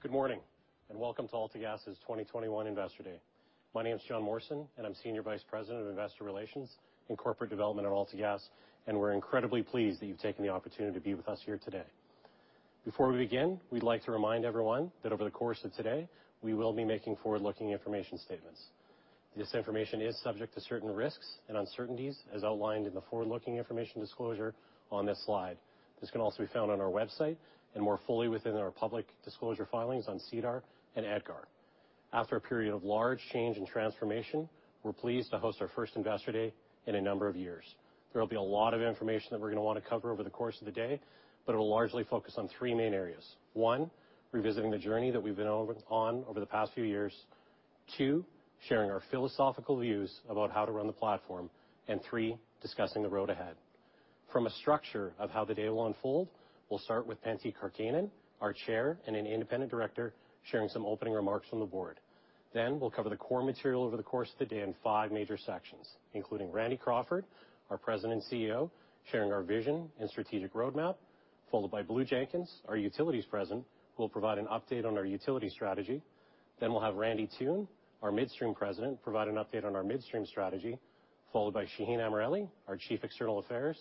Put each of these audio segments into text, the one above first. Good morning, and welcome to AltaGas's 2021 Investor Day. My name is Jon Morrison, and I'm Senior Vice President of Investor Relations and Corporate Development at AltaGas, and we're incredibly pleased that you've taken the opportunity to be with us here today. Before we begin, we'd like to remind everyone that over the course of today, we will be making forward-looking information statements. This information is subject to certain risks and uncertainties as outlined in the forward-looking information disclosure on this slide. This can also be found on our website and more fully within our public disclosure filings on SEDAR and EDGAR. After a period of large change and transformation, we're pleased to host our first Investor Day in a number of years. There will be a lot of information that we're gonna wanna cover over the course of the day, but it will largely focus on three main areas. One, revisiting the journey that we've been on over the past few years. Two, sharing our philosophical views about how to run the platform. And three, discussing the road ahead. From a structure of how the day will unfold, we'll start with Pentti Karkkainen, our Chair and an Independent Director, sharing some opening remarks from the board. Then we'll cover the core material over the course of the day in five major sections, including Randy Crawford, our President and CEO, sharing our vision and strategic roadmap, followed by Blue Jenkins, our Utilities President, who will provide an update on our utility strategy. We'll have Jon, our Midstream President, provide an update on our midstream strategy, followed by Shaheen Amirali, our Chief External Affairs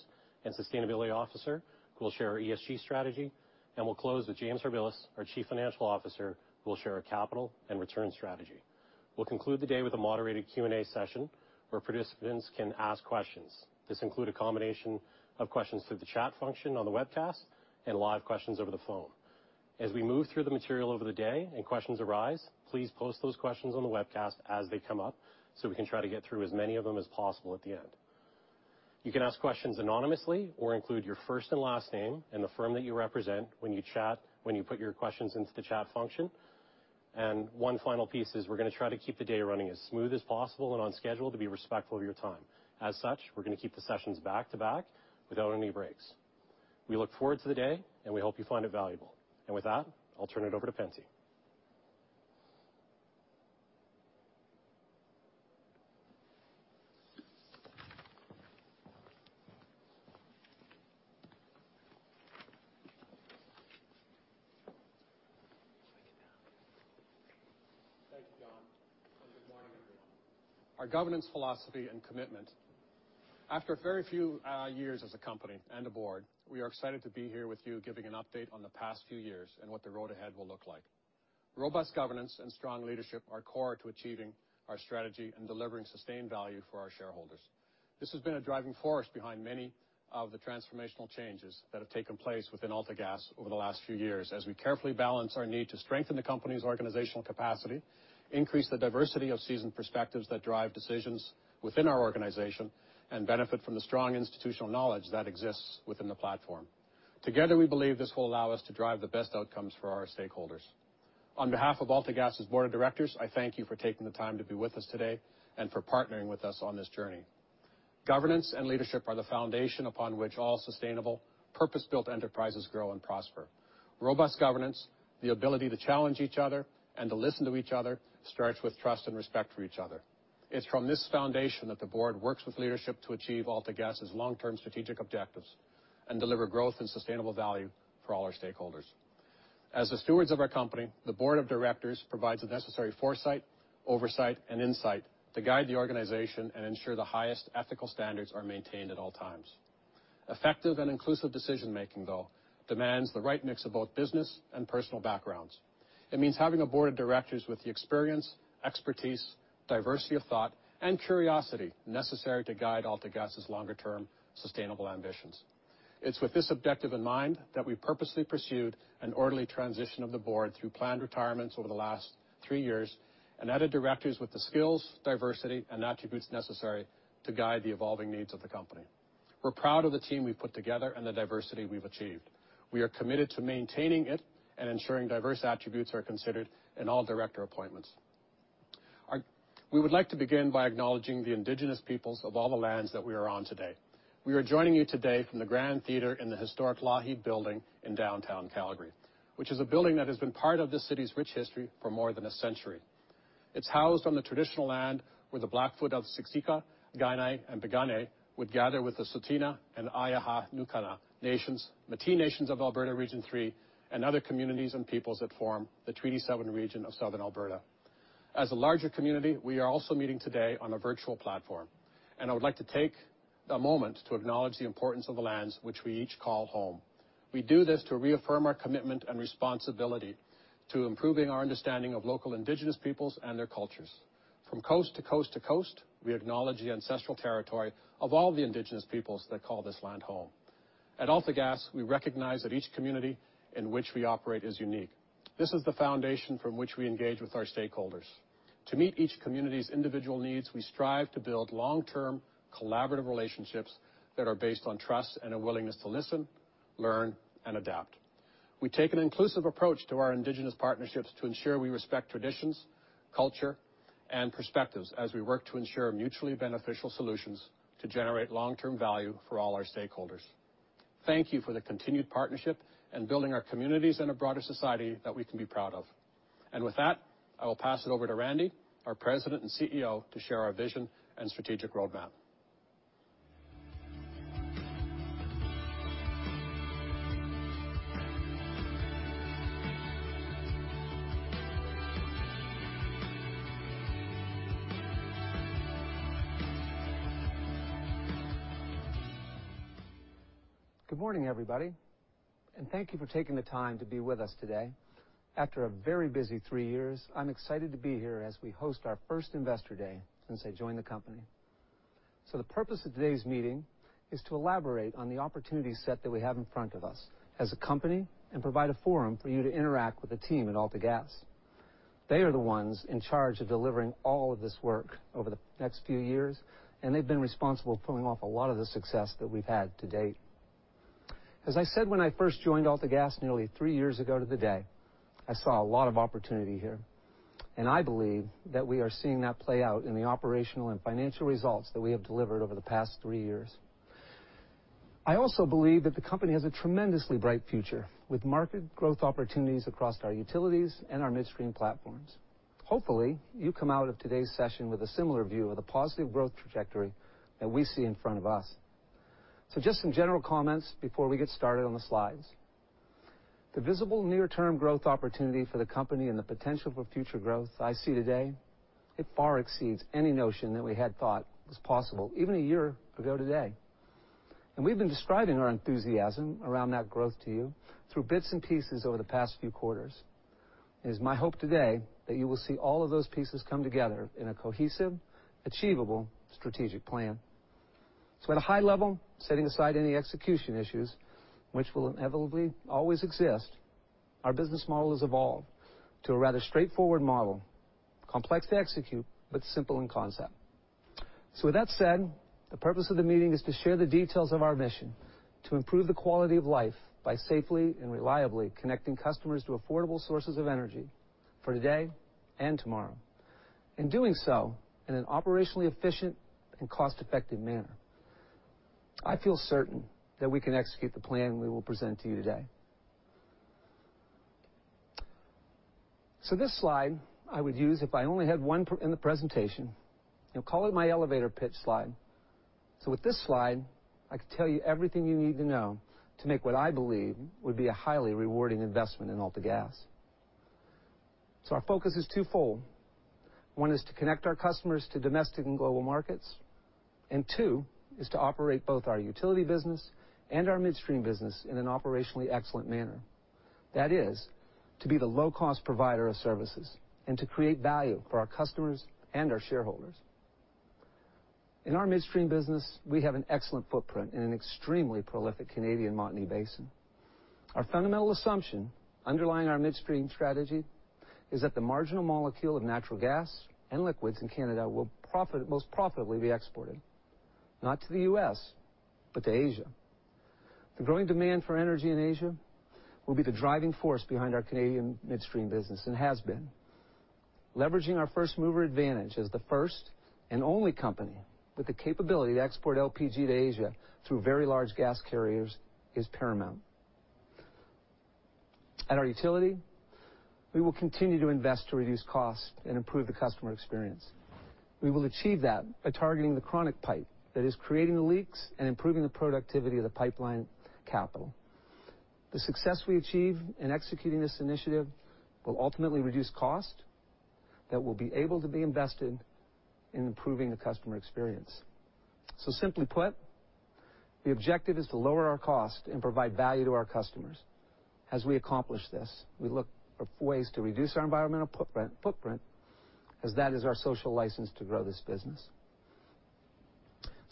and Sustainability Officer, who will share our ESG strategy. We'll close with James Harbilas, our Chief Financial Officer, who will share our capital and return strategy. We'll conclude the day with a moderated Q&A session where participants can ask questions. This includes a combination of questions through the chat function on the webcast and live questions over the phone. As we move through the material over the day and questions arise, please post those questions on the webcast as they come up so we can try to get through as many of them as possible at the end. You can ask questions anonymously or include your first and last name and the firm that you represent when you chat, when you put your questions into the chat function. One final piece is we're gonna try to keep the day running as smooth as possible and on schedule to be respectful of your time. As such, we're gonna keep the sessions back-to-back without any breaks. We look forward to the day, and we hope you find it valuable. With that, I'll turn it over to Pentti. Thank you, Jon. Good morning, everyone. Our governance philosophy and commitment. After very few years as a company and a board, we are excited to be here with you giving an update on the past few years and what the road ahead will look like. Robust governance and strong leadership are core to achieving our strategy and delivering sustained value for our shareholders. This has been a driving force behind many of the transformational changes that have taken place within AltaGas over the last few years, as we carefully balance our need to strengthen the company's organizational capacity, increase the diversity of seasoned perspectives that drive decisions within our organization, and benefit from the strong institutional knowledge that exists within the platform. Together, we believe this will allow us to drive the best outcomes for our stakeholders. On behalf of AltaGas's Board of Directors, I thank you for taking the time to be with us today and for partnering with us on this journey. Governance and leadership are the foundation upon which all sustainable purpose-built enterprises grow and prosper. Robust governance, the ability to challenge each other and to listen to each other starts with trust and respect for each other. It's from this foundation that the board works with leadership to achieve AltaGas's long-term strategic objectives and deliver growth and sustainable value for all our stakeholders. As the stewards of our company, the Board of Directors provides the necessary foresight, oversight, and insight to guide the organization and ensure the highest ethical standards are maintained at all times. Effective and inclusive decision-making, though, demands the right mix of both business and personal backgrounds. It means having a board of directors with the experience, expertise, diversity of thought, and curiosity necessary to guide AltaGas's longer-term sustainable ambitions. It's with this objective in mind that we purposely pursued an orderly transition of the board through planned retirements over the last three years and added directors with the skills, diversity, and attributes necessary to guide the evolving needs of the company. We're proud of the team we've put together and the diversity we've achieved. We are committed to maintaining it and ensuring diverse attributes are considered in all director appointments. We would like to begin by acknowledging the indigenous peoples of all the lands that we are on today. We are joining you today from the Grand Theatre in the historic Lougheed Building in downtown Calgary, which is a building that has been part of the city's rich history for more than a century. It's housed on the traditional land where the Blackfoot of Siksika, Kainai, and Piikani would gather with the Tsuut'ina and Îyârhe Nakoda Nations, Métis Nation of Alberta Region 3, and other communities and peoples that form the Treaty 7 region of Southern Alberta. As a larger community, we are also meeting today on a virtual platform, and I would like to take a moment to acknowledge the importance of the lands which we each call home. We do this to reaffirm our commitment and responsibility to improving our understanding of local indigenous peoples and their cultures. From coast to coast to coast, we acknowledge the ancestral territory of all the indigenous peoples that call this land home. At AltaGas, we recognize that each community in which we operate is unique. This is the foundation from which we engage with our stakeholders. To meet each community's individual needs, we strive to build long-term collaborative relationships that are based on trust and a willingness to listen, learn, and adapt. We take an inclusive approach to our Indigenous partnerships to ensure we respect traditions, culture, and perspectives as we work to ensure mutually beneficial solutions to generate long-term value for all our stakeholders. Thank you for the continued partnership and building our communities and a broader society that we can be proud of. With that, I will pass it over to Randy, our President and CEO, to share our vision and strategic roadmap. Good morning, everybody, and thank you for taking the time to be with us today. After a very busy three years, I'm excited to be here as we host our first investor day since I joined the company. The purpose of today's meeting is to elaborate on the opportunity set that we have in front of us as a company and provide a forum for you to interact with the team at AltaGas. They are the ones in charge of delivering all of this work over the next few years, and they've been responsible for pulling off a lot of the success that we've had to date. As I said when I first joined AltaGas nearly three years ago to the day, I saw a lot of opportunity here, and I believe that we are seeing that play out in the operational and financial results that we have delivered over the past three years. I also believe that the company has a tremendously bright future with market growth opportunities across our utilities and our midstream platforms. Hopefully, you come out of today's session with a similar view of the positive growth trajectory that we see in front of us. Just some general comments before we get started on the slides. The visible near-term growth opportunity for the company and the potential for future growth I see today, it far exceeds any notion that we had thought was possible even a year ago today. We've been describing our enthusiasm around that growth to you through bits and pieces over the past few quarters. It is my hope today that you will see all of those pieces come together in a cohesive, achievable strategic plan. At a high level, setting aside any execution issues which will inevitably always exist, our business model has evolved to a rather straightforward model, complex to execute, but simple in concept. With that said, the purpose of the meeting is to share the details of our mission to improve the quality of life by safely and reliably connecting customers to affordable sources of energy for today and tomorrow. In doing so, in an operationally efficient and cost-effective manner, I feel certain that we can execute the plan we will present to you today. This slide I would use if I only had one in the presentation. Call it my elevator pitch slide. With this slide, I could tell you everything you need to know to make what I believe would be a highly rewarding investment in AltaGas. Our focus is twofold. One is to connect our customers to domestic and global markets, and two is to operate both our utility business and our midstream business in an operationally excellent manner. That is to be the low cost provider of services and to create value for our customers and our shareholders. In our midstream business, we have an excellent footprint in an extremely prolific Canadian Montney Basin. Our fundamental assumption underlying our midstream strategy is that the marginal molecule of natural gas and liquids in Canada will most profitably be exported, not to the U.S., but to Asia. The growing demand for energy in Asia will be the driving force behind our Canadian midstream business and has been. Leveraging our first mover advantage as the first and only company with the capability to export LPG to Asia through very large gas carriers is paramount. At our utility, we will continue to invest to reduce costs and improve the customer experience. We will achieve that by targeting the chronic pipe that is creating the leaks and improving the productivity of the pipeline capital. The success we achieve in executing this initiative will ultimately reduce cost that will be able to be invested in improving the customer experience. Simply put, the objective is to lower our cost and provide value to our customers. As we accomplish this, we look for ways to reduce our environmental footprint as that is our social license to grow this business.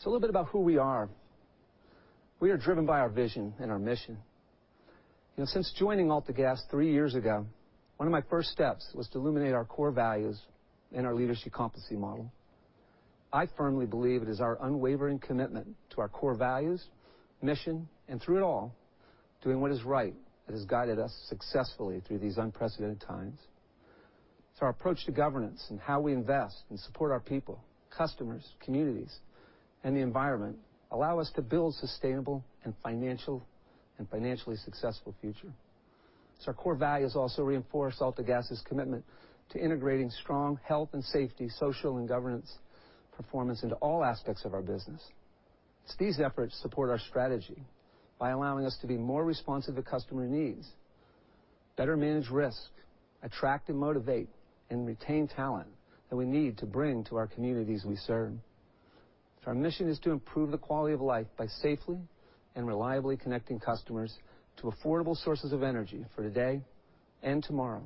A little bit about who we are. We are driven by our vision and our mission. Since joining AltaGas three years ago, one of my first steps was to illuminate our core values in our leadership competency model. I firmly believe it is our unwavering commitment to our core values, mission, and through it all, doing what is right that has guided us successfully through these unprecedented times. Our approach to governance and how we invest and support our people, customers, communities, and the environment allow us to build sustainable and financially successful future. Our core values also reinforce AltaGas's commitment to integrating strong health and safety, social and governance performance into all aspects of our business. These efforts support our strategy by allowing us to be more responsive to customer needs, better manage risk, attract and motivate, and retain talent that we need to bring to our communities we serve. Our mission is to improve the quality of life by safely and reliably connecting customers to affordable sources of energy for today and tomorrow.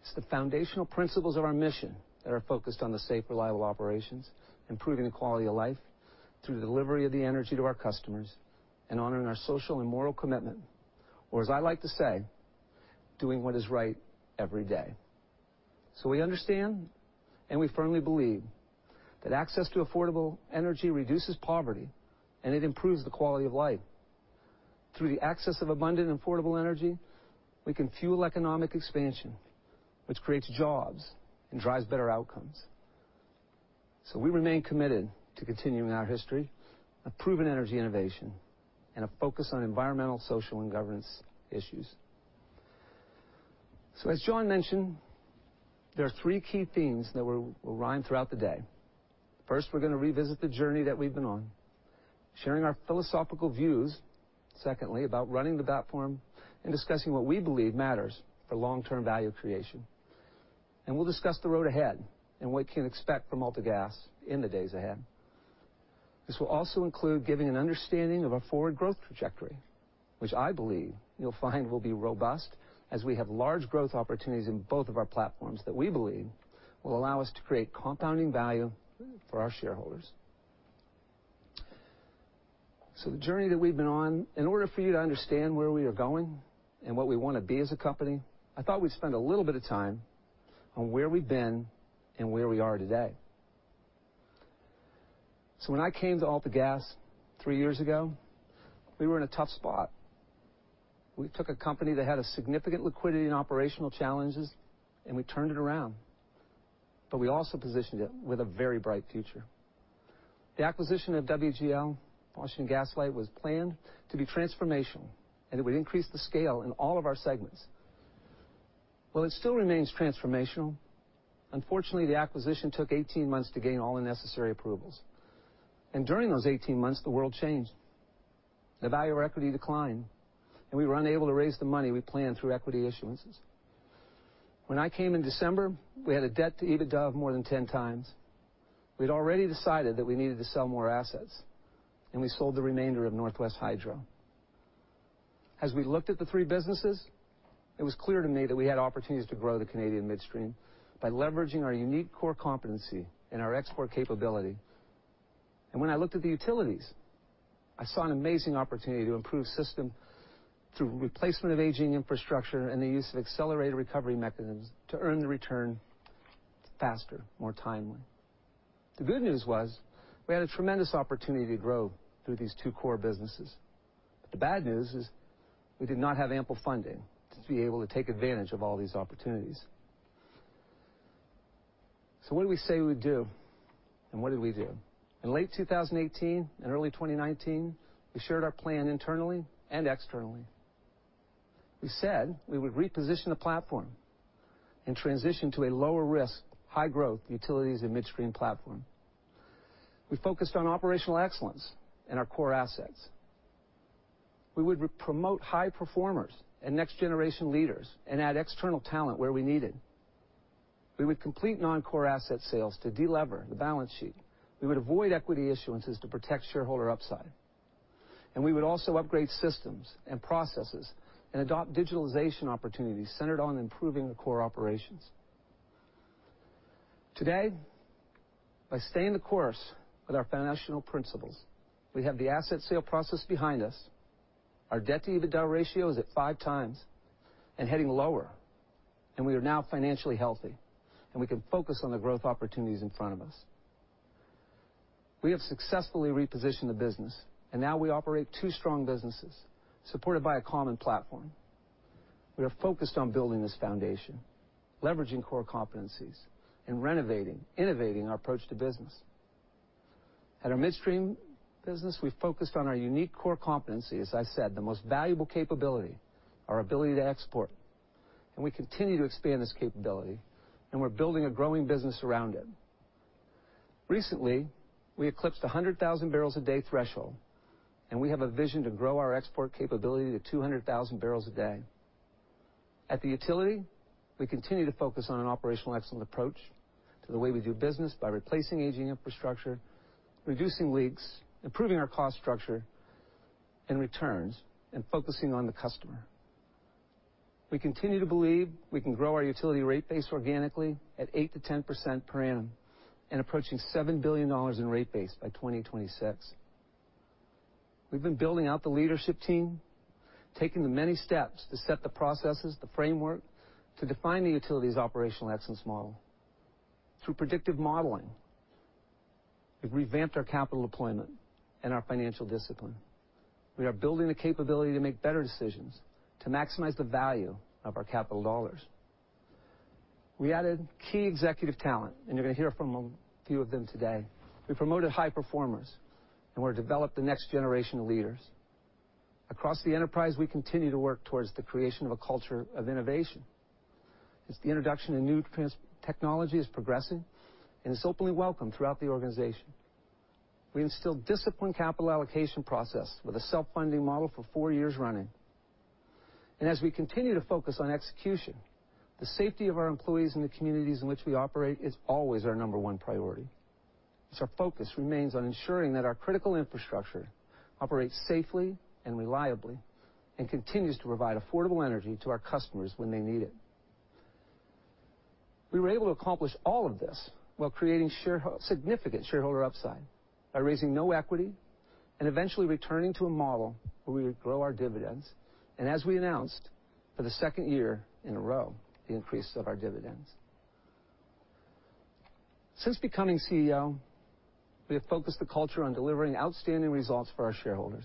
It's the foundational principles of our mission that are focused on the safe, reliable operations, improving the quality of life through the delivery of the energy to our customers and honoring our social and moral commitment, or as I like to say, doing what is right every day. We understand and we firmly believe that access to affordable energy reduces poverty and it improves the quality of life. Through the access of abundant and affordable energy, we can fuel economic expansion, which creates jobs and drives better outcomes. We remain committed to continuing our history of proven energy innovation and a focus on environmental, social, and governance issues. As Jon mentioned, there are three key themes that will run throughout the day. First, we're gonna revisit the journey that we've been on, sharing our philosophical views, secondly, about running the platform and discussing what we believe matters for long-term value creation. We'll discuss the road ahead and what we can expect from AltaGas in the days ahead. This will also include giving an understanding of our forward growth trajectory, which I believe you'll find will be robust as we have large growth opportunities in both of our platforms that we believe will allow us to create compounding value for our shareholders. The journey that we've been on, in order for you to understand where we are going and what we wanna be as a company, I thought we'd spend a little bit of time on where we've been and where we are today. When I came to AltaGas three years ago, we were in a tough spot. We took a company that had a significant liquidity and operational challenges, and we turned it around, but we also positioned it with a very bright future. The acquisition of Washington Gas Light, was planned to be transformational, and it would increase the scale in all of our segments. While it still remains transformational, unfortunately, the acquisition took 18 months to gain all the necessary approvals, and during those 18 months, the world changed. The value of equity declined, and we were unable to raise the money we planned through equity issuances. When I came in December, we had a debt-to-EBITDA of more than 10 times. We'd already decided that we needed to sell more assets, and we sold the remainder of Northwest Hydro. As we looked at the three businesses, it was clear to me that we had opportunities to grow the Canadian midstream by leveraging our unique core competency and our export capability. When I looked at the utilities, I saw an amazing opportunity to improve system through replacement of aging infrastructure and the use of accelerated recovery mechanisms to earn the return faster, more timely. The good news was we had a tremendous opportunity to grow through these two core businesses. The bad news is we did not have ample funding to be able to take advantage of all these opportunities. What did we say we would do, and what did we do? In late 2018 and early 2019, we shared our plan internally and externally. We said we would reposition the platform and transition to a lower risk, high growth utilities and midstream platform. We focused on operational excellence in our core assets. We would promote high performers and next generation leaders and add external talent where we needed. We would complete non-core asset sales to de-lever the balance sheet. We would avoid equity issuances to protect shareholder upside. We would also upgrade systems and processes and adopt digitalization opportunities centered on improving the core operations. Today, by staying the course with our foundational principles, we have the asset sale process behind us. Our debt-to-EBITDA ratio is at 5x and heading lower, and we are now financially healthy, and we can focus on the growth opportunities in front of us. We have successfully repositioned the business, and now we operate two strong businesses, supported by a common platform. We are focused on building this foundation, leveraging core competencies, and renovating, innovating our approach to business. At our midstream business, we've focused on our unique core competency, as I said, the most valuable capability, our ability to export. We continue to expand this capability, and we're building a growing business around it. Recently, we eclipsed a 100,000 barrels a day threshold, and we have a vision to grow our export capability to 200,000 barrels a day. At the utility, we continue to focus on an operational excellence approach to the way we do business by replacing aging infrastructure, reducing leaks, improving our cost structure and returns, and focusing on the customer. We continue to believe we can grow our utility rate base organically at 8%-10% per annum and approaching $7 billion in rate base by 2026. We've been building out the leadership team, taking the many steps to set the processes, the framework to define the utility's operational excellence model. Through predictive modeling, we've revamped our capital deployment and our financial discipline. We are building the capability to make better decisions to maximize the value of our capital dollars. We added key executive talent, and you're gonna hear from a few of them today. We promoted high performers, and we've developed the next generation of leaders. Across the enterprise, we continue to work towards the creation of a culture of innovation. As the introduction of new technology is progressing and is openly welcomed throughout the organization. We instill disciplined capital allocation process with a self-funding model for four years running. As we continue to focus on execution, the safety of our employees and the communities in which we operate is always our number one priority. Our focus remains on ensuring that our critical infrastructure operates safely and reliably and continues to provide affordable energy to our customers when they need it. We were able to accomplish all of this while creating significant shareholder upside by raising no equity and eventually returning to a model where we would grow our dividends. As we announced for the second year in a row, the increase of our dividends. Since becoming CEO, we have focused the culture on delivering outstanding results for our shareholders,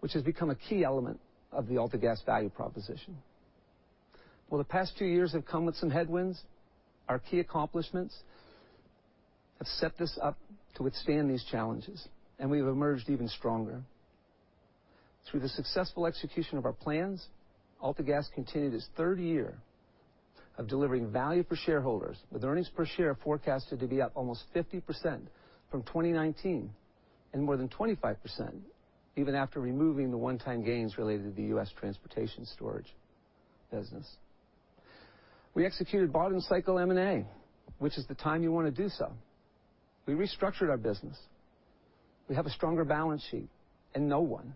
which has become a key element of the AltaGas value proposition. While the past two years have come with some headwinds, our key accomplishments have set this up to withstand these challenges, and we've emerged even stronger. Through the successful execution of our plans, AltaGas continued its third year of delivering value for shareholders, with earnings per share forecasted to be up almost 50% from 2019 and more than 25% even after removing the one-time gains related to the U.S. transportation storage business. We executed bottom-cycle M&A, which is the time you wanna do so. We restructured our business. We have a stronger balance sheet and no one,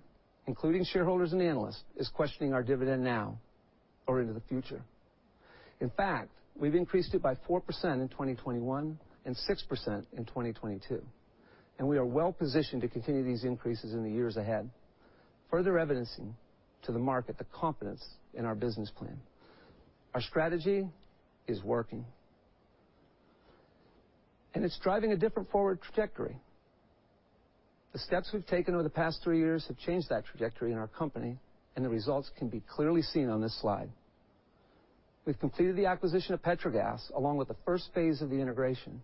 including shareholders and analysts, is questioning our dividend now or into the future. In fact, we've increased it by 4% in 2021 and 6% in 2022, and we are well-positioned to continue these increases in the years ahead, further evidencing to the market the confidence in our business plan. Our strategy is working, and it's driving a different forward trajectory. The steps we've taken over the past 3 years have changed that trajectory in our company, and the results can be clearly seen on this slide. We've completed the acquisition of Petrogas, along with the first phase of the integration,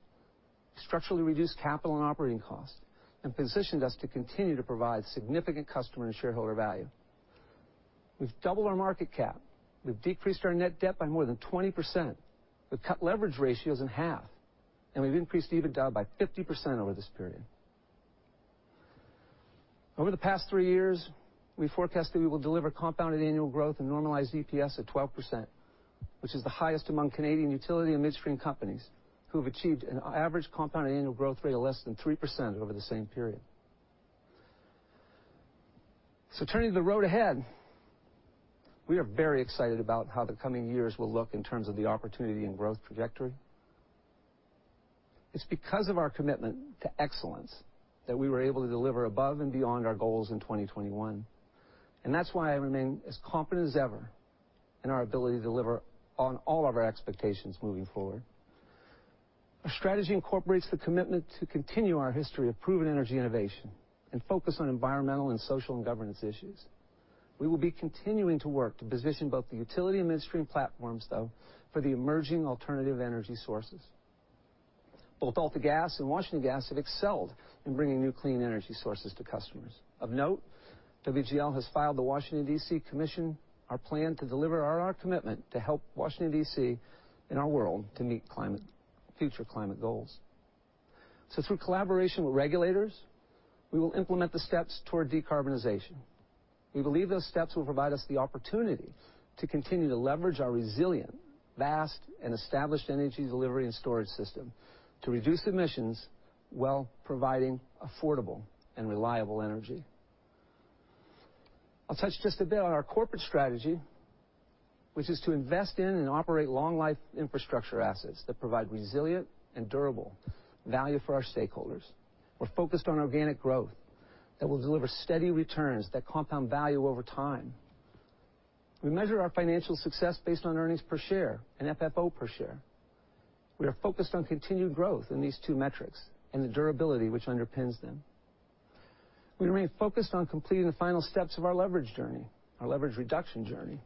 structurally reduced capital and operating costs, and positioned us to continue to provide significant customer and shareholder value. We've doubled our market cap. We've decreased our net debt by more than 20%. We've cut leverage ratios in half, and we've increased EBITDA by 50% over this period. Over the past 3 years, we forecast that we will deliver compounded annual growth and normalized EPS at 12%, which is the highest among Canadian utility and midstream companies who have achieved an average compounded annual growth rate of less than 3% over the same period. Turning to the road ahead, we are very excited about how the coming years will look in terms of the opportunity and growth trajectory. It's because of our commitment to excellence that we were able to deliver above and beyond our goals in 2021, and that's why I remain as confident as ever in our ability to deliver on all of our expectations moving forward. Our strategy incorporates the commitment to continue our history of proven energy innovation and focus on environmental and social and governance issues. We will be continuing to work to position both the utility and midstream platforms, though, for the emerging alternative energy sources. Both AltaGas and Washington Gas have excelled in bringing new clean energy sources to customers. Of note, WGL has filed the Washington, D.C. Commission our plan to deliver on our commitment to help Washington, D.C. and our world to meet future climate goals. Through collaboration with regulators, we will implement the steps toward decarbonization. We believe those steps will provide us the opportunity to continue to leverage our resilient, vast, and established energy delivery and storage system to reduce emissions while providing affordable and reliable energy. I'll touch just a bit on our corporate strategy, which is to invest in and operate long-life infrastructure assets that provide resilient and durable value for our stakeholders. We're focused on organic growth that will deliver steady returns that compound value over time. We measure our financial success based on earnings per share and FFO per share. We are focused on continued growth in these two metrics and the durability which underpins them. We remain focused on completing the final steps of our leverage journey, our leverage reduction journey.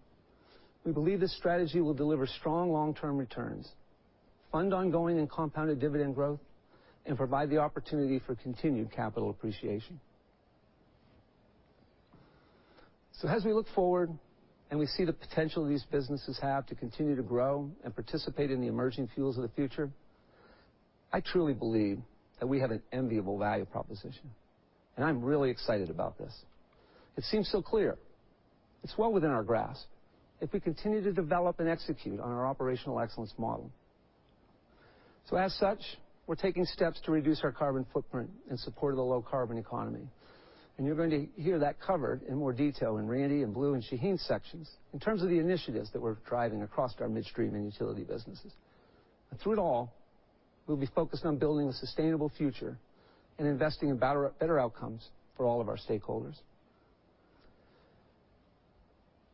We believe this strategy will deliver strong long-term returns, fund ongoing and compounded dividend growth, and provide the opportunity for continued capital appreciation. As we look forward and we see the potential these businesses have to continue to grow and participate in the emerging fuels of the future, I truly believe that we have an enviable value proposition, and I'm really excited about this. It seems so clear. It's well within our grasp if we continue to develop and execute on our operational excellence model. As such, we're taking steps to reduce our carbon footprint in support of the low-carbon economy, and you're going to hear that covered in more detail in Randy and Blue and Shaheen's sections in terms of the initiatives that we're driving across our midstream and utility businesses. Through it all, we'll be focused on building a sustainable future and investing in better outcomes for all of our stakeholders.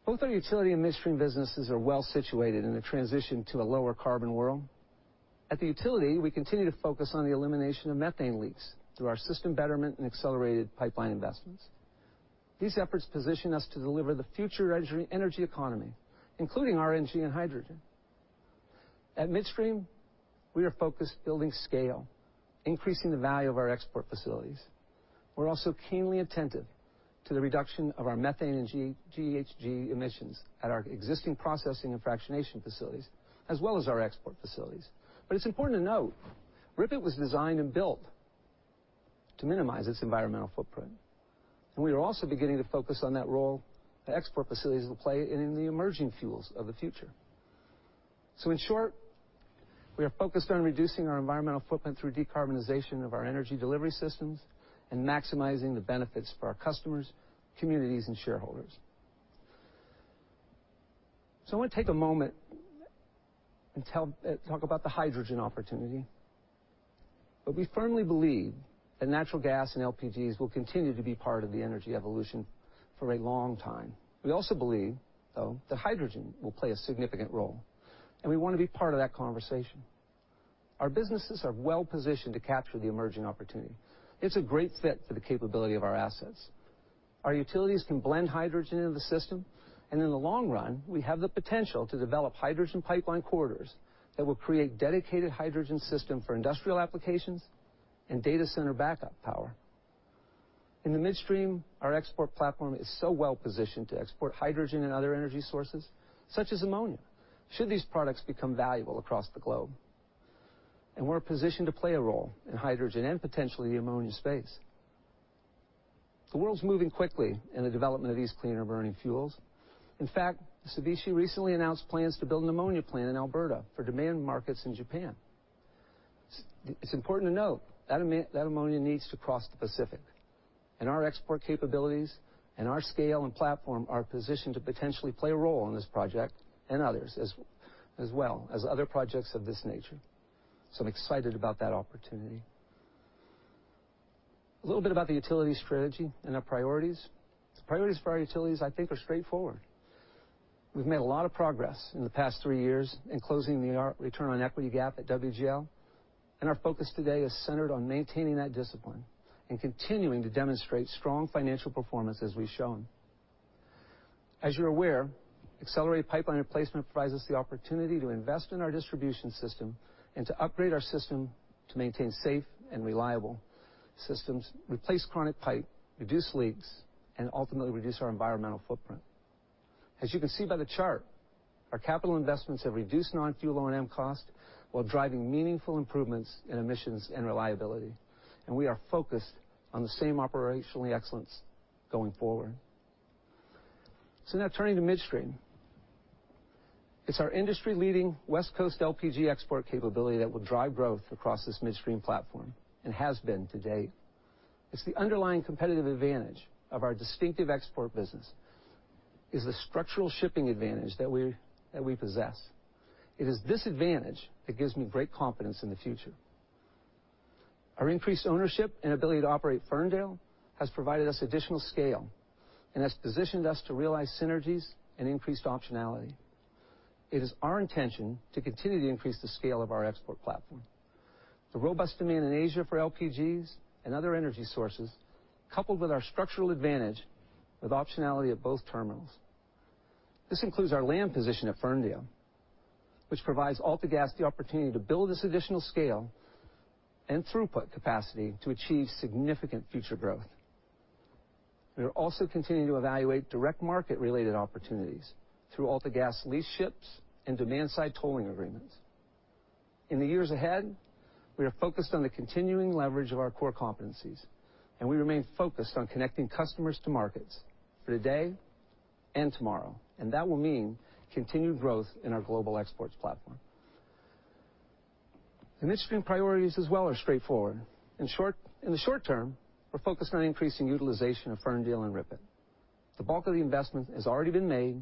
Both our utility and midstream businesses are well-situated in the transition to a lower carbon world. At the utility, we continue to focus on the elimination of methane leaks through our system betterment and accelerated pipeline investments. These efforts position us to deliver the future energy economy, including RNG and hydrogen. At midstream, we are focused on building scale, increasing the value of our export facilities. We're also keenly attentive to the reduction of our methane and GHG emissions at our existing processing and fractionation facilities, as well as our export facilities. It's important to note, RIPET was designed and built to minimize its environmental footprint, and we are also beginning to focus on that role that export facilities will play in the emerging fuels of the future. In short, we are focused on reducing our environmental footprint through decarbonization of our energy delivery systems and maximizing the benefits for our customers, communities, and shareholders. I wanna take a moment and talk about the hydrogen opportunity. We firmly believe that natural gas and LPGs will continue to be part of the energy evolution for a long time. We also believe, though, that hydrogen will play a significant role, and we wanna be part of that conversation. Our businesses are well-positioned to capture the emerging opportunity. It's a great fit for the capability of our assets. Our utilities can blend hydrogen into the system, and in the long run, we have the potential to develop hydrogen pipeline corridors that will create dedicated hydrogen system for industrial applications and data center backup power. In the midstream, our export platform is so well-positioned to export hydrogen and other energy sources, such as ammonia, should these products become valuable across the globe. We're positioned to play a role in hydrogen and potentially the ammonia space. The world's moving quickly in the development of these cleaner burning fuels. In fact, Mitsubishi recently announced plans to build an ammonia plant in Alberta for demand markets in Japan. It's important to note that ammonia needs to cross the Pacific, and our export capabilities and our scale and platform are positioned to potentially play a role in this project and others as well as other projects of this nature, so I'm excited about that opportunity. A little bit about the utility strategy and our priorities. Priorities for our utilities, I think, are straightforward. We've made a lot of progress in the past three years in closing the return on equity gap at WGL, and our focus today is centered on maintaining that discipline and continuing to demonstrate strong financial performance as we've shown. As you're aware, accelerated pipeline replacement provides us the opportunity to invest in our distribution system and to upgrade our system to maintain safe and reliable systems, replace chronic pipe, reduce leaks, and ultimately reduce our environmental footprint. As you can see by the chart, our capital investments have reduced non-fuel O&M costs while driving meaningful improvements in emissions and reliability, and we are focused on the same operational excellence going forward. Now turning to Midstream. It's our industry-leading West Coast LPG export capability that will drive growth across this midstream platform and has been to date. It's the underlying competitive advantage of our distinctive export business is the structural shipping advantage that we possess. It is this advantage that gives me great confidence in the future. Our increased ownership and ability to operate Ferndale has provided us additional scale and has positioned us to realize synergies and increased optionality. It is our intention to continue to increase the scale of our export platform. The robust demand in Asia for LPGs and other energy sources, coupled with our structural advantage with optionality at both terminals. This includes our land position at Ferndale, which provides AltaGas the opportunity to build this additional scale and throughput capacity to achieve significant future growth. We are also continuing to evaluate direct market related opportunities through AltaGas leased ships and demand-side tolling agreements. In the years ahead, we are focused on the continuing leverage of our core competencies, and we remain focused on connecting customers to markets for today and tomorrow, and that will mean continued growth in our global exports platform. Midstream priorities as well are straightforward. In short, in the short term, we're focused on increasing utilization of Ferndale and RIPET. The bulk of the investment has already been made,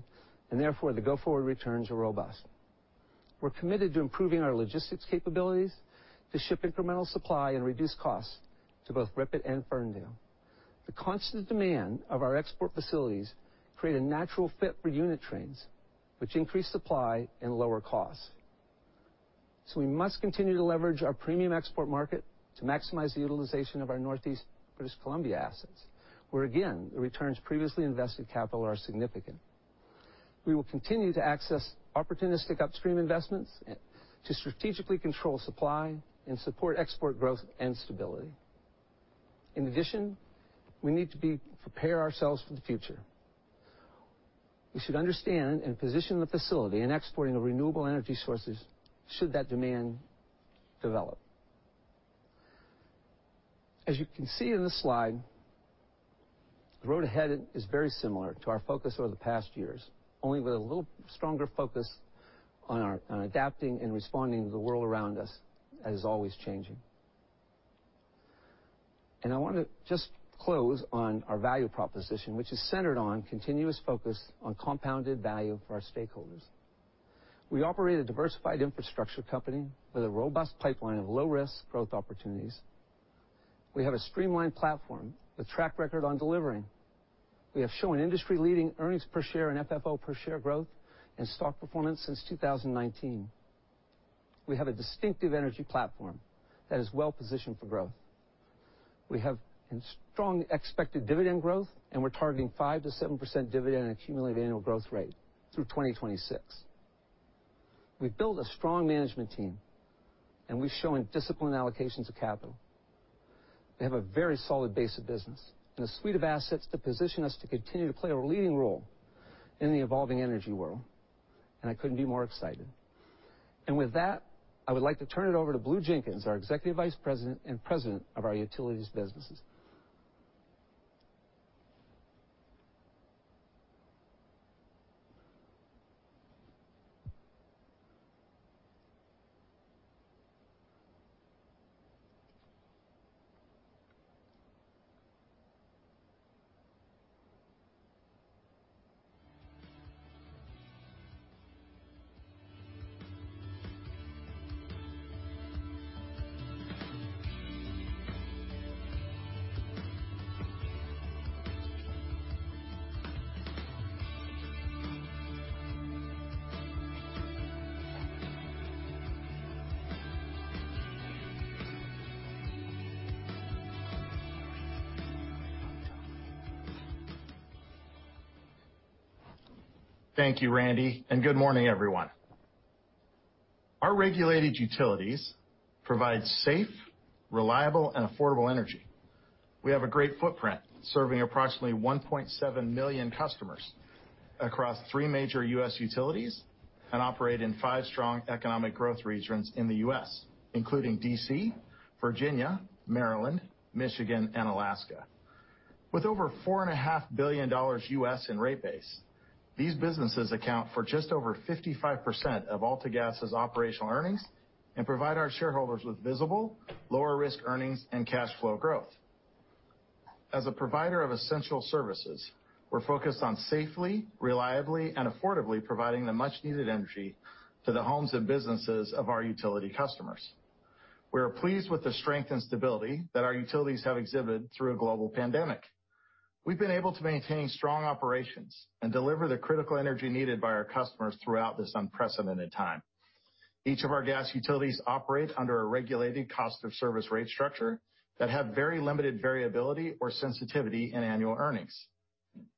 and therefore, the go-forward returns are robust. We're committed to improving our logistics capabilities to ship incremental supply and reduce costs to both RIPET and Ferndale. The constant demand of our export facilities create a natural fit for unit trains, which increase supply and lower costs. We must continue to leverage our premium export market to maximize the utilization of our Northeast British Columbia assets, where again, the returns previously invested capital are significant. We will continue to access opportunistic upstream investments to strategically control supply and support export growth and stability. In addition, we need to prepare ourselves for the future. We should understand and position the facility in exporting of renewable energy sources should that demand develop. As you can see in the slide, the road ahead is very similar to our focus over the past years, only with a little stronger focus on adapting and responding to the world around us that is always changing. I wanna just close on our value proposition, which is centered on continuous focus on compounded value for our stakeholders. We operate a diversified infrastructure company with a robust pipeline of low risk growth opportunities. We have a streamlined platform with track record on delivering. We have shown industry-leading earnings per share and FFO per share growth and stock performance since 2019. We have a distinctive energy platform that is well-positioned for growth. We have strong expected dividend growth, and we're targeting 5%-7% dividend and cumulative annual growth rate through 2026. We've built a strong management team, and we've shown disciplined allocations of capital. We have a very solid base of business and a suite of assets to position us to continue to play a leading role in the evolving energy world, and I couldn't be more excited. With that, I would like to turn it over to Blue Jenkins, our Executive Vice President and President of our Utilities businesses. Thank you, Randy, and good morning, everyone. Our regulated utilities provide safe, reliable, and affordable energy. We have a great footprint, serving approximately 1.7 million customers across three major U.S. utilities and operate in five strong economic growth regions in the U.S., including D.C., Virginia, Maryland, Michigan, and Alaska. With over $4.5 billion in rate base, these businesses account for just over 55% of AltaGas's operational earnings and provide our shareholders with visible lower risk earnings and cash flow growth. As a provider of essential services, we're focused on safely, reliably, and affordably providing the much-needed energy to the homes and businesses of our utility customers. We are pleased with the strength and stability that our utilities have exhibited through a global pandemic. We've been able to maintain strong operations and deliver the critical energy needed by our customers throughout this unprecedented time. Each of our gas utilities operate under a regulated cost of service rate structure that have very limited variability or sensitivity in annual earnings.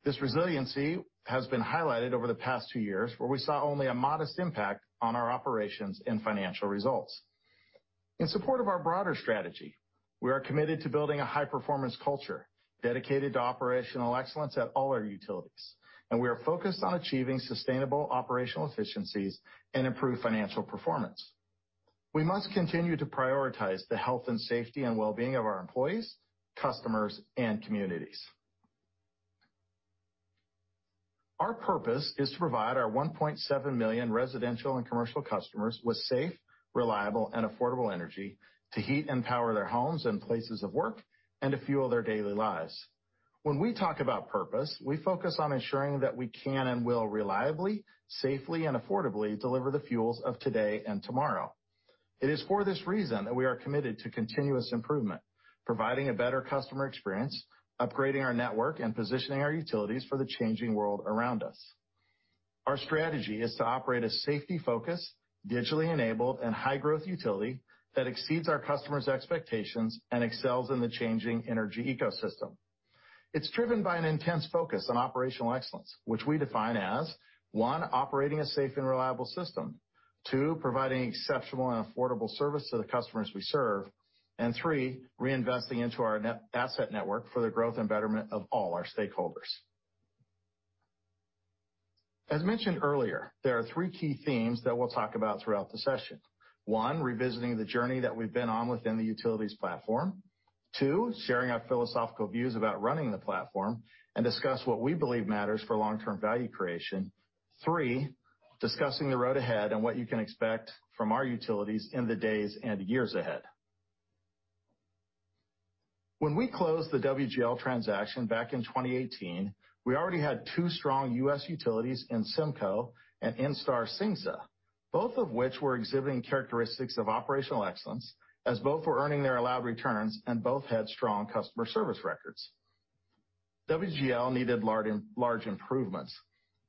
This resiliency has been highlighted over the past two years, where we saw only a modest impact on our operations and financial results. In support of our broader strategy, we are committed to building a high-performance culture dedicated to operational excellence at all our utilities, and we are focused on achieving sustainable operational efficiencies and improved financial performance. We must continue to prioritize the health and safety and wellbeing of our employees, customers, and communities. Our purpose is to provide our 1.7 million residential and commercial customers with safe, reliable, and affordable energy to heat and power their homes and places of work and to fuel their daily lives. When we talk about purpose, we focus on ensuring that we can and will reliably, safely, and affordably deliver the fuels of today and tomorrow. It is for this reason that we are committed to continuous improvement, providing a better customer experience, upgrading our network, and positioning our utilities for the changing world around us. Our strategy is to operate a safety-focused, digitally enabled, and high-growth utility that exceeds our customers' expectations and excels in the changing energy ecosystem. It's driven by an intense focus on operational excellence, which we define as, 1, operating a safe and reliable system. 2, providing exceptional and affordable service to the customers we serve. Three, reinvesting into our net asset network for the growth and betterment of all our stakeholders. As mentioned earlier, there are three key themes that we'll talk about throughout the session. One, revisiting the journey that we've been on within the utilities platform. Two, sharing our philosophical views about running the platform and discuss what we believe matters for long-term value creation. Three, discussing the road ahead and what you can expect from our utilities in the days and years ahead. When we closed the WGL transaction back in 2018, we already had two strong U.S. utilities in SEMCO Energy and ENSTAR/CINGSA, both of which were exhibiting characteristics of operational excellence as both were earning their allowed returns and both had strong customer service records. WGL needed large improvements.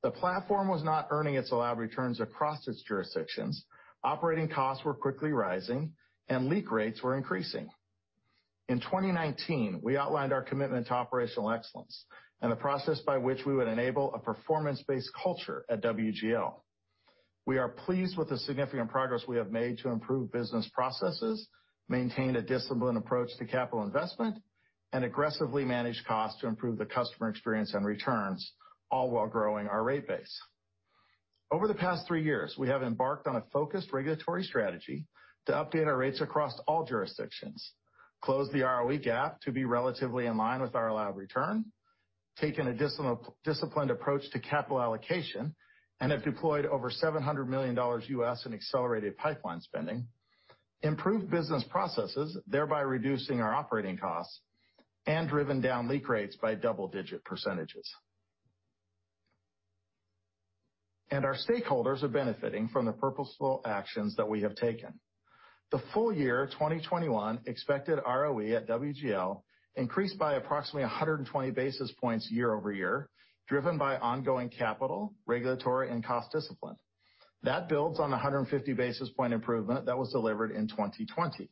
The platform was not earning its allowed returns across its jurisdictions. Operating costs were quickly rising, and leak rates were increasing. In 2019, we outlined our commitment to operational excellence and the process by which we would enable a performance-based culture at WGL. We are pleased with the significant progress we have made to improve business processes, maintain a disciplined approach to capital investment, and aggressively manage costs to improve the customer experience and returns, all while growing our rate base. Over the past three years, we have embarked on a focused regulatory strategy to update our rates across all jurisdictions, close the ROE gap to be relatively in line with our allowed return, taken a disciplined approach to capital allocation, and have deployed over $700 million in accelerated pipeline spending, improved business processes, thereby reducing our operating costs, and driven down leak rates by double-digit percentages. Our stakeholders are benefiting from the purposeful actions that we have taken. The full year 2021 expected ROE at WGL increased by approximately 120 basis points year-over-year, driven by ongoing capital, regulatory, and cost discipline. That builds on a 150 basis point improvement that was delivered in 2020.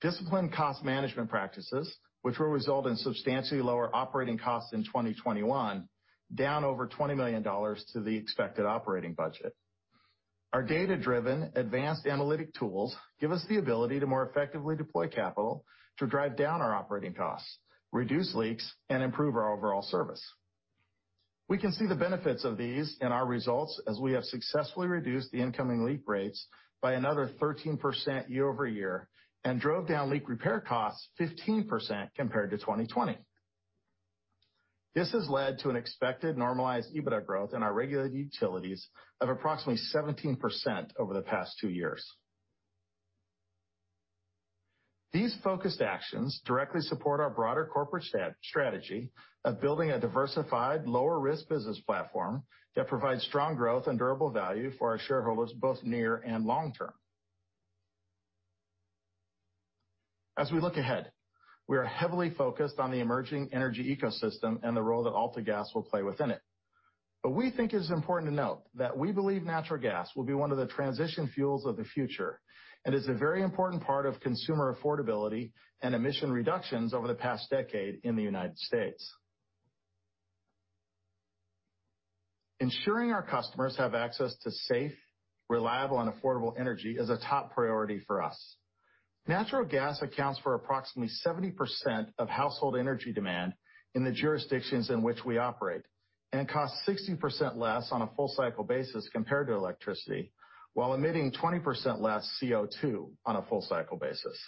Disciplined cost management practices, which will result in substantially lower operating costs in 2021, down over $20 million to the expected operating budget. Our data-driven advanced analytic tools give us the ability to more effectively deploy capital to drive down our operating costs, reduce leaks, and improve our overall service. We can see the benefits of these in our results as we have successfully reduced the incoming leak rates by another 13% year-over-year and drove down leak repair costs 15% compared to 2020. This has led to an expected normalized EBITDA growth in our regulated utilities of approximately 17% over the past two years. These focused actions directly support our broader corporate strategy of building a diversified, lower risk business platform that provides strong growth and durable value for our shareholders, both near and long term. As we look ahead, we are heavily focused on the emerging energy ecosystem and the role that AltaGas will play within it. We think it's important to note that we believe natural gas will be one of the transition fuels of the future, and is a very important part of consumer affordability and emission reductions over the past decade in the United States. Ensuring our customers have access to safe, reliable, and affordable energy is a top priority for us. Natural gas accounts for approximately 70% of household energy demand in the jurisdictions in which we operate, and costs 60% less on a full cycle basis compared to electricity, while emitting 20% less CO2 on a full cycle basis.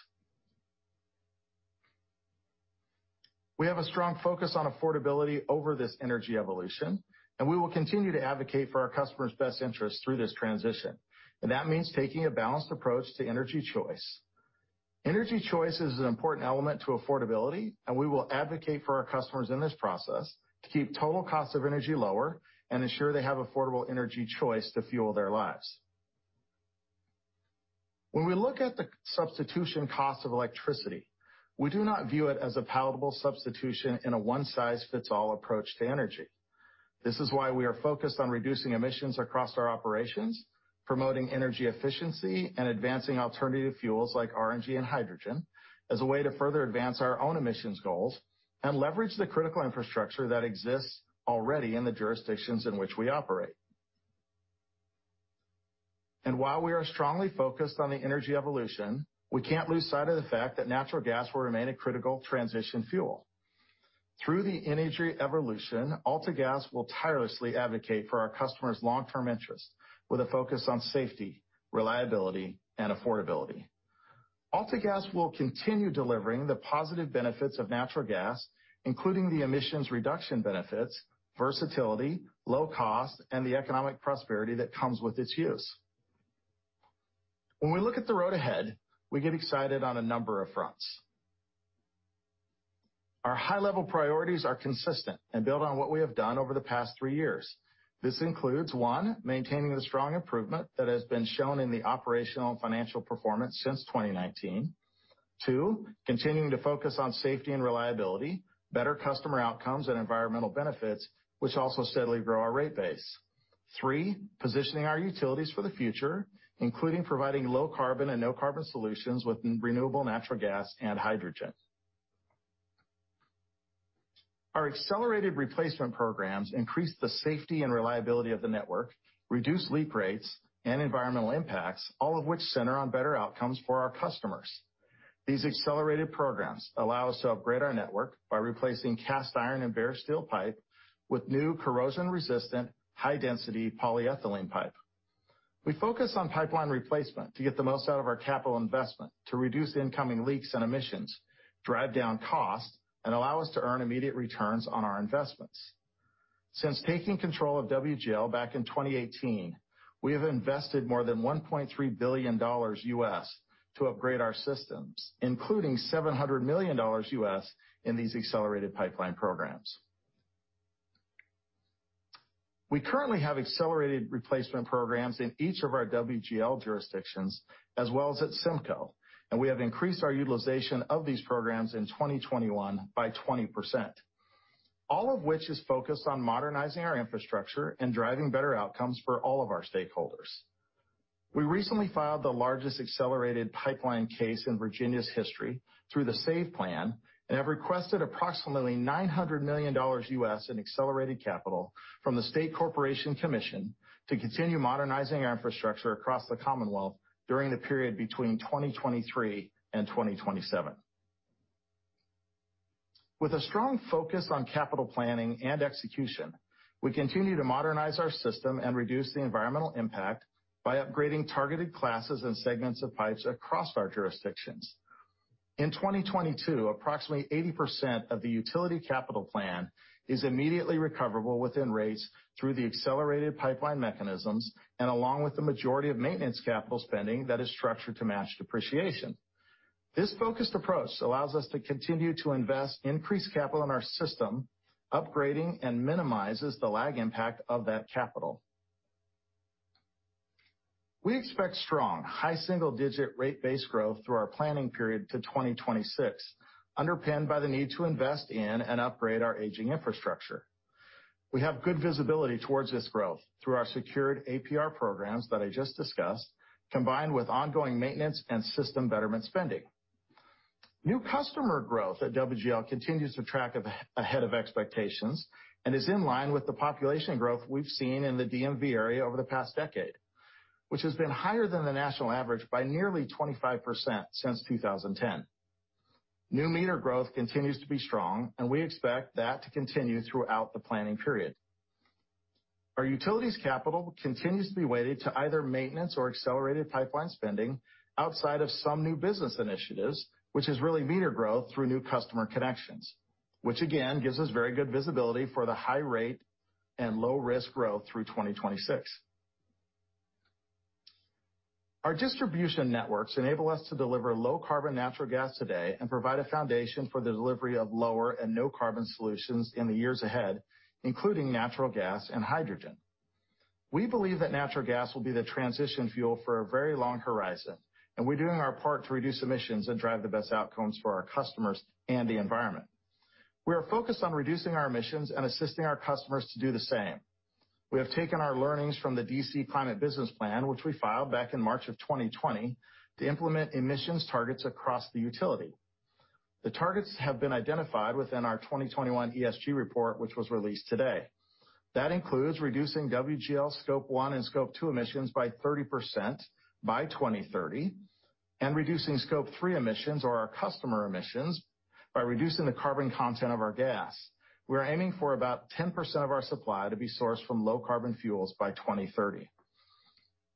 We have a strong focus on affordability over this energy evolution, and we will continue to advocate for our customers' best interests through this transition, and that means taking a balanced approach to energy choice. Energy choice is an important element to affordability, and we will advocate for our customers in this process to keep total cost of energy lower and ensure they have affordable energy choice to fuel their lives. When we look at the substitution cost of electricity, we do not view it as a palatable substitution in a one-size-fits-all approach to energy. This is why we are focused on reducing emissions across our operations, promoting energy efficiency, and advancing alternative fuels like RNG and hydrogen as a way to further advance our own emissions goals and leverage the critical infrastructure that exists already in the jurisdictions in which we operate. While we are strongly focused on the energy evolution, we can't lose sight of the fact that natural gas will remain a critical transition fuel. Through the energy evolution, AltaGas will tirelessly advocate for our customers' long-term interests with a focus on safety, reliability, and affordability. AltaGas will continue delivering the positive benefits of natural gas, including the emissions reduction benefits, versatility, low cost, and the economic prosperity that comes with its use. When we look at the road ahead, we get excited on a number of fronts. Our high-level priorities are consistent and build on what we have done over the past three years. This includes, one, maintaining the strong improvement that has been shown in the operational and financial performance since 2019. Two, continuing to focus on safety and reliability, better customer outcomes, and environmental benefits, which also steadily grow our rate base. Three, positioning our utilities for the future, including providing low-carbon and no-carbon solutions with renewable natural gas and hydrogen. Our accelerated replacement programs increase the safety and reliability of the network, reduce leak rates and environmental impacts, all of which center on better outcomes for our customers. These accelerated programs allow us to upgrade our network by replacing cast iron and bare steel pipe with new corrosion-resistant, high-density polyethylene pipe. We focus on pipeline replacement to get the most out of our capital investment to reduce incoming leaks and emissions, drive down costs, and allow us to earn immediate returns on our investments. Since taking control of WGL back in 2018, we have invested more than $1.3 billion to upgrade our systems, including $700 million in these accelerated pipeline programs. We currently have accelerated replacement programs in each of our WGL jurisdictions as well as at SEMCO Energy, and we have increased our utilization of these programs in 2021 by 20%, all of which is focused on modernizing our infrastructure and driving better outcomes for all of our stakeholders. We recently filed the largest accelerated pipeline case in Virginia's history through the SAVE Plan, and have requested approximately $900 million in accelerated capital from the State Corporation Commission to continue modernizing our infrastructure across the Commonwealth during the period between 2023 and 2027. With a strong focus on capital planning and execution, we continue to modernize our system and reduce the environmental impact by upgrading targeted classes and segments of pipes across our jurisdictions. In 2022, approximately 80% of the utility capital plan is immediately recoverable within rates through the accelerated pipeline mechanisms and along with the majority of maintenance capital spending that is structured to match depreciation. This focused approach allows us to continue to invest increased capital in our system, upgrading, and minimizes the lag impact of that capital. We expect strong, high-single-digit rate base growth through our planning period to 2026, underpinned by the need to invest in and upgrade our aging infrastructure. We have good visibility towards this growth through our secured APR programs that I just discussed, combined with ongoing maintenance and system betterment spending. New customer growth at WGL continues to track ahead of expectations and is in line with the population growth we've seen in the DMV area over the past decade, which has been higher than the national average by nearly 25% since 2010. New meter growth continues to be strong, and we expect that to continue throughout the planning period. Our utilities capital continues to be weighted to either maintenance or accelerated pipeline spending outside of some new business initiatives, which is really meter growth through new customer connections, which, again, gives us very good visibility for the high rate and low-risk growth through 2026. Our distribution networks enable us to deliver low-carbon natural gas today and provide a foundation for the delivery of lower and no-carbon solutions in the years ahead, including natural gas and hydrogen. We believe that natural gas will be the transition fuel for a very long horizon, and we're doing our part to reduce emissions and drive the best outcomes for our customers and the environment. We are focused on reducing our emissions and assisting our customers to do the same. We have taken our learnings from the DC Climate Business Plan, which we filed back in March 2020, to implement emissions targets across the utility. The targets have been identified within our 2021 ESG report, which was released today. That includes reducing WGL scope one and scope two emissions by 30% by 2030, and reducing scope three emissions or our customer emissions by reducing the carbon content of our gas. We're aiming for about 10% of our supply to be sourced from low carbon fuels by 2030.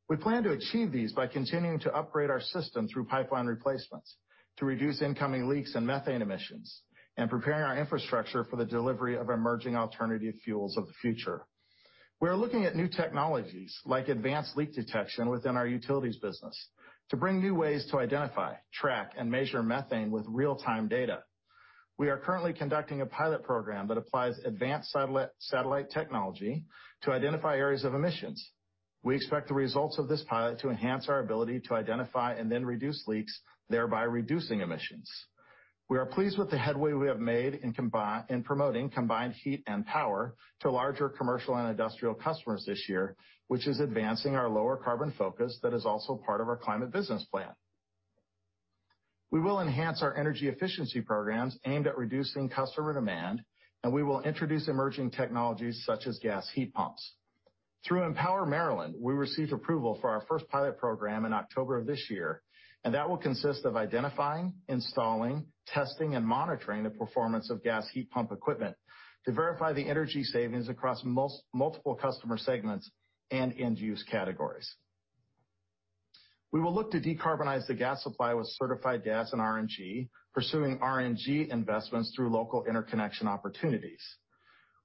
We plan to achieve these by continuing to upgrade our system through pipeline replacements to reduce incoming leaks and methane emissions, and preparing our infrastructure for the delivery of emerging alternative fuels of the future. We are looking at new technologies like advanced leak detection within our utilities business to bring new ways to identify, track, and measure methane with real-time data. We are currently conducting a pilot program that applies advanced satellite technology to identify areas of emissions. We expect the results of this pilot to enhance our ability to identify and then reduce leaks, thereby reducing emissions. We are pleased with the headway we have made in promoting combined heat and power to larger commercial and industrial customers this year, which is advancing our lower carbon focus that is also part of our climate business plan. We will enhance our energy efficiency programs aimed at reducing customer demand, and we will introduce emerging technologies such as gas heat pumps. Through EmPOWER Maryland, we received approval for our first pilot program in October of this year, and that will consist of identifying, installing, testing, and monitoring the performance of gas heat pump equipment to verify the energy savings across multiple customer segments and end use categories. We will look to decarbonize the gas supply with certified gas and RNG, pursuing RNG investments through local interconnection opportunities.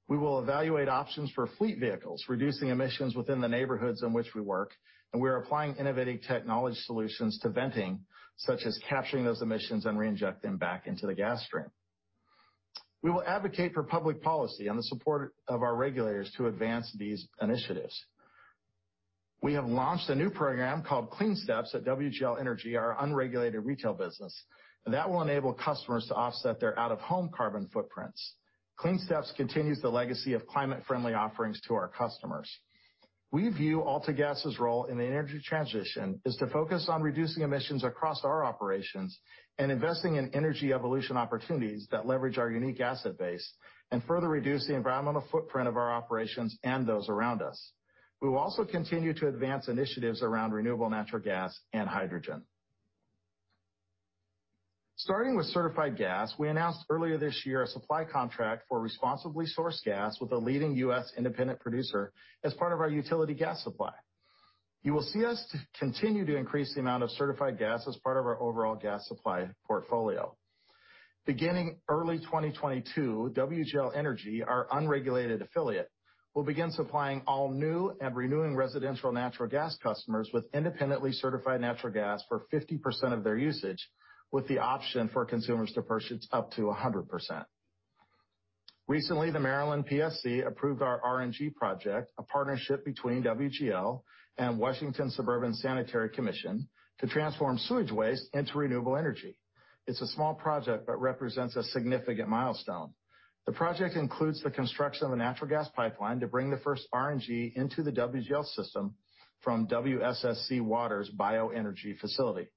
We will evaluate options for fleet vehicles, reducing emissions within the neighborhoods in which we work, and we are applying innovative technology solutions to venting, such as capturing those emissions and re-inject them back into the gas stream. We will advocate for public policy and the support of our regulators to advance these initiatives. We have launched a new program called CleanSteps at WGL Energy, our unregulated retail business, and that will enable customers to offset their out-of-home carbon footprints. CleanSteps continues the legacy of climate-friendly offerings to our customers. We view AltaGas' role in the energy transition is to focus on reducing emissions across our operations and investing in energy evolution opportunities that leverage our unique asset base and further reduce the environmental footprint of our operations and those around us. We will also continue to advance initiatives around renewable natural gas and hydrogen. Starting with certified gas, we announced earlier this year a supply contract for responsibly sourced gas with a leading U.S. independent producer as part of our utility gas supply. You will see us continue to increase the amount of certified gas as part of our overall gas supply portfolio. Beginning early 2022, WGL Energy, our unregulated affiliate, will begin supplying all new and renewing residential natural gas customers with independently certified natural gas for 50% of their usage, with the option for consumers to purchase up to 100%. Recently, the Maryland PSC approved our RNG project, a partnership between WGL and Washington Suburban Sanitary Commission, to transform sewage waste into renewable energy. It's a small project, but represents a significant milestone. The project includes the construction of a natural gas pipeline to bring the first RNG into the WGL system from WSSC Water's Bioenergy Facility.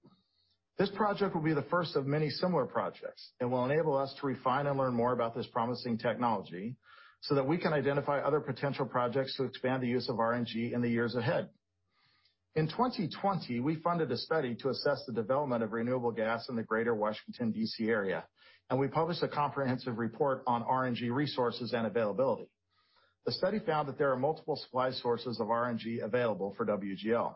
This project will be the first of many similar projects and will enable us to refine and learn more about this promising technology, so that we can identify other potential projects to expand the use of RNG in the years ahead. In 2020, we funded a study to assess the development of renewable gas in the Greater Washington, D.C. area, and we published a comprehensive report on RNG resources and availability. The study found that there are multiple supply sources of RNG available for WGL.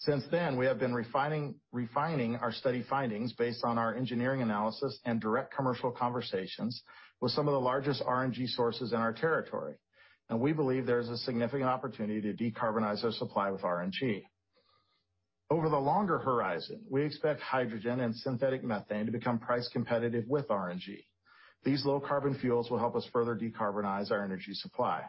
Since then, we have been refining our study findings based on our engineering analysis and direct commercial conversations with some of the largest RNG sources in our territory. We believe there's a significant opportunity to decarbonize our supply with RNG. Over the longer horizon, we expect hydrogen and synthetic methane to become price competitive with RNG. These low carbon fuels will help us further decarbonize our energy supply.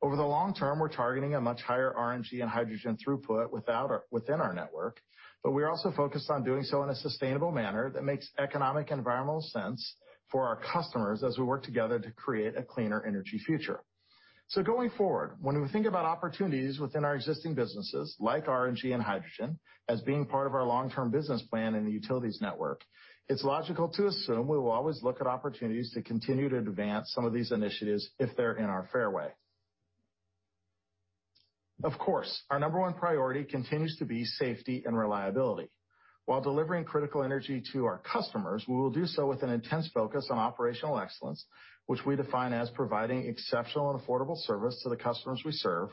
Over the long term, we're targeting a much higher RNG and hydrogen throughput within our network, but we're also focused on doing so in a sustainable manner that makes economic and environmental sense for our customers as we work together to create a cleaner energy future. Going forward, when we think about opportunities within our existing businesses like RNG and hydrogen as being part of our long-term business plan in the utilities network, it's logical to assume we will always look at opportunities to continue to advance some of these initiatives if they're in our fairway. Of course, our number one priority continues to be safety and reliability. While delivering critical energy to our customers, we will do so with an intense focus on operational excellence, which we define as providing exceptional and affordable service to the customers we serve,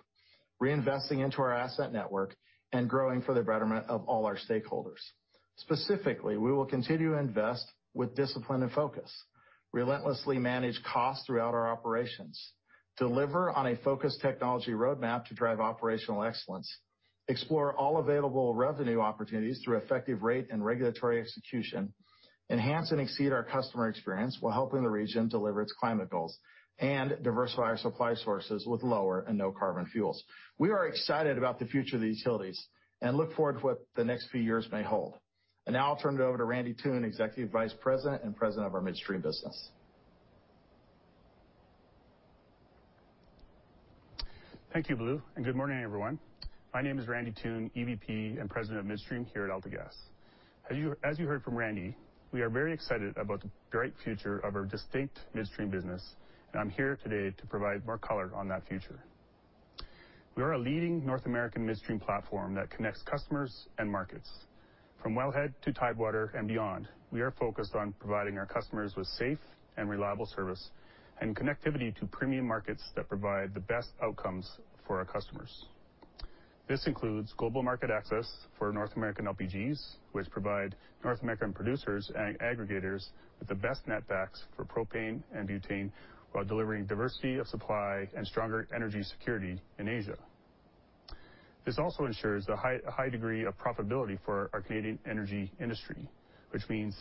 reinvesting into our asset network, and growing for the betterment of all our stakeholders. Specifically, we will continue to invest with discipline and focus, relentlessly manage costs throughout our operations, deliver on a focused technology roadmap to drive operational excellence. Explore all available revenue opportunities through effective rate and regulatory execution, enhance and exceed our customer experience while helping the region deliver its climate goals and diversify our supply sources with lower and no carbon fuels. We are excited about the future of the utilities and look forward to what the next few years may hold. Now I'll turn it over to Randy Toone, Executive Vice President and President of our Midstream business. Thank you, Blue, and good morning, everyone. My name is Randy Toone, EVP and President of Midstream here at AltaGas. As you heard from Randy, we are very excited about the bright future of our distinct Midstream business, and I'm here today to provide more color on that future. We are a leading North American Midstream platform that connects customers and markets. From wellhead to tidewater and beyond, we are focused on providing our customers with safe and reliable service and connectivity to premium markets that provide the best outcomes for our customers. This includes global market access for North American LPGs, which provide North American producers and aggregators with the best netbacks for propane and butane while delivering diversity of supply and stronger energy security in Asia. This also ensures a high degree of profitability for our Canadian energy industry, which means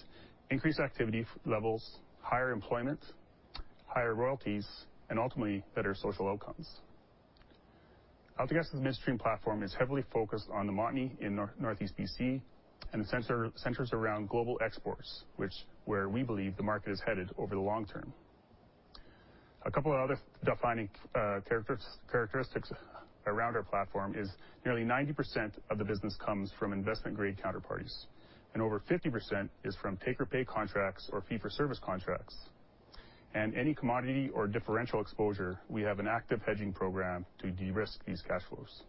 increased activity levels, higher employment, higher royalties, and ultimately, better social outcomes. AltaGas's Midstream platform is heavily focused on the Montney in Northeast B.C. and centers around global exports, which is where we believe the market is headed over the long term. A couple of other defining characteristics around our platform is nearly 90% of the business comes from investment-grade counterparties, and over 50% is from take-or-pay contracts or fee-for-service contracts. Any commodity or differential exposure, we have an active hedging program to de-risk these cash flows.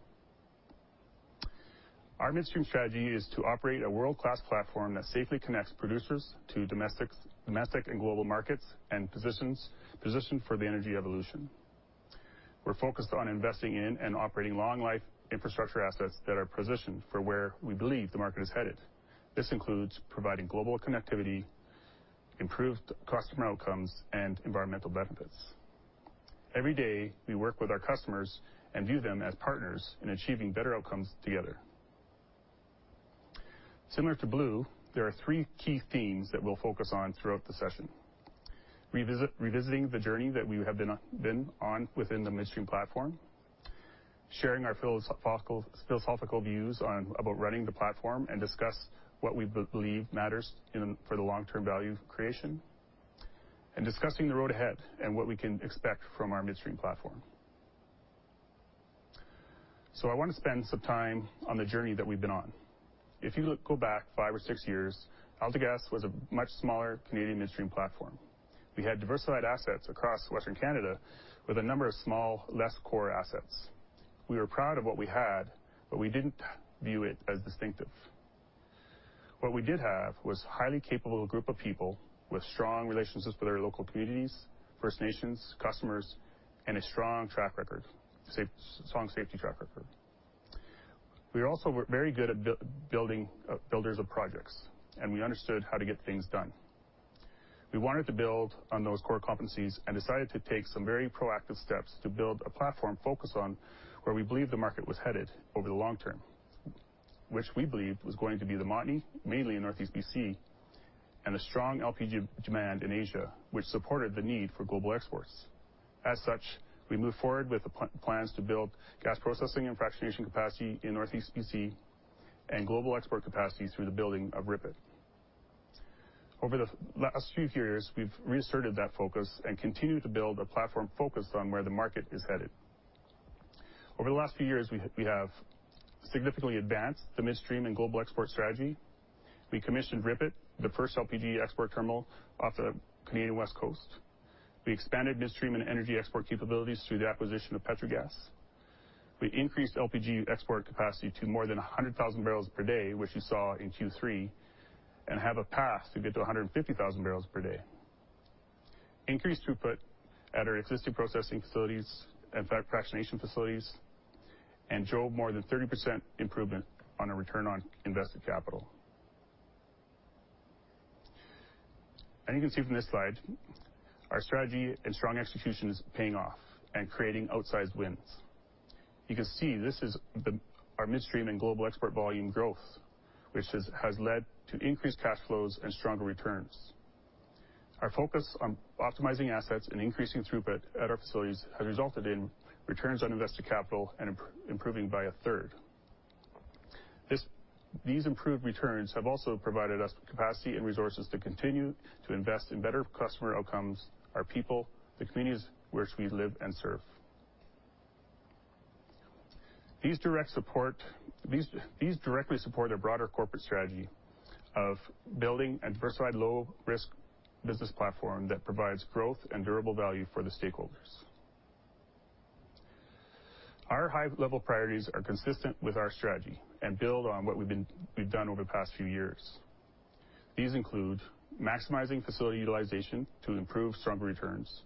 Our Midstream strategy is to operate a world-class platform that safely connects producers to domestic and global markets and position for the energy evolution. We're focused on investing in and operating long life infrastructure assets that are positioned for where we believe the market is headed. This includes providing global connectivity, improved customer outcomes, and environmental benefits. Every day, we work with our customers and view them as partners in achieving better outcomes together. Similar to Blue, there are three key themes that we'll focus on throughout the session. Revisiting the journey that we have been on within the Midstream platform, sharing our philosophical views about running the platform and discuss what we believe matters for the long-term value creation, and discussing the road ahead and what we can expect from our Midstream platform. I want to spend some time on the journey that we've been on. If you go back five or six years, AltaGas was a much smaller Canadian Midstream platform. We had diversified assets across Western Canada with a number of small, less core assets. We were proud of what we had, but we didn't view it as distinctive. What we did have was a highly capable group of people with strong relationships with our local communities, First Nations, customers, and a strong track record, strong safety track record. We also were very good at building builders of projects, and we understood how to get things done. We wanted to build on those core competencies and decided to take some very proactive steps to build a platform focused on where we believe the market was headed over the long term, which we believed was going to be the Montney, mainly in Northeast B.C., and a strong LPG demand in Asia, which supported the need for global exports. As such, we moved forward with the plans to build gas processing and fractionation capacity in Northeast B.C. and global export capacity through the building of RIPET. Over the last few years, we've reasserted that focus and continued to build a platform focused on where the market is headed. Over the last few years, we have significantly advanced the Midstream and global export strategy. We commissioned RIPET, the first LPG export terminal off the Canadian West Coast. We expanded Midstream and energy export capabilities through the acquisition of Petrogas. We increased LPG export capacity to more than 100,000 barrels per day, which you saw in Q3, and have a path to get to 150,000 barrels per day. Increased throughput at our existing processing facilities and fractionation facilities and drove more than 30% improvement on a return on invested capital. You can see from this slide, our strategy and strong execution is paying off and creating outsized wins. You can see this is our Midstream and global export volume growth, which has led to increased cash flows and stronger returns. Our focus on optimizing assets and increasing throughput at our facilities has resulted in returns on invested capital improving by a third. These improved returns have also provided us the capacity and resources to continue to invest in better customer outcomes, our people, the communities which we live and serve. These directly support our broader corporate strategy of building a diversified, low-risk business platform that provides growth and durable value for the stakeholders. Our high-level priorities are consistent with our strategy and build on what we've done over the past few years. These include maximizing facility utilization to improve stronger returns,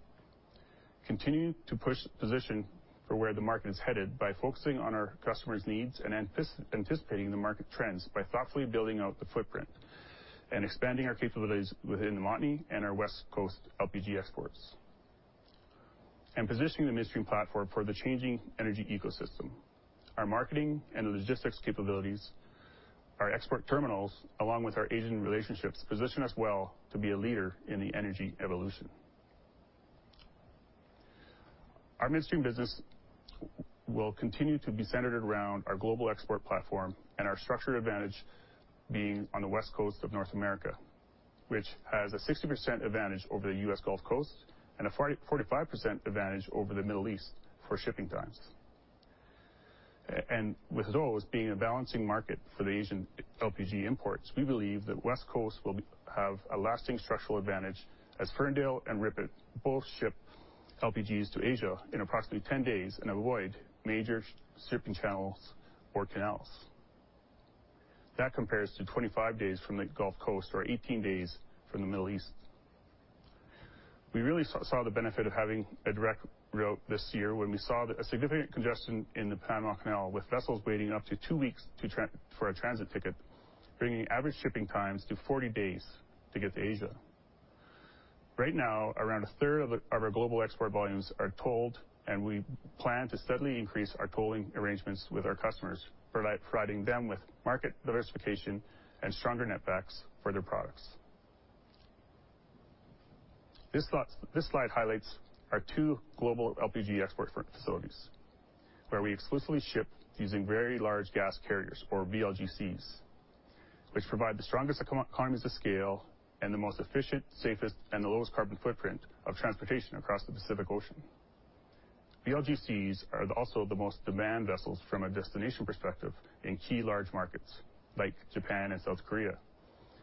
continuing to push position for where the market is headed by focusing on our customers' needs and anticipating the market trends by thoughtfully building out the footprint and expanding our capabilities within the Montney and our West Coast LPG exports. Positioning the midstream platform for the changing energy ecosystem. Our marketing and logistics capabilities, our export terminals, along with our agent relationships, position us well to be a leader in the energy evolution. Our midstream business will continue to be centered around our global export platform and our structured advantage being on the West Coast of North America, which has a 60% advantage over the U.S. Gulf Coast and a 40%-45% advantage over the Middle East for shipping times. With those being a balancing market for the Asian LPG imports, we believe that West Coast will have a lasting structural advantage as Ferndale and RIPET both ship LPGs to Asia in approximately 10 days and avoid major shipping channels or canals. That compares to 25 days from the Gulf Coast or 18 days from the Middle East. We really saw the benefit of having a direct route this year when we saw a significant congestion in the Panama Canal, with vessels waiting up to 2 weeks for a transit ticket, bringing average shipping times to 40 days to get to Asia. Right now, around 1/3 of our global export volumes are tolled, and we plan to steadily increase our tolling arrangements with our customers, providing them with market diversification and stronger netbacks for their products. This slide highlights our two global LPG export facilities, where we exclusively ship using very large gas carriers or VLGCs, which provide the strongest economies of scale and the most efficient, safest, and lowest carbon footprint of transportation across the Pacific Ocean. VLGCs are also the most demanded vessels from a destination perspective in key large markets like Japan and South Korea,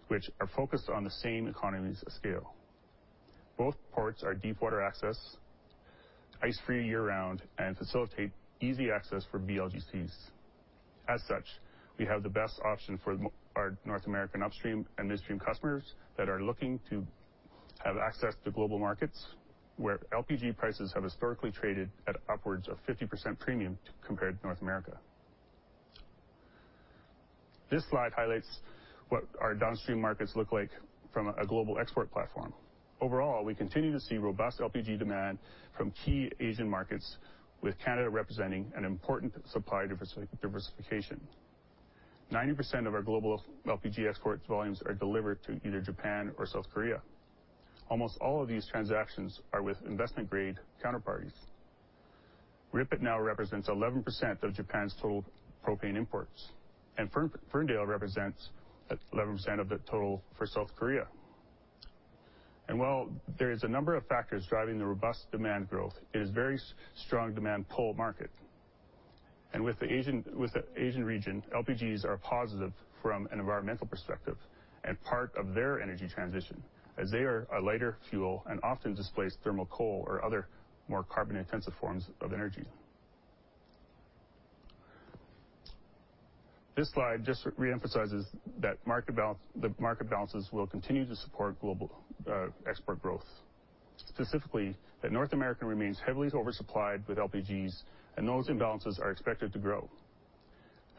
which are focused on the same economies of scale. Both ports are deepwater access, ice-free year-round, and facilitate easy access for VLGCs. As such, we have the best option for our North American upstream and midstream customers that are looking to have access to global markets where LPG prices have historically traded at upwards of 50% premium compared to North America. This slide highlights what our downstream markets look like from a global export platform. Overall, we continue to see robust LPG demand from key Asian markets, with Canada representing an important supply diversification. 90% of our global LPG export volumes are delivered to either Japan or South Korea. Almost all of these transactions are with investment-grade counterparties. RIPET now represents 11% of Japan's total propane imports, and Ferndale represents 11% of the total for South Korea. While there is a number of factors driving the robust demand growth, it is a very strong demand pull market. With the Asian region, LPGs are positive from an environmental perspective and part of their energy transition, as they are a lighter fuel and often displace thermal coal or other more carbon-intensive forms of energy. This slide just re-emphasizes that market balances will continue to support global export growth. Specifically, that North America remains heavily oversupplied with LPGs, and those imbalances are expected to grow.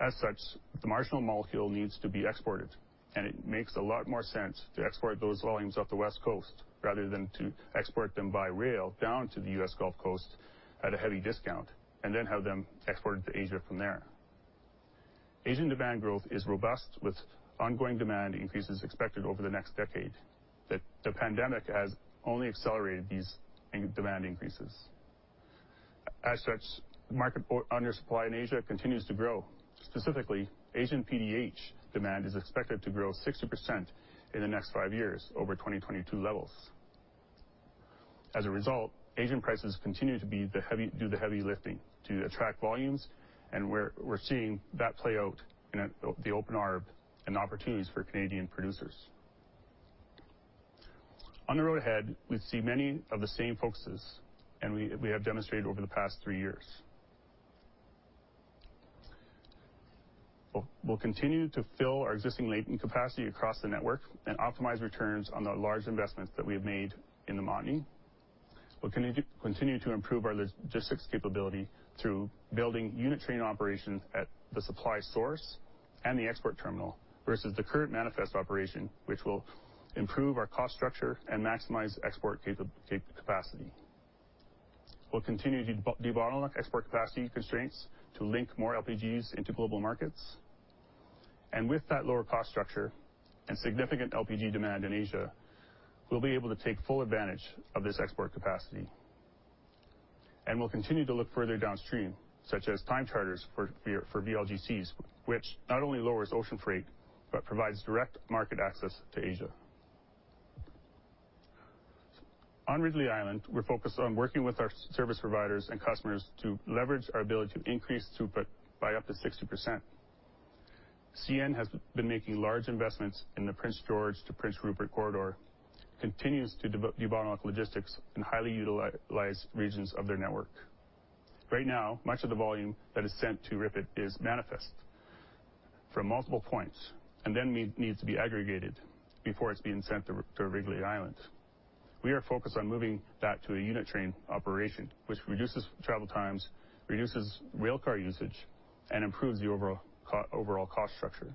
As such, the marginal molecule needs to be exported, and it makes a lot more sense to export those volumes off the West Coast rather than to export them by rail down to the U.S. Gulf Coast at a heavy discount and then have them exported to Asia from there. Asian demand growth is robust, with ongoing demand increases expected over the next decade. The pandemic has only accelerated these demand increases. As such, market undersupply in Asia continues to grow. Specifically, Asian PDH demand is expected to grow 60% in the next five years over 2022 levels. As a result, Asian prices continue to do the heavy lifting to attract volumes, and we're seeing that play out in the open arb and opportunities for Canadian producers. On the road ahead, we see many of the same focuses and we have demonstrated over the past three years. We'll continue to fill our existing latent capacity across the network and optimize returns on the large investments that we have made in the Montney. We'll continue to improve our logistics capability through building unit train operations at the supply source and the export terminal versus the current manifest operation, which will improve our cost structure and maximize export capacity. We'll continue to debottleneck export capacity constraints to link more LPGs into global markets. With that lower cost structure and significant LPG demand in Asia, we'll be able to take full advantage of this export capacity. We'll continue to look further downstream, such as time charters for VLGCs, which not only lowers ocean freight, but provides direct market access to Asia. On Ridley Island, we're focused on working with our service providers and customers to leverage our ability to increase throughput by up to 60%. CN has been making large investments in the Prince George to Prince Rupert corridor, continues to debottleneck logistics in highly utilized regions of their network. Right now, much of the volume that is sent to RIPET is manifest from multiple points and then needs to be aggregated before it's being sent to Ridley Island. We are focused on moving that to a unit train operation, which reduces travel times, reduces rail car usage, and improves the overall cost structure.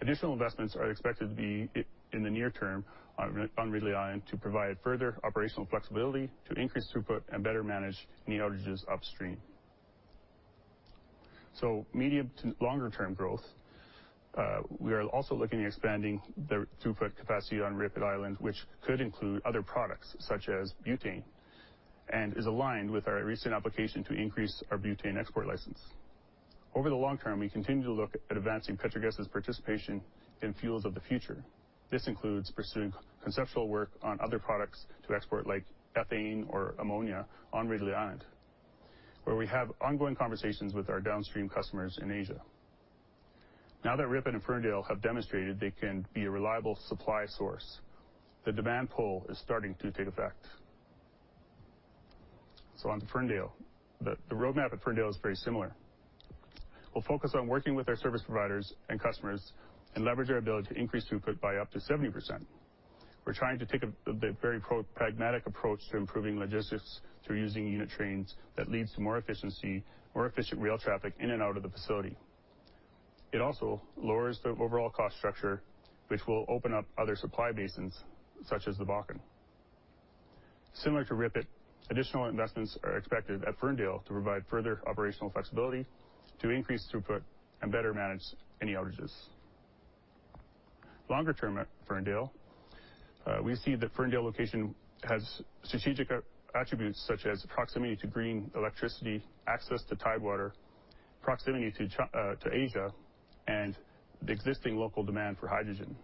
Additional investments are expected to be in the near term on Ridley Island to provide further operational flexibility to increase throughput and better manage any outages upstream. Medium to longer-term growth, we are also looking at expanding the throughput capacity on Ridley Island, which could include other products such as butane, and is aligned with our recent application to increase our butane export license. Over the long term, we continue to look at advancing Petrogas' participation in fuels of the future. This includes pursuing conceptual work on other products to export, like ethane or ammonia on Ridley Island, where we have ongoing conversations with our downstream customers in Asia. Now that RIPET and Ferndale have demonstrated they can be a reliable supply source, the demand pull is starting to take effect. On to Ferndale. The roadmap at Ferndale is very similar. We'll focus on working with our service providers and customers and leverage our ability to increase throughput by up to 70%. We're trying to take a very pragmatic approach to improving logistics through using unit trains that leads to more efficiency, more efficient rail traffic in and out of the facility. It also lowers the overall cost structure, which will open up other supply basins such as the Bakken. Similar to RIPET, additional investments are expected at Ferndale to provide further operational flexibility to increase throughput and better manage any outages. Longer term at Ferndale, we see the Ferndale location has strategic attributes such as proximity to green electricity, access to tidewater, proximity to Asia, and the existing local demand for hydrogen.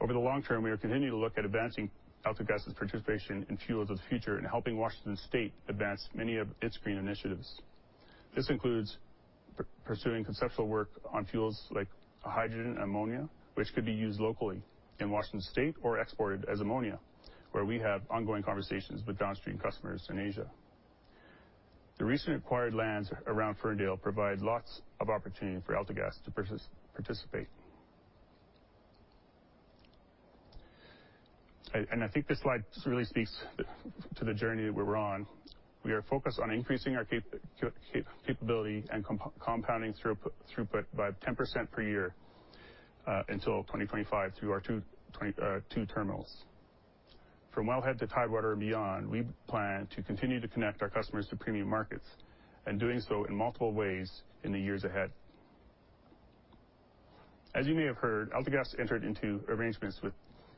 Over the long term, we are continuing to look at advancing AltaGas' participation in fuels of the future and helping Washington State advance many of its green initiatives. This includes pursuing conceptual work on fuels like hydrogen and ammonia, which could be used locally in Washington State or exported as ammonia, where we have ongoing conversations with downstream customers in Asia. The recent acquired lands around Ferndale provide lots of opportunity for AltaGas to participate. I think this slide really speaks to the journey that we're on. We are focused on increasing our capability and compounding throughput by 10% per year until 2025 through our two terminals. From wellhead to tidewater and beyond, we plan to continue to connect our customers to premium markets and doing so in multiple ways in the years ahead. As you may have heard, AltaGas entered into arrangements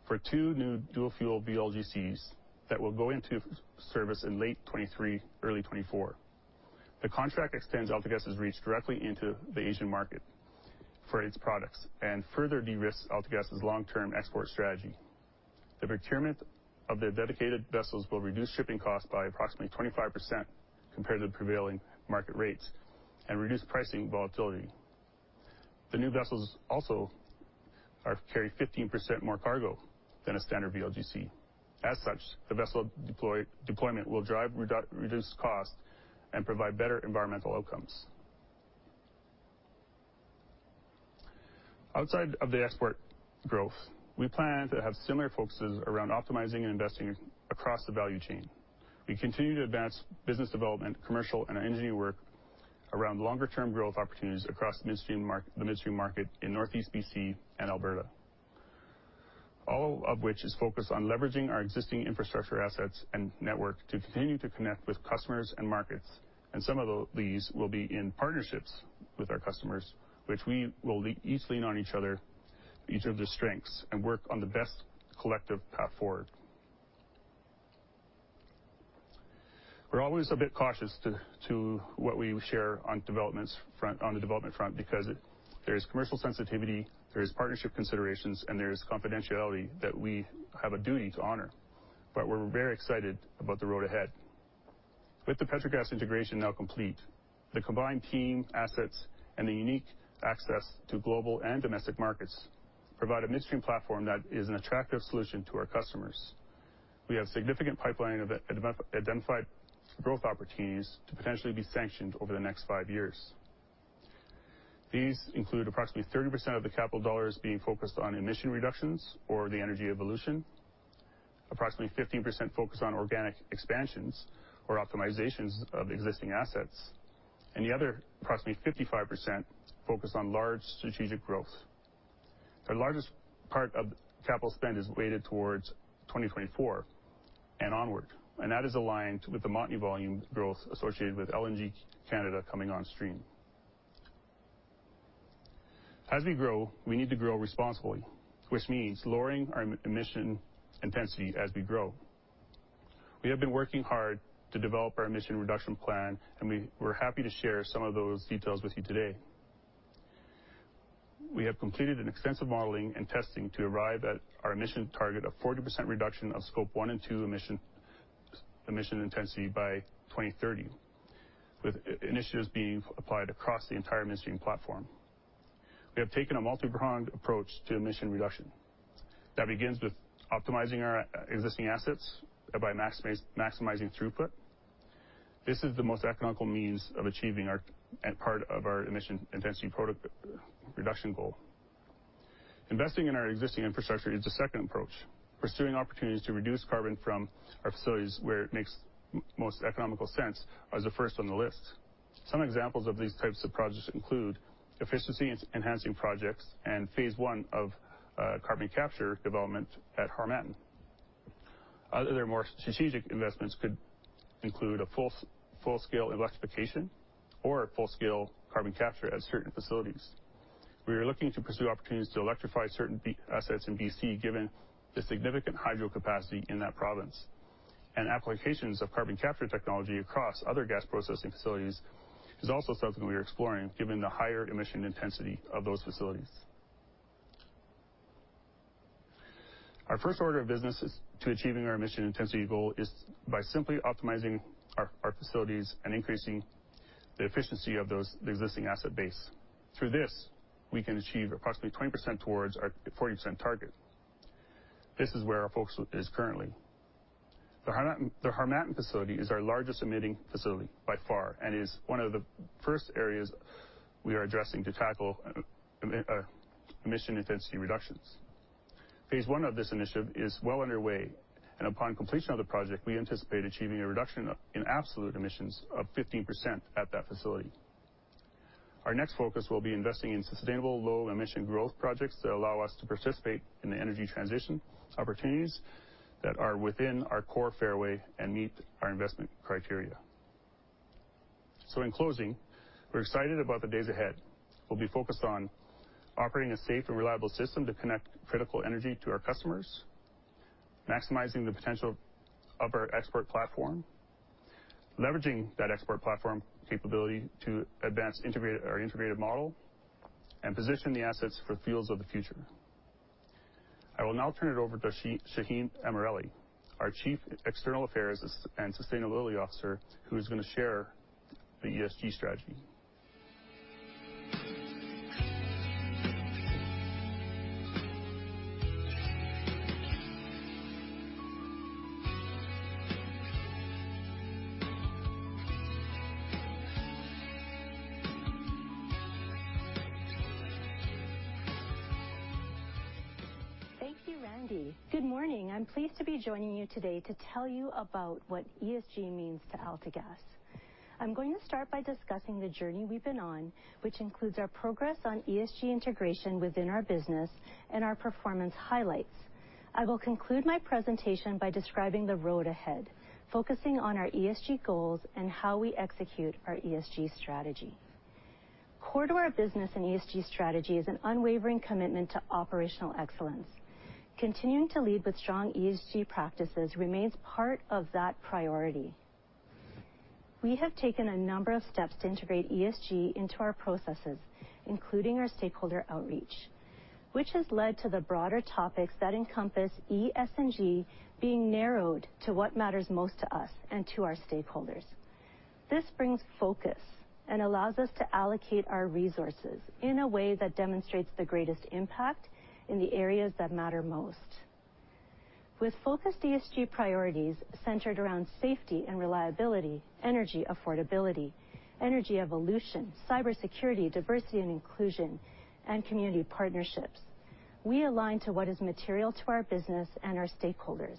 for two new dual-fuel VLGCs that will go into service in late 2023, early 2024. The contract extends AltaGas' reach directly into the Asian market for its products and further de-risks AltaGas' long-term export strategy. The procurement of the dedicated vessels will reduce shipping costs by approximately 25% compared to the prevailing market rates and reduce pricing volatility. The new vessels also carry 15% more cargo than a standard VLGC. As such, the vessel deployment will drive reduce costs and provide better environmental outcomes. Outside of the export growth, we plan to have similar focuses around optimizing and investing across the value chain. We continue to advance business development, commercial, and our engineering work around longer-term growth opportunities across the midstream market in Northeast B.C. and Alberta. All of which is focused on leveraging our existing infrastructure assets and network to continue to connect with customers and markets, and some of the, these will be in partnerships with our customers, which we will each lean on each other's strengths, and work on the best collective path forward. We're always a bit cautious to what we share on the development front because it, there's commercial sensitivity, there's partnership considerations, and there's confidentiality that we have a duty to honor. We're very excited about the road ahead. With the Petrogas integration now complete, the combined team, assets, and the unique access to global and domestic markets provide a midstream platform that is an attractive solution to our customers. We have significant pipeline of identified growth opportunities to potentially be sanctioned over the next five years. These include approximately 30% of the capital dollars being focused on emission reductions or the energy evolution, approximately 15% focused on organic expansions or optimizations of existing assets, and the other approximately 55% focused on large strategic growth. The largest part of capital spend is weighted towards 2024 and onward, and that is aligned with the Montney volume growth associated with LNG Canada coming on stream. As we grow, we need to grow responsibly, which means lowering our emission intensity as we grow. We have been working hard to develop our emission reduction plan, and we're happy to share some of those details with you today. We have completed an extensive modeling and testing to arrive at our emission target of 40% reduction of scope one and two emission intensity by 2030, with initiatives being applied across the entire midstream platform. We have taken a multi-pronged approach to emission reduction that begins with optimizing our existing assets by maximizing throughput. This is the most economical means of achieving our part of our emission intensity reduction goal. Investing in our existing infrastructure is the second approach. Pursuing opportunities to reduce carbon from our facilities where it makes most economical sense is the first on the list. Some examples of these types of projects include efficiency enhancing projects and phase one of carbon capture development at Harmattan. Other more strategic investments could include a full-scale electrification or full-scale carbon capture at certain facilities. We are looking to pursue opportunities to electrify certain assets in BC, given the significant hydro capacity in that province. Applications of carbon capture technology across other gas processing facilities is also something we are exploring given the higher emission intensity of those facilities. Our first order of business in achieving our emission intensity goal is by simply optimizing our facilities and increasing the efficiency of the existing asset base. Through this, we can achieve approximately 20% towards our 40% target. This is where our focus is currently. The Harmattan facility is our largest emitting facility by far and is one of the first areas we are addressing to tackle emission intensity reductions. Phase one of this initiative is well underway and upon completion of the project, we anticipate achieving a reduction in absolute emissions of 15% at that facility. Our next focus will be investing in sustainable low emission growth projects that allow us to participate in the energy transition opportunities that are within our core fairway and meet our investment criteria. In closing, we're excited about the days ahead. We'll be focused on operating a safe and reliable system to connect critical energy to our customers, maximizing the potential of our export platform, leveraging that export platform capability to advance our integrated model, and position the assets for the fuels of the future. I will now turn it over to Shaheen Amirali, our Chief External Affairs and Sustainability Officer, who is gonna share the ESG strategy. Thank you, Randy. Good morning. I'm pleased to be joining you today to tell you about what ESG means to AltaGas. I'm going to start by discussing the journey we've been on, which includes our progress on ESG integration within our business and our performance highlights. I will conclude my presentation by describing the road ahead, focusing on our ESG goals and how we execute our ESG strategy. Core to our business and ESG strategy is an unwavering commitment to operational excellence. Continuing to lead with strong ESG practices remains part of that priority. We have taken a number of steps to integrate ESG into our processes, including our stakeholder outreach, which has led to the broader topics that encompass ES and G being narrowed to what matters most to us and to our stakeholders. This brings focus and allows us to allocate our resources in a way that demonstrates the greatest impact in the areas that matter most. With focused ESG priorities centered around safety and reliability, energy affordability, energy evolution, cybersecurity, diversity and inclusion, and community partnerships, we align to what is material to our business and our stakeholders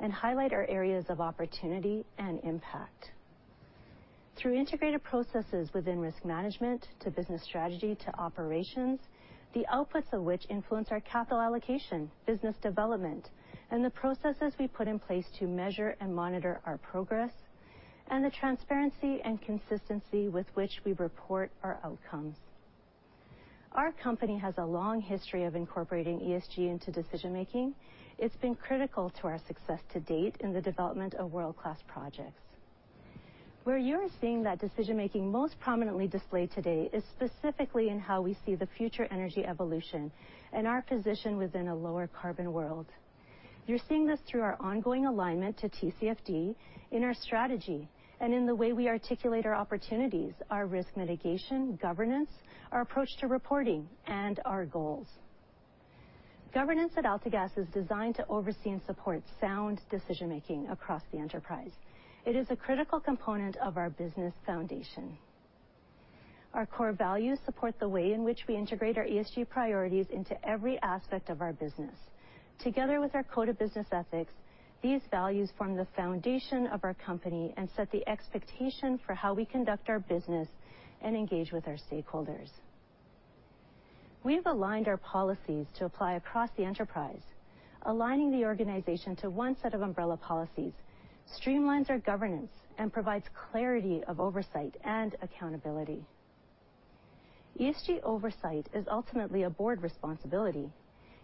and highlight our areas of opportunity and impact. Through integrated processes within risk management to business strategy to operations, the outputs of which influence our capital allocation, business development, and the processes we put in place to measure and monitor our progress and the transparency and consistency with which we report our outcomes. Our company has a long history of incorporating ESG into decision-making. It's been critical to our success to date in the development of world-class projects. Where you're seeing that decision-making most prominently displayed today is specifically in how we see the future energy evolution and our position within a lower carbon world. You're seeing this through our ongoing alignment to TCFD in our strategy and in the way we articulate our opportunities, our risk mitigation, governance, our approach to reporting, and our goals. Governance at AltaGas is designed to oversee and support sound decision-making across the enterprise. It is a critical component of our business foundation. Our core values support the way in which we integrate our ESG priorities into every aspect of our business. Together with our code of business ethics, these values form the foundation of our company and set the expectation for how we conduct our business and engage with our stakeholders. We've aligned our policies to apply across the enterprise. Aligning the organization to one set of umbrella policies streamlines our governance and provides clarity of oversight and accountability. ESG oversight is ultimately a board responsibility.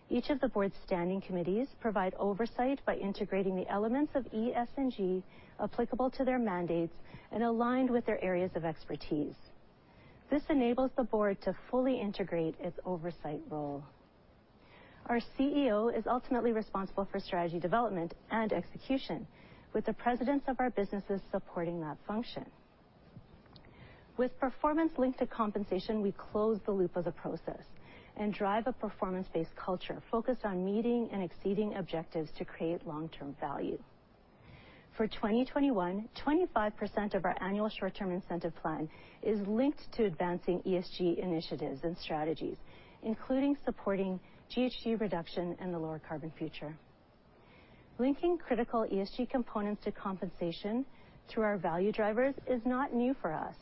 Each of the board's standing committees provide oversight by integrating the elements of ES and G applicable to their mandates and aligned with their areas of expertise. This enables the board to fully integrate its oversight role. Our CEO is ultimately responsible for strategy development and execution, with the presidents of our businesses supporting that function. With performance linked to compensation, we close the loop of the process and drive a performance-based culture focused on meeting and exceeding objectives to create long-term value. For 2021, 25% of our annual short-term incentive plan is linked to advancing ESG initiatives and strategies, including supporting GHG reduction and the lower carbon future. Linking critical ESG components to compensation through our value drivers is not new for us.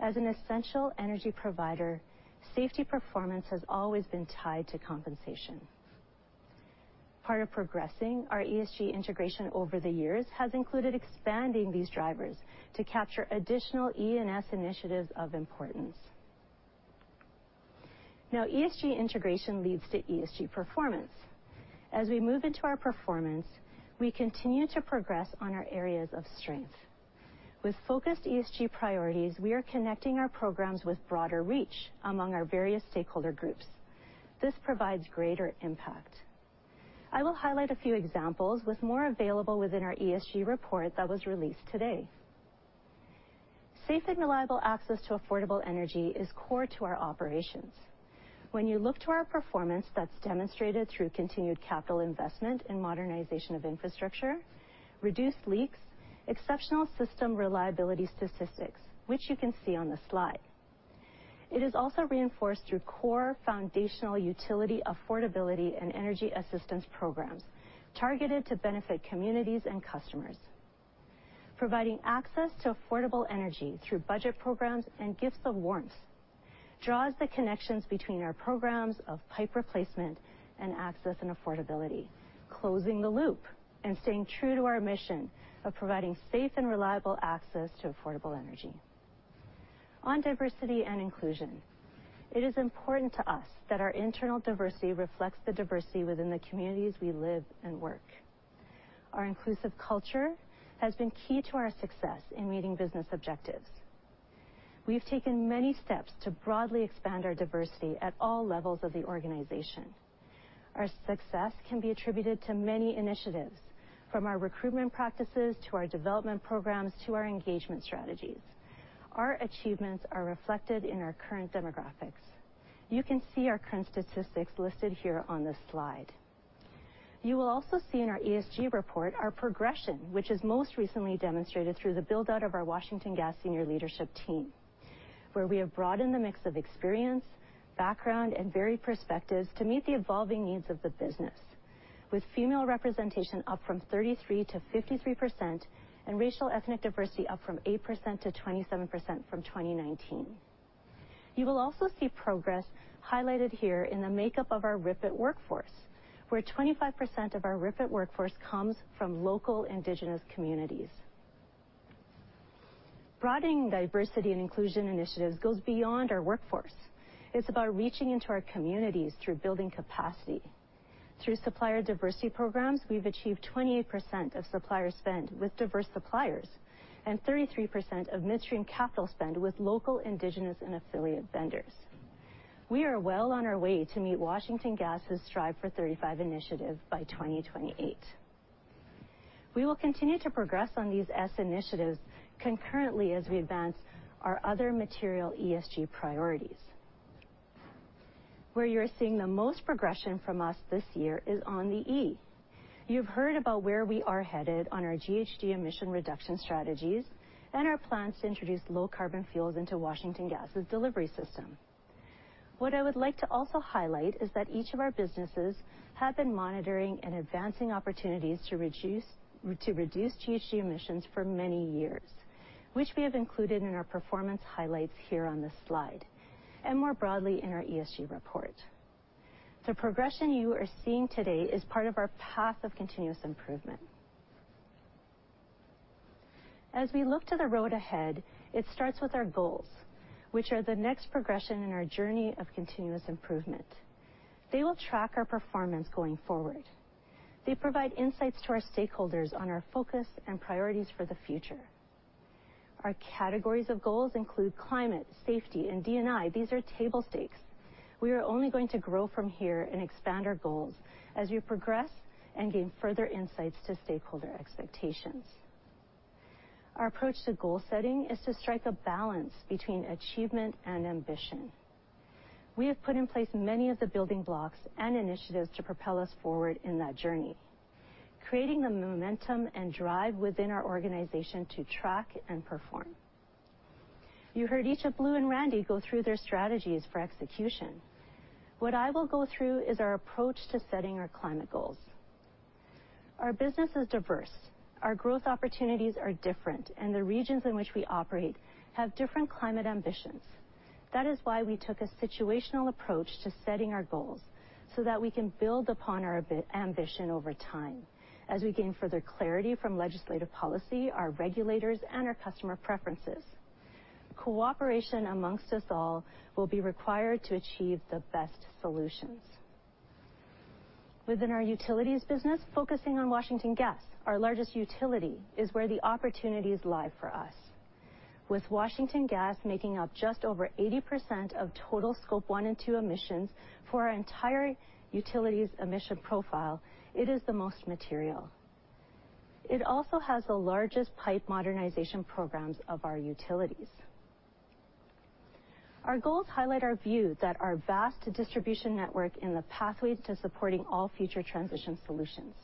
As an essential energy provider, safety performance has always been tied to compensation. Part of progressing our ESG integration over the years has included expanding these drivers to capture additional E and S initiatives of importance. Now, ESG integration leads to ESG performance. As we move into our performance, we continue to progress on our areas of strength. With focused ESG priorities, we are connecting our programs with broader reach among our various stakeholder groups. This provides greater impact. I will highlight a few examples with more available within our ESG report that was released today. Safe and reliable access to affordable energy is core to our operations. When you look to our performance that's demonstrated through continued capital investment and modernization of infrastructure, reduced leaks, exceptional system reliability statistics, which you can see on the slide. It is also reinforced through core foundational utility affordability and energy assistance programs targeted to benefit communities and customers. Providing access to affordable energy through budget programs and gifts of warmth draws the connections between our programs of pipe replacement and access and affordability, closing the loop and staying true to our mission of providing safe and reliable access to affordable energy. On diversity and inclusion, it is important to us that our internal diversity reflects the diversity within the communities we live and work. Our inclusive culture has been key to our success in meeting business objectives. We've taken many steps to broadly expand our diversity at all levels of the organization. Our success can be attributed to many initiatives, from our recruitment practices, to our development programs, to our engagement strategies. Our achievements are reflected in our current demographics. You can see our current statistics listed here on this slide. You will also see in our ESG report our progression, which is most recently demonstrated through the build-out of our Washington Gas senior leadership team, where we have broadened the mix of experience, background, and varied perspectives to meet the evolving needs of the business with female representation up from 33%-53% and racial ethnic diversity up from 8%-27% from 2019. You will also see progress highlighted here in the makeup of our RIPET workforce, where 25% of our RIPET workforce comes from local Indigenous communities. Broadening diversity and inclusion initiatives goes beyond our workforce. It's about reaching into our communities through building capacity. Through supplier diversity programs, we've achieved 28% of supplier spend with diverse suppliers and 33% of midstream capital spend with local, indigenous, and affiliate vendors. We are well on our way to meet Washington Gas's Strive 35 initiative by 2028. We will continue to progress on these S initiatives concurrently as we advance our other material ESG priorities. Where you're seeing the most progression from us this year is on the E. You've heard about where we are headed on our GHG emission reduction strategies and our plans to introduce low carbon fuels into Washington Gas's delivery system. What I would like to also highlight is that each of our businesses have been monitoring and advancing opportunities to reduce GHG emissions for many years, which we have included in our performance highlights here on this slide, and more broadly in our ESG report. The progression you are seeing today is part of our path of continuous improvement. As we look to the road ahead, it starts with our goals, which are the next progression in our journey of continuous improvement. They will track our performance going forward. They provide insights to our stakeholders on our focus and priorities for the future. Our categories of goals include climate, safety, and D&I. These are table stakes. We are only going to grow from here and expand our goals as we progress and gain further insights to stakeholder expectations. Our approach to goal setting is to strike a balance between achievement and ambition. We have put in place many of the building blocks and initiatives to propel us forward in that journey, creating the momentum and drive within our organization to track and perform. You heard each of Blue and Randy go through their strategies for execution. What I will go through is our approach to setting our climate goals. Our business is diverse. Our growth opportunities are different, and the regions in which we operate have different climate ambitions. That is why we took a situational approach to setting our goals, so that we can build upon our ambition over time as we gain further clarity from legislative policy, our regulators, and our customer preferences. Cooperation amongst us all will be required to achieve the best solutions. Within our utilities business, focusing on Washington Gas, our largest utility is where the opportunities lie for us. With Washington Gas making up just over 80% of total Scope 1 and 2 emissions for our entire utilities emission profile, it is the most material. It also has the largest pipe modernization programs of our utilities. Our goals highlight our view that our vast distribution network is in the pathways to supporting all future transition solutions.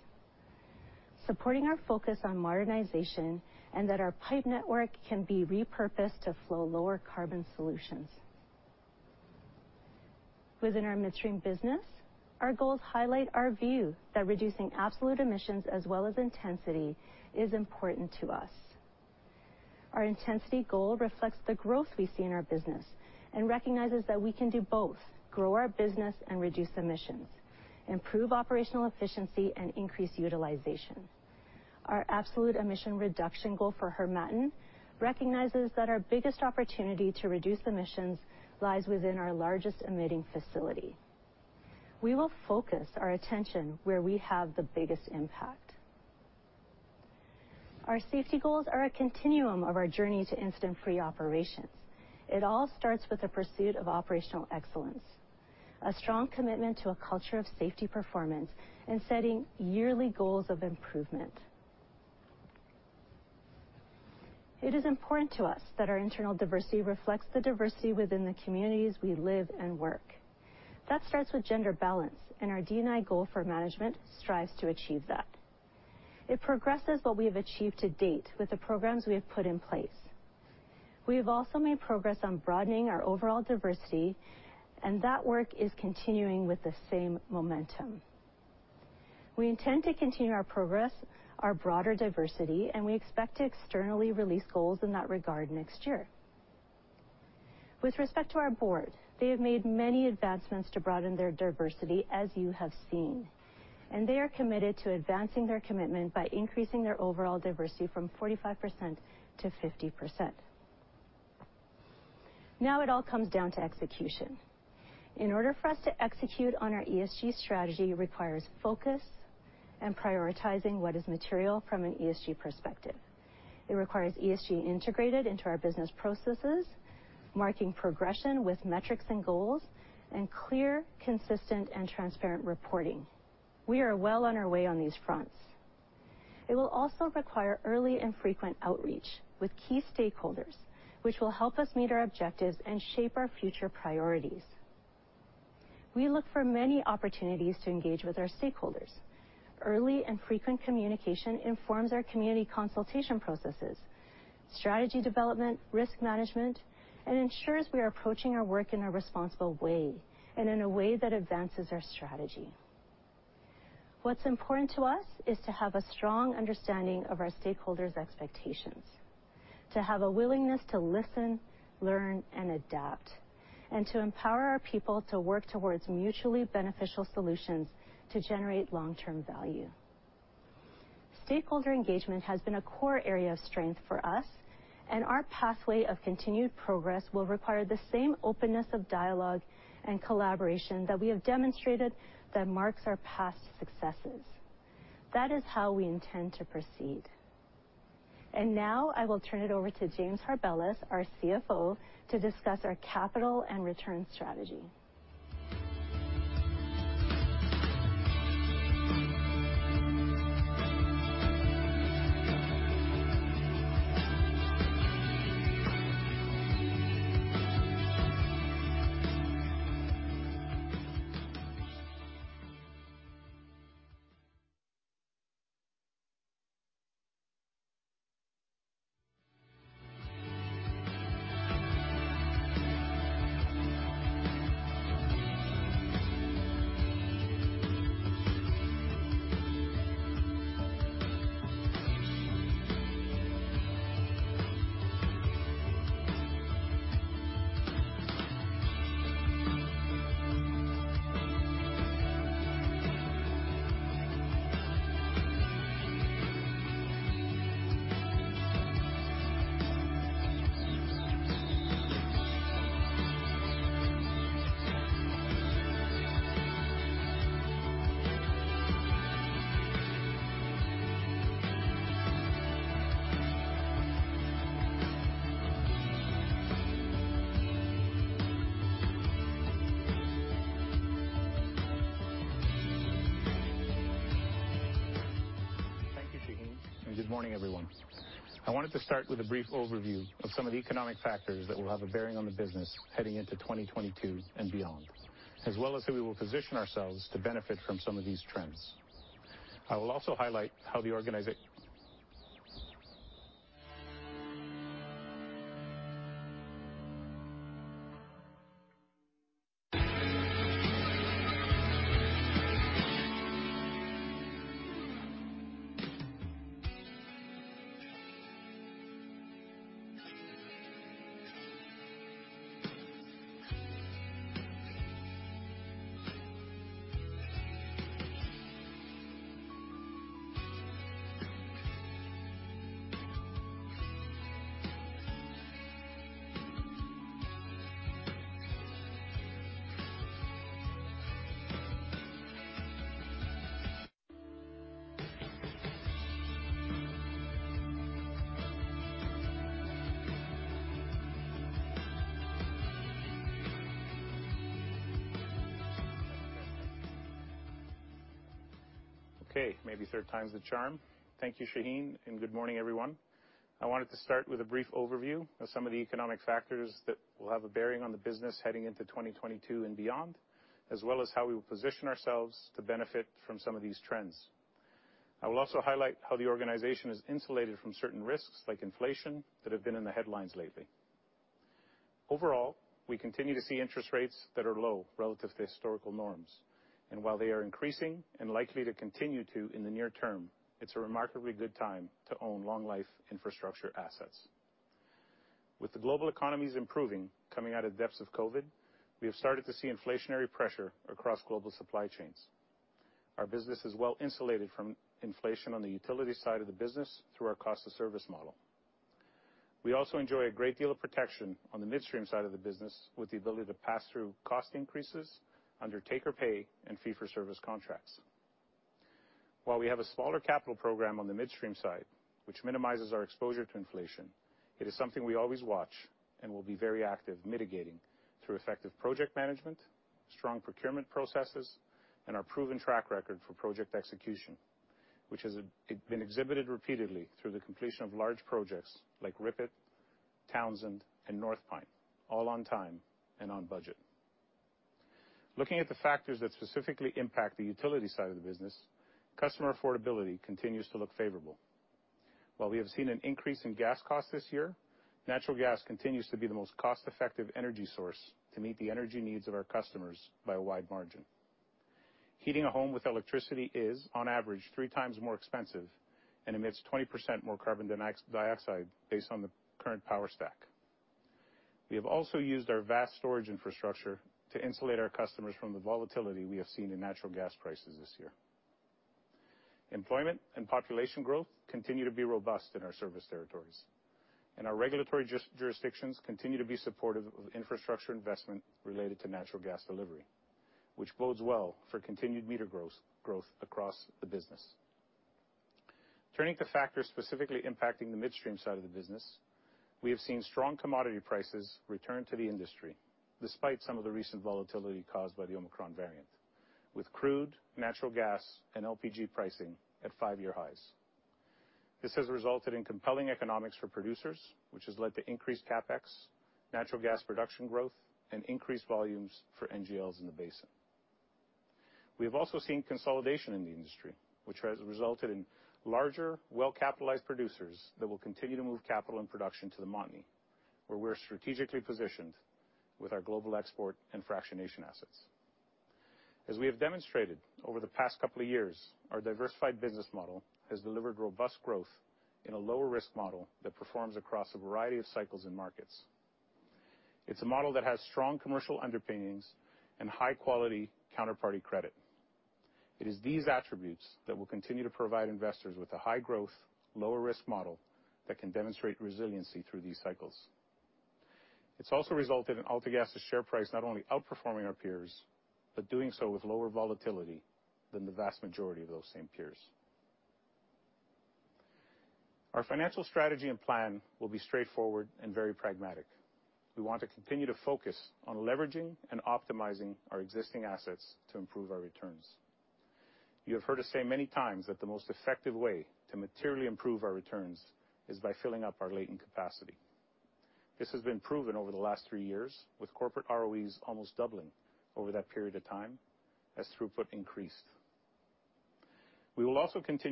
Supporting our focus on modernization and that our pipe network can be repurposed to flow lower carbon solutions. Within our midstream business, our goals highlight our view that reducing absolute emissions as well as intensity is important to us. Our intensity goal reflects the growth we see in our business and recognizes that we can do both, grow our business and reduce emissions, improve operational efficiency, and increase utilization. Our absolute emission reduction goal for Harmattan recognizes that our biggest opportunity to reduce emissions lies within our largest emitting facility. We will focus our attention where we have the biggest impact. Our safety goals are a continuum of our journey to incident-free operations. It all starts with the pursuit of operational excellence, a strong commitment to a culture of safety performance, and setting yearly goals of improvement. It is important to us that our internal diversity reflects the diversity within the communities we live and work. That starts with gender balance, and our D&I goal for management strives to achieve that. It progresses what we have achieved to date with the programs we have put in place. We have also made progress on broadening our overall diversity, and that work is continuing with the same momentum. We intend to continue our progress, our broader diversity, and we expect to externally release goals in that regard next year. With respect to our board, they have made many advancements to broaden their diversity, as you have seen, and they are committed to advancing their commitment by increasing their overall diversity from 45% to 50%. Now it all comes down to execution. In order for us to execute on our ESG strategy requires focus and prioritizing what is material from an ESG perspective. It requires ESG integrated into our business processes, marking progression with metrics and goals, and clear, consistent, and transparent reporting. We are well on our way on these fronts. It will also require early and frequent outreach with key stakeholders, which will help us meet our objectives and shape our future priorities. We look for many opportunities to engage with our stakeholders. Early and frequent communication informs our community consultation processes, strategy development, risk management, and ensures we are approaching our work in a responsible way and in a way that advances our strategy. What's important to us is to have a strong understanding of our stakeholders' expectations, to have a willingness to listen, learn, and adapt, and to empower our people to work towards mutually beneficial solutions to generate long-term value. Stakeholder engagement has been a core area of strength for us, and our pathway of continued progress will require the same openness of dialogue and collaboration that we have demonstrated that marks our past successes. That is how we intend to proceed. Now I will turn it over to James Harbilas, our CFO, to discuss our capital and return strategy. Thank you, Shaheen, and good morning, everyone. I wanted to start with a brief overview of some of the economic factors that will have a bearing on the business heading into 2022 and beyond, as well as how we will position ourselves to benefit from some of these trends. I will also highlight how the organization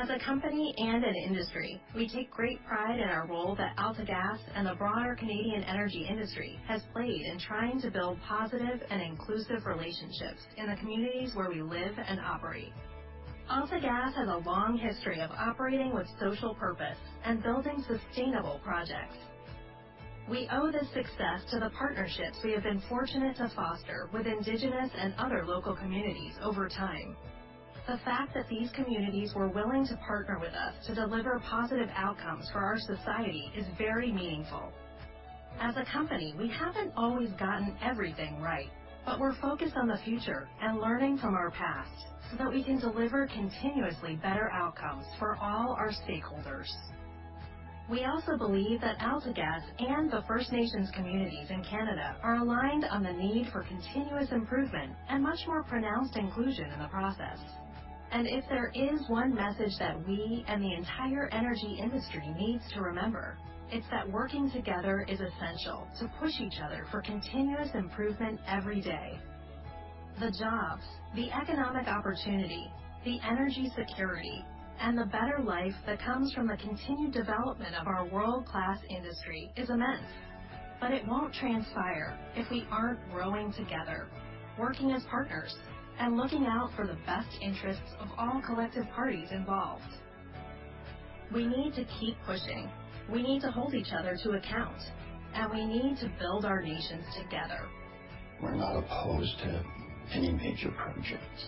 As a company and an industry, we take great pride in our role that AltaGas and the broader Canadian energy industry has played in trying to build positive and inclusive relationships in the communities where we live and operate. AltaGas has a long history of operating with social purpose and building sustainable projects. We owe this success to the partnerships we have been fortunate to foster with Indigenous and other local communities over time. The fact that these communities were willing to partner with us to deliver positive outcomes for our society is very meaningful. As a company, we haven't always gotten everything right, but we're focused on the future and learning from our past so that we can deliver continuously better outcomes for all our stakeholders. We also believe that AltaGas and the First Nations communities in Canada are aligned on the need for continuous improvement and much more pronounced inclusion in the process. If there is one message that we and the entire energy industry needs to remember, it's that working together is essential to push each other for continuous improvement every day. The jobs, the economic opportunity, the energy security, and the better life that comes from the continued development of our world-class industry is immense. It won't transpire if we aren't growing together, working as partners, and looking out for the best interests of all collective parties involved. We need to keep pushing, we need to hold each other to account, and we need to build our nations together. We're not opposed to any major projects.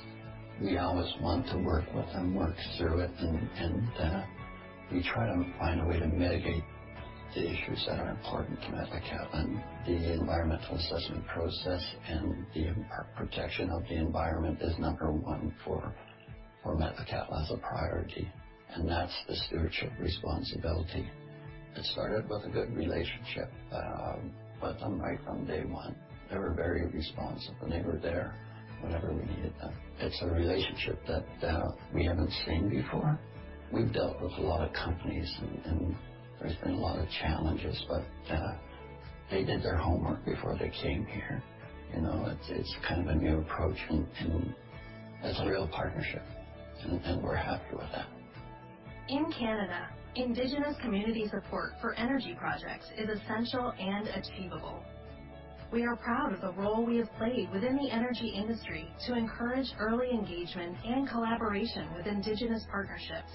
We always want to work with them, work through it, and we try to find a way to mitigate the issues that are important to Metlakatla First Nation. The environmental assessment process and protection of the environment is number one for Metlakatla First Nation as a priority, and that's the stewardship responsibility. It started with a good relationship. Right from day one, they were very responsive, and they were there whenever we needed them. It's a relationship that we haven't seen before. We've dealt with a lot of companies and there's been a lot of challenges, but they did their homework before they came here. You know, it's kind of a new approach and it's a real partnership. We're happy with that. In Canada, Indigenous community support for energy projects is essential and achievable. We are proud of the role we have played within the energy industry to encourage early engagement and collaboration with Indigenous partnerships.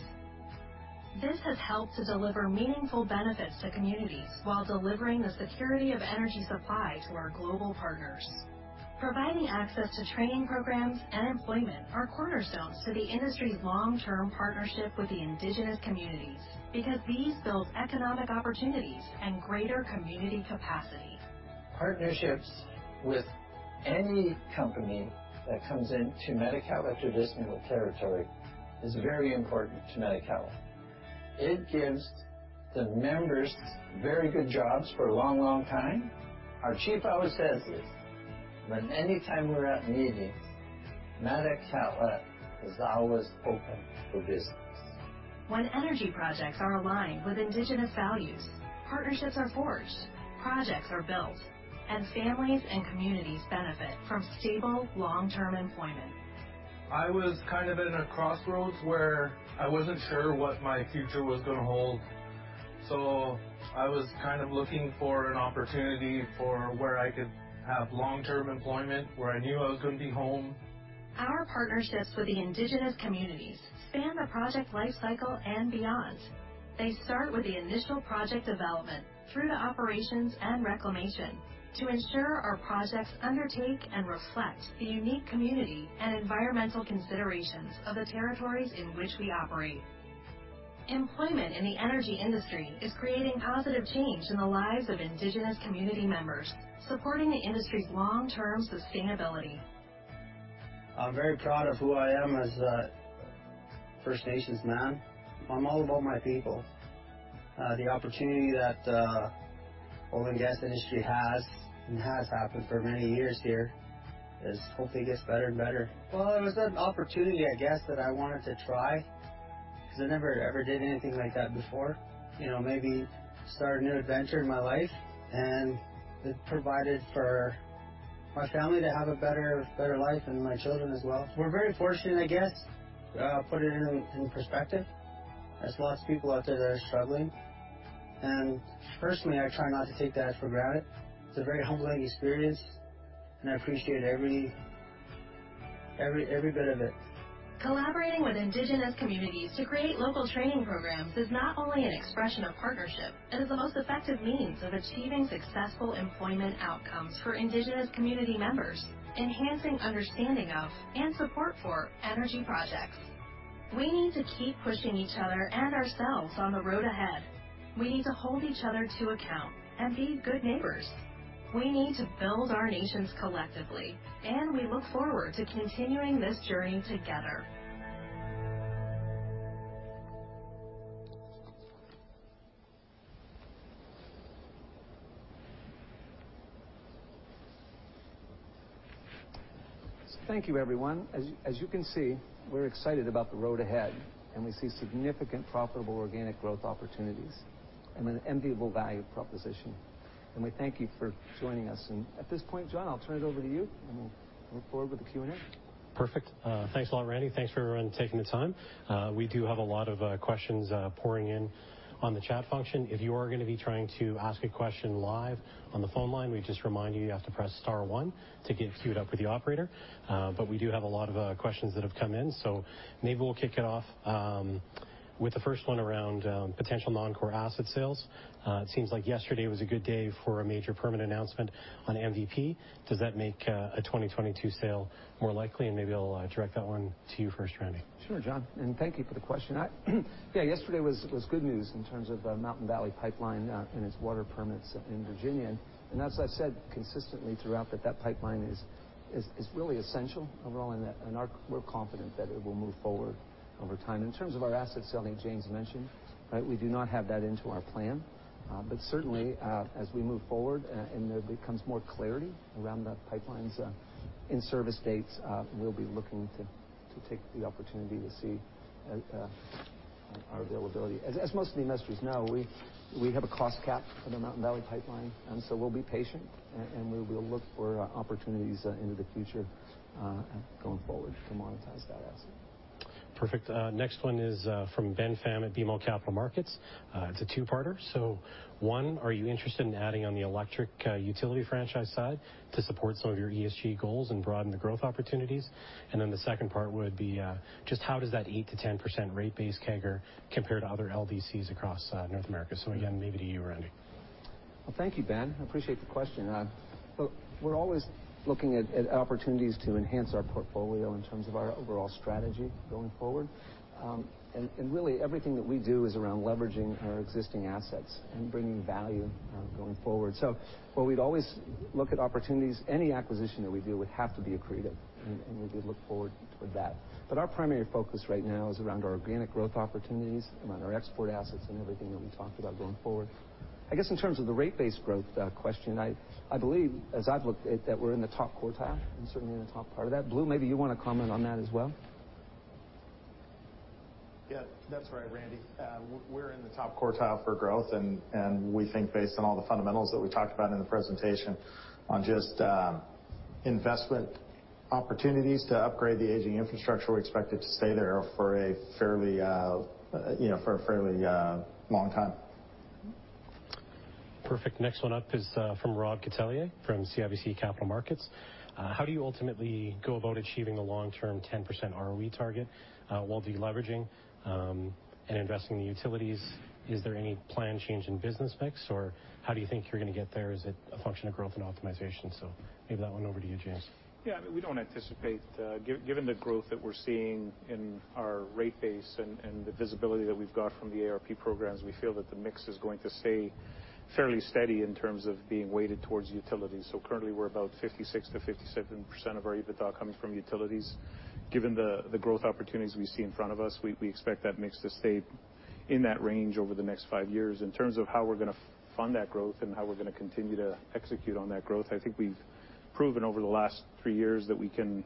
This has helped to deliver meaningful benefits to communities while delivering the security of energy supply to our global partners. Providing access to training programs and employment are cornerstones to the industry's long-term partnership with the Indigenous communities because these build economic opportunities and greater community capacity. Partnerships with any company that comes into Metlakatla Traditional Territory is very important to Metlakatla First Nation. It gives the members very good jobs for a long, long time. Our chief always says this, whenever we're at meetings, Metlakatla First Nation is always open for business. When energy projects are aligned with Indigenous values, partnerships are forged, projects are built, and families and communities benefit from stable long-term employment. I was kind of at a crossroads where I wasn't sure what my future was gonna hold. I was kind of looking for an opportunity for where I could have long-term employment, where I knew I was gonna be home. Our partnerships with the Indigenous communities span the project lifecycle and beyond. They start with the initial project development through to operations and reclamation to ensure our projects undertake and reflect the unique community and environmental considerations of the territories in which we operate. Employment in the energy industry is creating positive change in the lives of Indigenous community members, supporting the industry's long-term sustainability. I'm very proud of who I am as a First Nations man. I'm all about my people. The opportunity that oil and gas industry has and has happened for many years here is hopefully gets better and better. Well, it was an opportunity, I guess, that I wanted to try because I never, ever did anything like that before. You know, maybe start a new adventure in my life, and it provided for my family to have a better life and my children as well. We're very fortunate, I guess, put it in perspective. There's lots of people out there that are struggling, and personally, I try not to take that for granted. It's a very humbling experience, and I appreciate every bit of it. Collaborating with Indigenous communities to create local training programs is not only an expression of partnership. It is the most effective means of achieving successful employment outcomes for Indigenous community members, enhancing understanding of and support for energy projects. We need to keep pushing each other and ourselves on the road ahead. We need to hold each other to account and be good neighbors. We need to build our nations collectively, and we look forward to continuing this journey together. Thank you, everyone. As you can see, we're excited about the road ahead, and we see significant profitable organic growth opportunities and an enviable value proposition. We thank you for joining us. At this point, Jon, I'll turn it over to you, and we'll move forward with the Q&A. Perfect. Thanks a lot, Randy. Thanks for everyone taking the time. We do have a lot of questions pouring in on the chat function. If you are gonna be trying to ask a question live on the phone line, we just remind you have to press star one to get queued up with the operator. We do have a lot of questions that have come in, so maybe we'll kick it off with the first one around potential non-core asset sales. It seems like yesterday was a good day for a major permit announcement on MVP. Does that make a 2022 sale more likely? Maybe I'll direct that one to you first, Randy. Sure, Jon, thank you for the question. Yeah, yesterday was good news in terms of Mountain Valley Pipeline and its water permits in Virginia. As I've said consistently throughout, that pipeline is really essential overall and that we're confident that it will move forward over time. In terms of our asset selling, James mentioned, right? We do not have that in our plan. But certainly, as we move forward and there becomes more clarity around the pipelines' in service dates, we'll be looking to take the opportunity to see our availability. As most of the investors know, we have a cost cap for the Mountain Valley Pipeline, and so we'll be patient and we will look for opportunities into the future going forward to monetize that asset. Perfect. Next one is from Ben Pham at BMO Capital Markets. It's a two-parter. One, are you interested in adding on the electric utility franchise side to support some of your ESG goals and broaden the growth opportunities? The second part would be just how does that 8%-10% rate base CAGR compare to other LDCs across North America? Again, maybe to you, Randy. Well, thank you, Ben. I appreciate the question. Well, we're always looking at opportunities to enhance our portfolio in terms of our overall strategy going forward. Really everything that we do is around leveraging our existing assets and bringing value going forward. While we'd always look at opportunities, any acquisition that we do would have to be accretive, and we do look forward toward that. Our primary focus right now is around our organic growth opportunities, around our export assets and everything that we talked about going forward. I guess in terms of the rate base growth question, I believe as I've looked at that we're in the top quartile and certainly in the top part of that. Blue, maybe you wanna comment on that as well. Yeah. That's right, Randy. We're in the top quartile for growth and we think based on all the fundamentals that we talked about in the presentation on just investment opportunities to upgrade the aging infrastructure, we expect it to stay there for a fairly long time. Perfect. Next one up is from Robert Catellier from CIBC Capital Markets. How do you ultimately go about achieving the long-term 10% ROE target while de-leveraging and investing in the utilities? Is there any plan change in business mix, or how do you think you're gonna get there? Is it a function of growth and optimization? Maybe that one over to you, James. Yeah. We don't anticipate, given the growth that we're seeing in our rate base and the visibility that we've got from the ARP programs, we feel that the mix is going to stay fairly steady in terms of being weighted towards utilities. Currently, we're about 56%-57% of our EBITDA coming from utilities. Given the growth opportunities we see in front of us, we expect that mix to stay in that range over the next five years. In terms of how we're gonna fund that growth and how we're gonna continue to execute on that growth, I think we've proven over the last three years that we can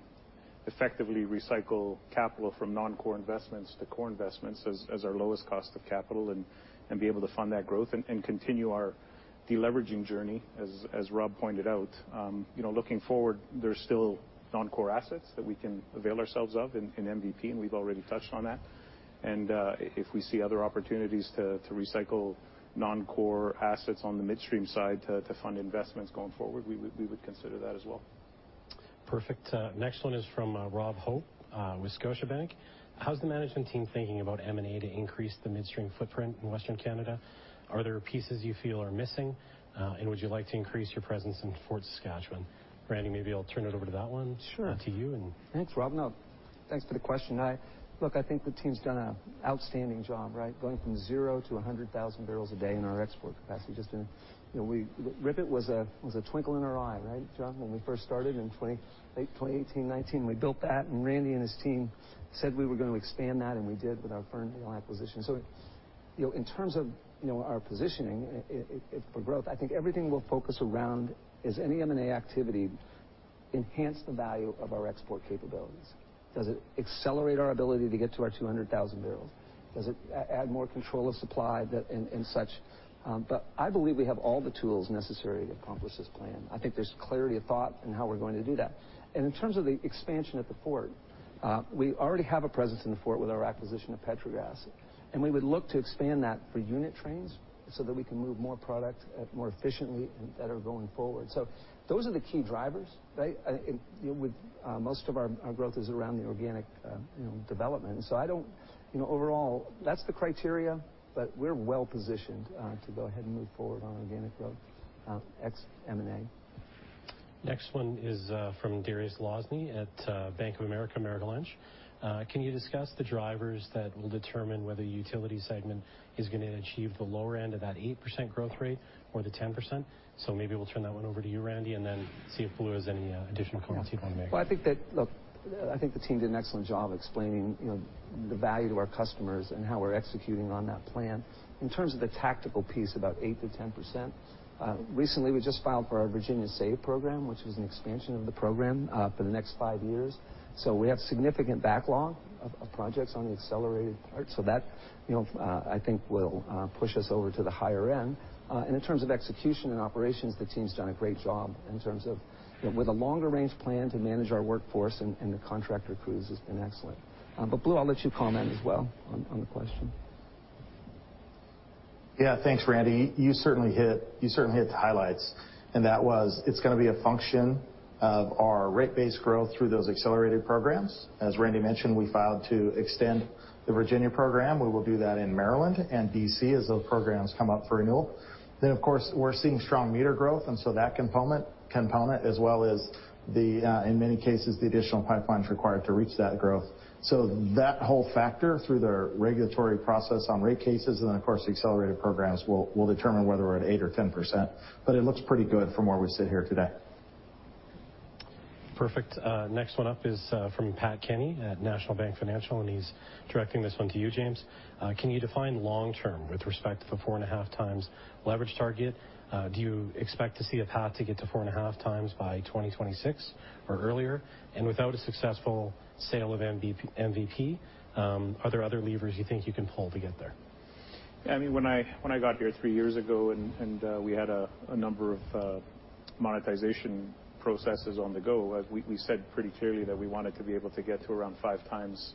effectively recycle capital from noncore investments to core investments as our lowest cost of capital and be able to fund that growth and continue our deleveraging journey. As Rob pointed out, you know, looking forward, there's still non-core assets that we can avail ourselves of in MVP, and we've already touched on that. If we see other opportunities to recycle non-core assets on the midstream side to fund investments going forward, we would consider that as well. Perfect. Next one is from Robert Hope with Scotiabank. How's the management team thinking about M&A to increase the midstream footprint in Western Canada? Are there pieces you feel are missing, and would you like to increase your presence in Fort Saskatchewan? Randy, maybe I'll turn it over to that one. Sure. to you, and Thanks, Rob. Thanks for the question. Look, I think the team's done an outstanding job, right? Going from zero to 100,000 barrels a day in our export capacity. You know we—RIPET was a twinkle in our eye, right, Jon? When we first started in 2018, 2019, we built that, and Randy and his team said we were gonna expand that, and we did with our Ferndale acquisition. You know, in terms of our positioning for growth, I think everything will focus around is any M&A activity enhance the value of our export capabilities? Does it accelerate our ability to get to our 200,000 barrels? Does it add more control of supply and such, but I believe we have all the tools necessary to accomplish this plan. I think there's clarity of thought in how we're going to do that. In terms of the expansion at the Fort, we already have a presence in the Fort with our acquisition of Petrogas, and we would look to expand that for unit trains so that we can move more product more efficiently and better going forward. Those are the key drivers, right? And with most of our growth is around the organic, you know, development. You know, overall, that's the criteria, but we're well-positioned to go ahead and move forward on organic growth ex M&A. Next one is from Dariusz Lozny at Bank of America Merrill Lynch. Can you discuss the drivers that will determine whether utility segment is gonna achieve the lower end of that 8% growth rate or the 10%? Maybe we'll turn that one over to you, Randy, and then see if Blue has any additional comments he wanna make. Look, I think the team did an excellent job of explaining, you know, the value to our customers and how we're executing on that plan. In terms of the tactical piece, about 8%-10%. Recently, we just filed for our Virginia SAVE program, which is an expansion of the program for the next 5 years. We have significant backlog of projects on the accelerated part. That, you know, I think will push us over to the higher end. In terms of execution and operations, the team's done a great job in terms of, you know, with a longer-range plan to manage our workforce and the contractor crews has been excellent. But Blue, I'll let you comment as well on the question. Yeah. Thanks, Randy. You certainly hit the highlights, and that was, it's gonna be a function of our rate-based growth through those accelerated programs. As Randy mentioned, we filed to extend the Virginia program. We will do that in Maryland and D.C. as those programs come up for renewal. Of course, we're seeing strong meter growth, and so that component, as well as the, in many cases, the additional pipelines required to reach that growth. That whole factor through the regulatory process on rate cases and, of course, the accelerated programs will determine whether we're at 8% or 10%, but it looks pretty good from where we sit here today. Perfect. Next one up is from Patrick Kenny at National Bank Financial, and he's directing this one to you, James. Can you define long-term with respect to the 4.5x leverage target? Do you expect to see a path to get to 4.5x by 2026 or earlier? Without a successful sale of MV-MVP, are there other levers you think you can pull to get there? I mean, when I got here 3 years ago and we had a number of monetization processes on the go, we said pretty clearly that we wanted to be able to get to around 5x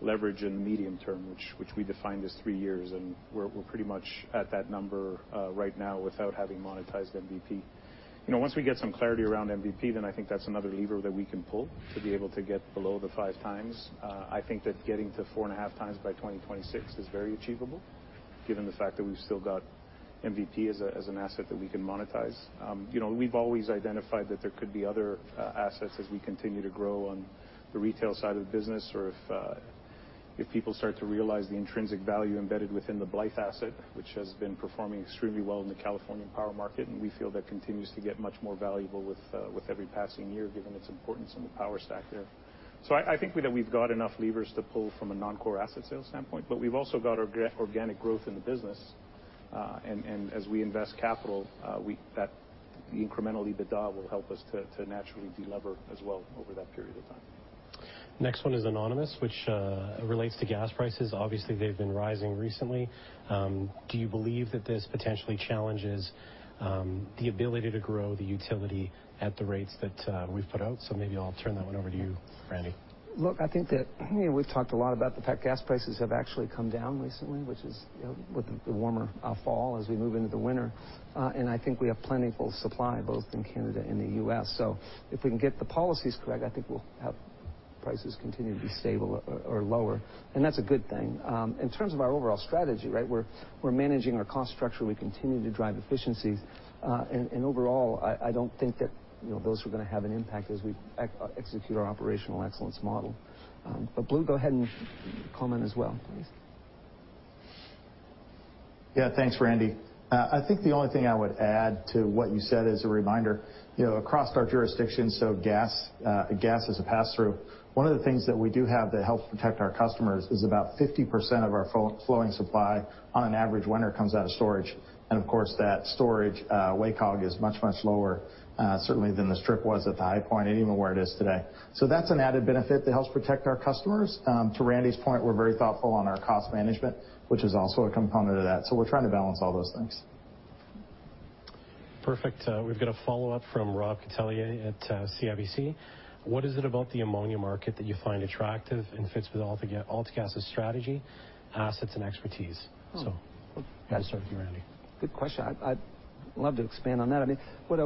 leverage in the medium term, which we defined as 3 years, and we're pretty much at that number right now without having monetized MVP. You know, once we get some clarity around MVP, then I think that's another lever that we can pull to be able to get below the 5x. I think that getting to 4.5x by 2026 is very achievable given the fact that we've still got MVP as an asset that we can monetize. You know, we've always identified that there could be other assets as we continue to grow on the retail side of the business or if people start to realize the intrinsic value embedded within the Blythe asset, which has been performing extremely well in the California power market. We feel that continues to get much more valuable with every passing year given its importance in the power stack there. I think that we've got enough levers to pull from a non-core asset sales standpoint, but we've also got organic growth in the business, and as we invest capital, incrementally, the DRIP will help us to naturally de-lever as well over that period of time. Next one is anonymous, which relates to gas prices. Obviously, they've been rising recently. Do you believe that this potentially challenges the ability to grow the utility at the rates that we've put out? Maybe I'll turn that one over to you, Randy. Look, I think that, you know, we've talked a lot about the fact gas prices have actually come down recently, which is, you know, with the warmer fall as we move into the winter. I think we have plentiful supply both in Canada and the U.S. If we can get the policies correct, I think we'll have prices continue to be stable or lower, and that's a good thing. In terms of our overall strategy, right? We're managing our cost structure. We continue to drive efficiencies. Overall, I don't think that, you know, those are gonna have an impact as we execute our operational excellence model. Blue, go ahead and comment as well, please. Yeah. Thanks, Randy. I think the only thing I would add to what you said as a reminder, you know, across our jurisdiction, so gas is a pass-through. One of the things that we do have that help protect our customers is about 50% of our flow, flowing supply on an average winter comes out of storage. Of course, that storage, WACOG is much, much lower, certainly than the strip was at the high point, and even where it is today. That's an added benefit that helps protect our customers. To Randy's point, we're very thoughtful on our cost management, which is also a component of that. We're trying to balance all those things. Perfect. We've got a follow-up from Rob Catellier at CIBC. What is it about the ammonia market that you find attractive and fits with AltaGas' strategy, assets, and expertise? I'll start with you, Randy. Good question. I'd love to expand on that. I mean, what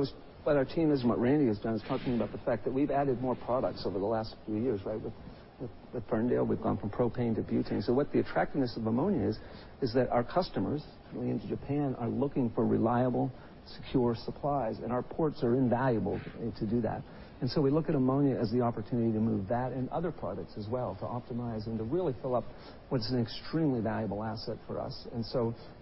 our team is and what Randy has done is talking about the fact that we've added more products over the last few years, right? With Ferndale, we've gone from propane to butane. So what the attractiveness of ammonia is that our customers, going into Japan, are looking for reliable, secure supplies, and our ports are invaluable to do that. We look at ammonia as the opportunity to move that and other products as well, to optimize and to really fill up what's an extremely valuable asset for us.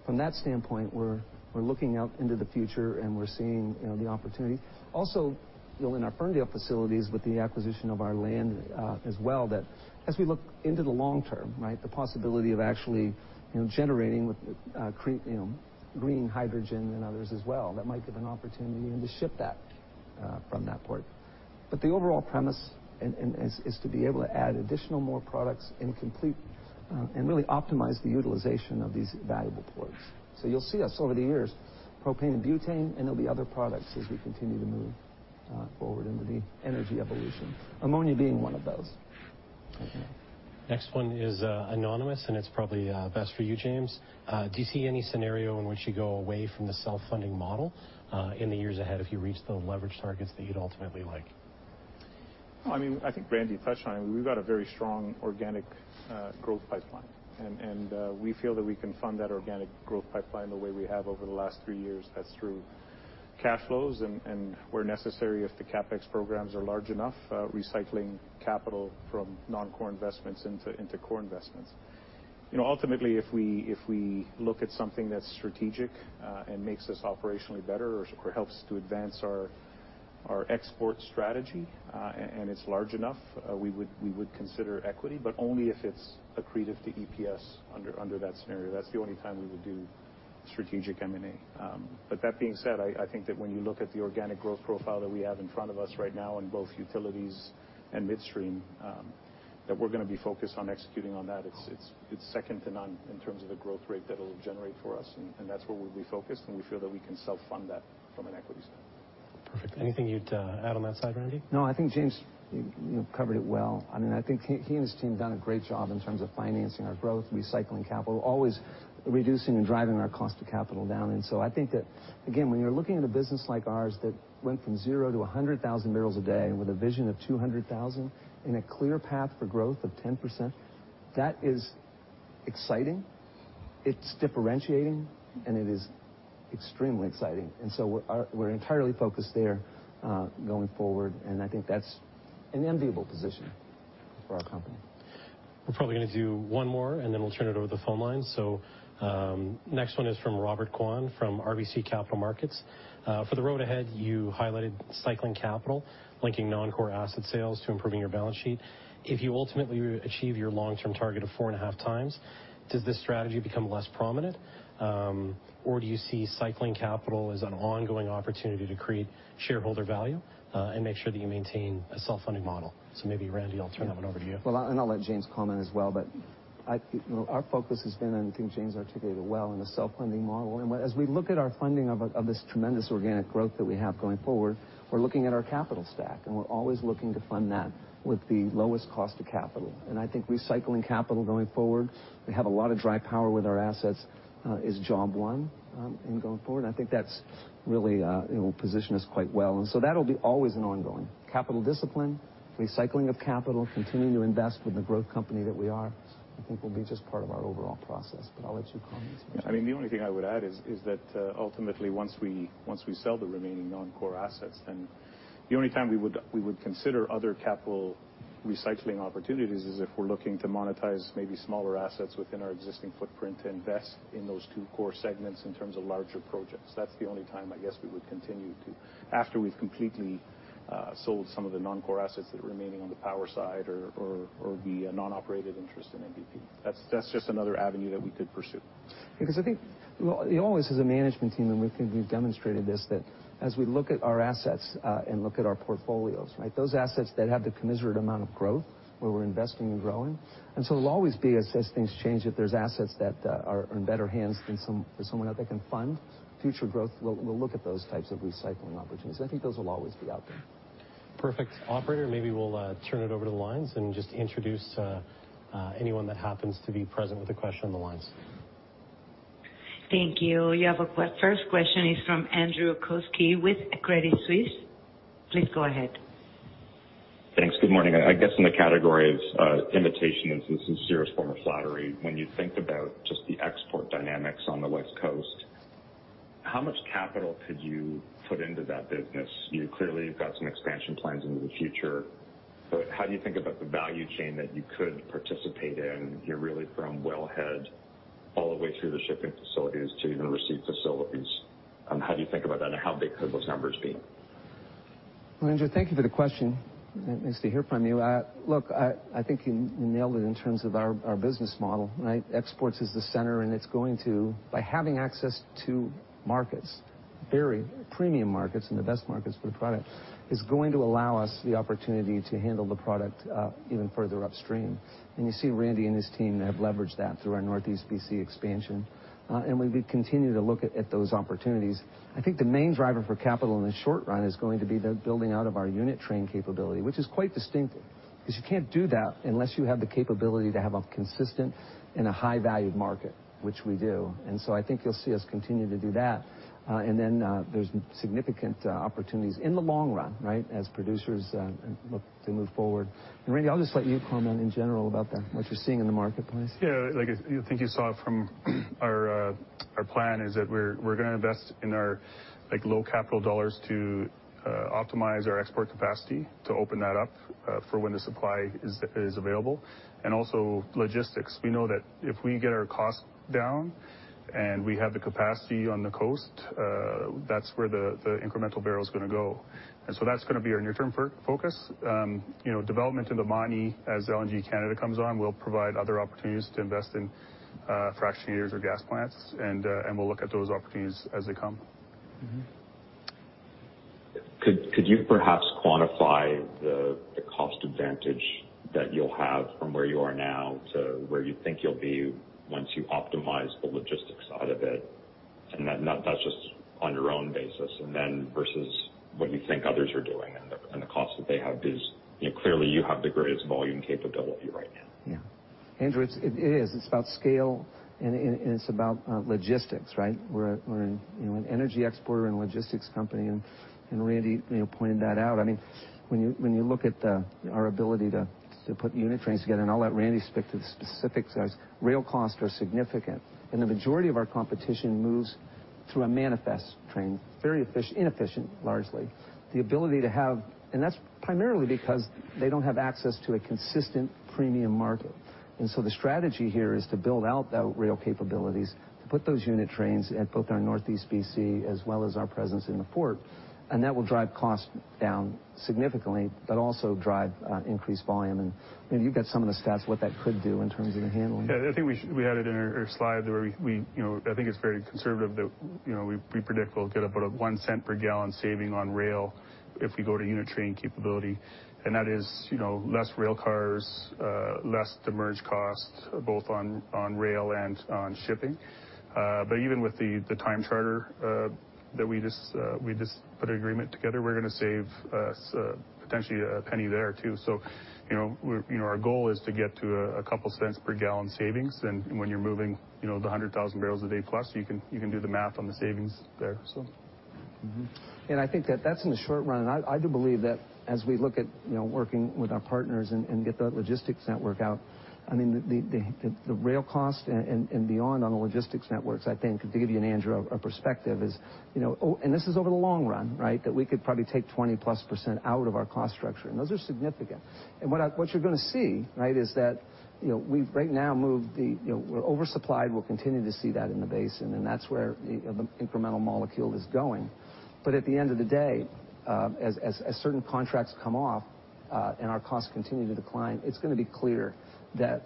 From that standpoint, we're looking out into the future and we're seeing, you know, the opportunity. You know, in our Ferndale facilities with the acquisition of our land, as well, that as we look into the long-term, right? The possibility of actually, you know, generating with, you know, green hydrogen and others as well, that might give an opportunity and to ship that, from that port. But the overall premise is to be able to add additional more products and complete, and really optimize the utilization of these valuable ports. You'll see us over the years, propane and butane, and there'll be other products as we continue to move, forward into the energy evolution, ammonia being one of those. Next one is, anonymous, and it's probably, best for you, James. Do you see any scenario in which you go away from the self-funding model, in the years ahead if you reach the leverage targets that you'd ultimately like? Well, I mean, I think Randy touched on it. We've got a very strong organic growth pipeline. We feel that we can fund that organic growth pipeline the way we have over the last three years. That's through cash flows and where necessary, if the CapEx programs are large enough, recycling capital from non-core investments into core investments. You know, ultimately, if we look at something that's strategic and makes us operationally better or helps to advance our export strategy and it's large enough, we would consider equity, but only if it's accretive to EPS under that scenario. That's the only time we would do strategic M&A. That being said, I think that when you look at the organic growth profile that we have in front of us right now in both utilities and midstream, that we're gonna be focused on executing on that. It's second to none in terms of the growth rate that it'll generate for us. That's where we'll be focused, and we feel that we can self-fund that from an equity standpoint. Perfect. Anything you'd add on that side, Randy? No, I think James, you know, covered it well. I mean, I think he and his team have done a great job in terms of financing our growth, recycling capital, always reducing and driving our cost of capital down. I think that, again, when you're looking at a business like ours that went from 0-100,000 barrels a day with a vision of 200,000 and a clear path for growth of 10%, that is exciting. It's differentiating, and it is extremely exciting. We're entirely focused there, going forward, and I think that's an enviable position for our company. We're probably gonna do one more, and then we'll turn it over to the phone line. Next one is from Robert Kwan from RBC Capital Markets. For the road ahead, you highlighted cycling capital, linking non-core asset sales to improving your balance sheet. If you ultimately achieve your long-term target of 4.5x, does this strategy become less prominent? Or do you see cycling capital as an ongoing opportunity to create shareholder value, and make sure that you maintain a self-funding model? Maybe Randy, I'll turn that one over to you. Well, I'll let James comment as well, but you know, our focus has been on, I think James articulated it well, in the self-funding model. As we look at our funding of this tremendous organic growth that we have going forward, we're looking at our capital stack, and we're always looking to fund that with the lowest cost of capital. I think recycling capital going forward, we have a lot of dry powder with our assets, is job one in going forward. I think that's really, you know, position us quite well. That'll be always an ongoing capital discipline, recycling of capital, continuing to invest with the growth company that we are, I think will be just part of our overall process. I'll let you comment, James. I mean, the only thing I would add is that ultimately once we sell the remaining non-core assets, then the only time we would consider other capital recycling opportunities is if we're looking to monetize maybe smaller assets within our existing footprint to invest in those two core segments in terms of larger projects. That's the only time I guess we would continue to. After we've completely sold some of the non-core assets that are remaining on the power side or the non-operated interest in MVP. That's just another avenue that we could pursue. Because I think it always is a management team, and we think we've demonstrated this, that as we look at our assets and look at our portfolios, right? Those assets that have the commensurate amount of growth, where we're investing and growing. It'll always be as things change, if there's assets that are in better hands than someone out there can fund, we'll look at those types of recycling opportunities. I think those will always be out there. Perfect. Operator, maybe we'll turn it over to the lines and just introduce anyone that happens to be present with a question on the lines. Thank you. You have a question. First question is from Andrew Kuske with Credit Suisse. Please go ahead. Thanks. Good morning. I guess in the category of imitation and sincere form of flattery, when you think about just the export dynamics on the West Coast. How much capital could you put into that business? You clearly have got some expansion plans into the future, but how do you think about the value chain that you could participate in? You're really from well head all the way through the shipping facilities to even receipt facilities. How do you think about that, and how big could those numbers be? Andrew, thank you for the question. Nice to hear from you. Look, I think you nailed it in terms of our business model, right? Exports is the center. By having access to markets, very premium markets and the best markets for the product is going to allow us the opportunity to handle the product even further upstream. You see Randy and his team have leveraged that through our Northeast B.C. expansion, and we continue to look at those opportunities. I think the main driver for capital in the short run is going to be the building out of our unit train capability, which is quite distinctive, 'cause you can't do that unless you have the capability to have a consistent and a high valued market, which we do. I think you'll see us continue to do that. There's significant opportunities in the long run, right, as producers look to move forward. Randy, I'll just let you comment in general about what you're seeing in the marketplace. Yeah. I think you saw it from our plan is that we're gonna invest in our, like, low capital dollars to optimize our export capacity to open that up for when the supply is available. Also logistics. We know that if we get our costs down and we have the capacity on the coast, that's where the incremental barrel's gonna go. That's gonna be our near-term focus. You know, development in the Montney as LNG Canada comes on will provide other opportunities to invest in fractionators or gas plants, and we'll look at those opportunities as they come. Mm-hmm. Could you perhaps quantify the cost advantage that you'll have from where you are now to where you think you'll be once you optimize the logistics side of it? That's just on your own basis, and then versus what you think others are doing and the costs that they have, because, you know, clearly you have the greatest volume capability right now. Yeah. Andrew, it is. It's about scale and it's about logistics, right? We're an, you know, an energy exporter and logistics company, and Randy, you know, pointed that out. I mean, when you look at our ability to put unit trains together, and I'll let Randy speak to the specifics as rail costs are significant, and the majority of our competition moves through a manifest train, very inefficient, largely. That's primarily because they don't have access to a consistent premium market. The strategy here is to build out the rail capabilities, to put those unit trains at both our Northeast BC as well as our presence in the port, and that will drive costs down significantly, but also drive increased volume. Maybe you've got some of the stats what that could do in terms of the handling. Yeah, I think we had it in our slide where we predict we'll get about a $0.01 per gallon saving on rail if we go to unit train capability. That is less rail cars, less demurrage cost both on rail and on shipping. But even with the time charter that we just put an agreement together, we're gonna save us potentially $0.01 there too. You know, our goal is to get to a couple cents per gallon savings and when you're moving the 100,000 barrels a day plus, you can do the math on the savings there. Mm-hmm. I think that that's in the short run. I do believe that as we look at, you know, working with our partners and get the logistics network out, I mean, the rail cost and beyond on the logistics networks. I think, to give you and Andrew a perspective, is, you know, this is over the long run, right? That we could probably take 20%+ out of our cost structure, and those are significant. What you're gonna see, right, is that, you know, we've right now moved. You know, we're oversupplied. We'll continue to see that in the basin, and that's where the incremental molecule is going. At the end of the day, as certain contracts come off, and our costs continue to decline, it's gonna be clear that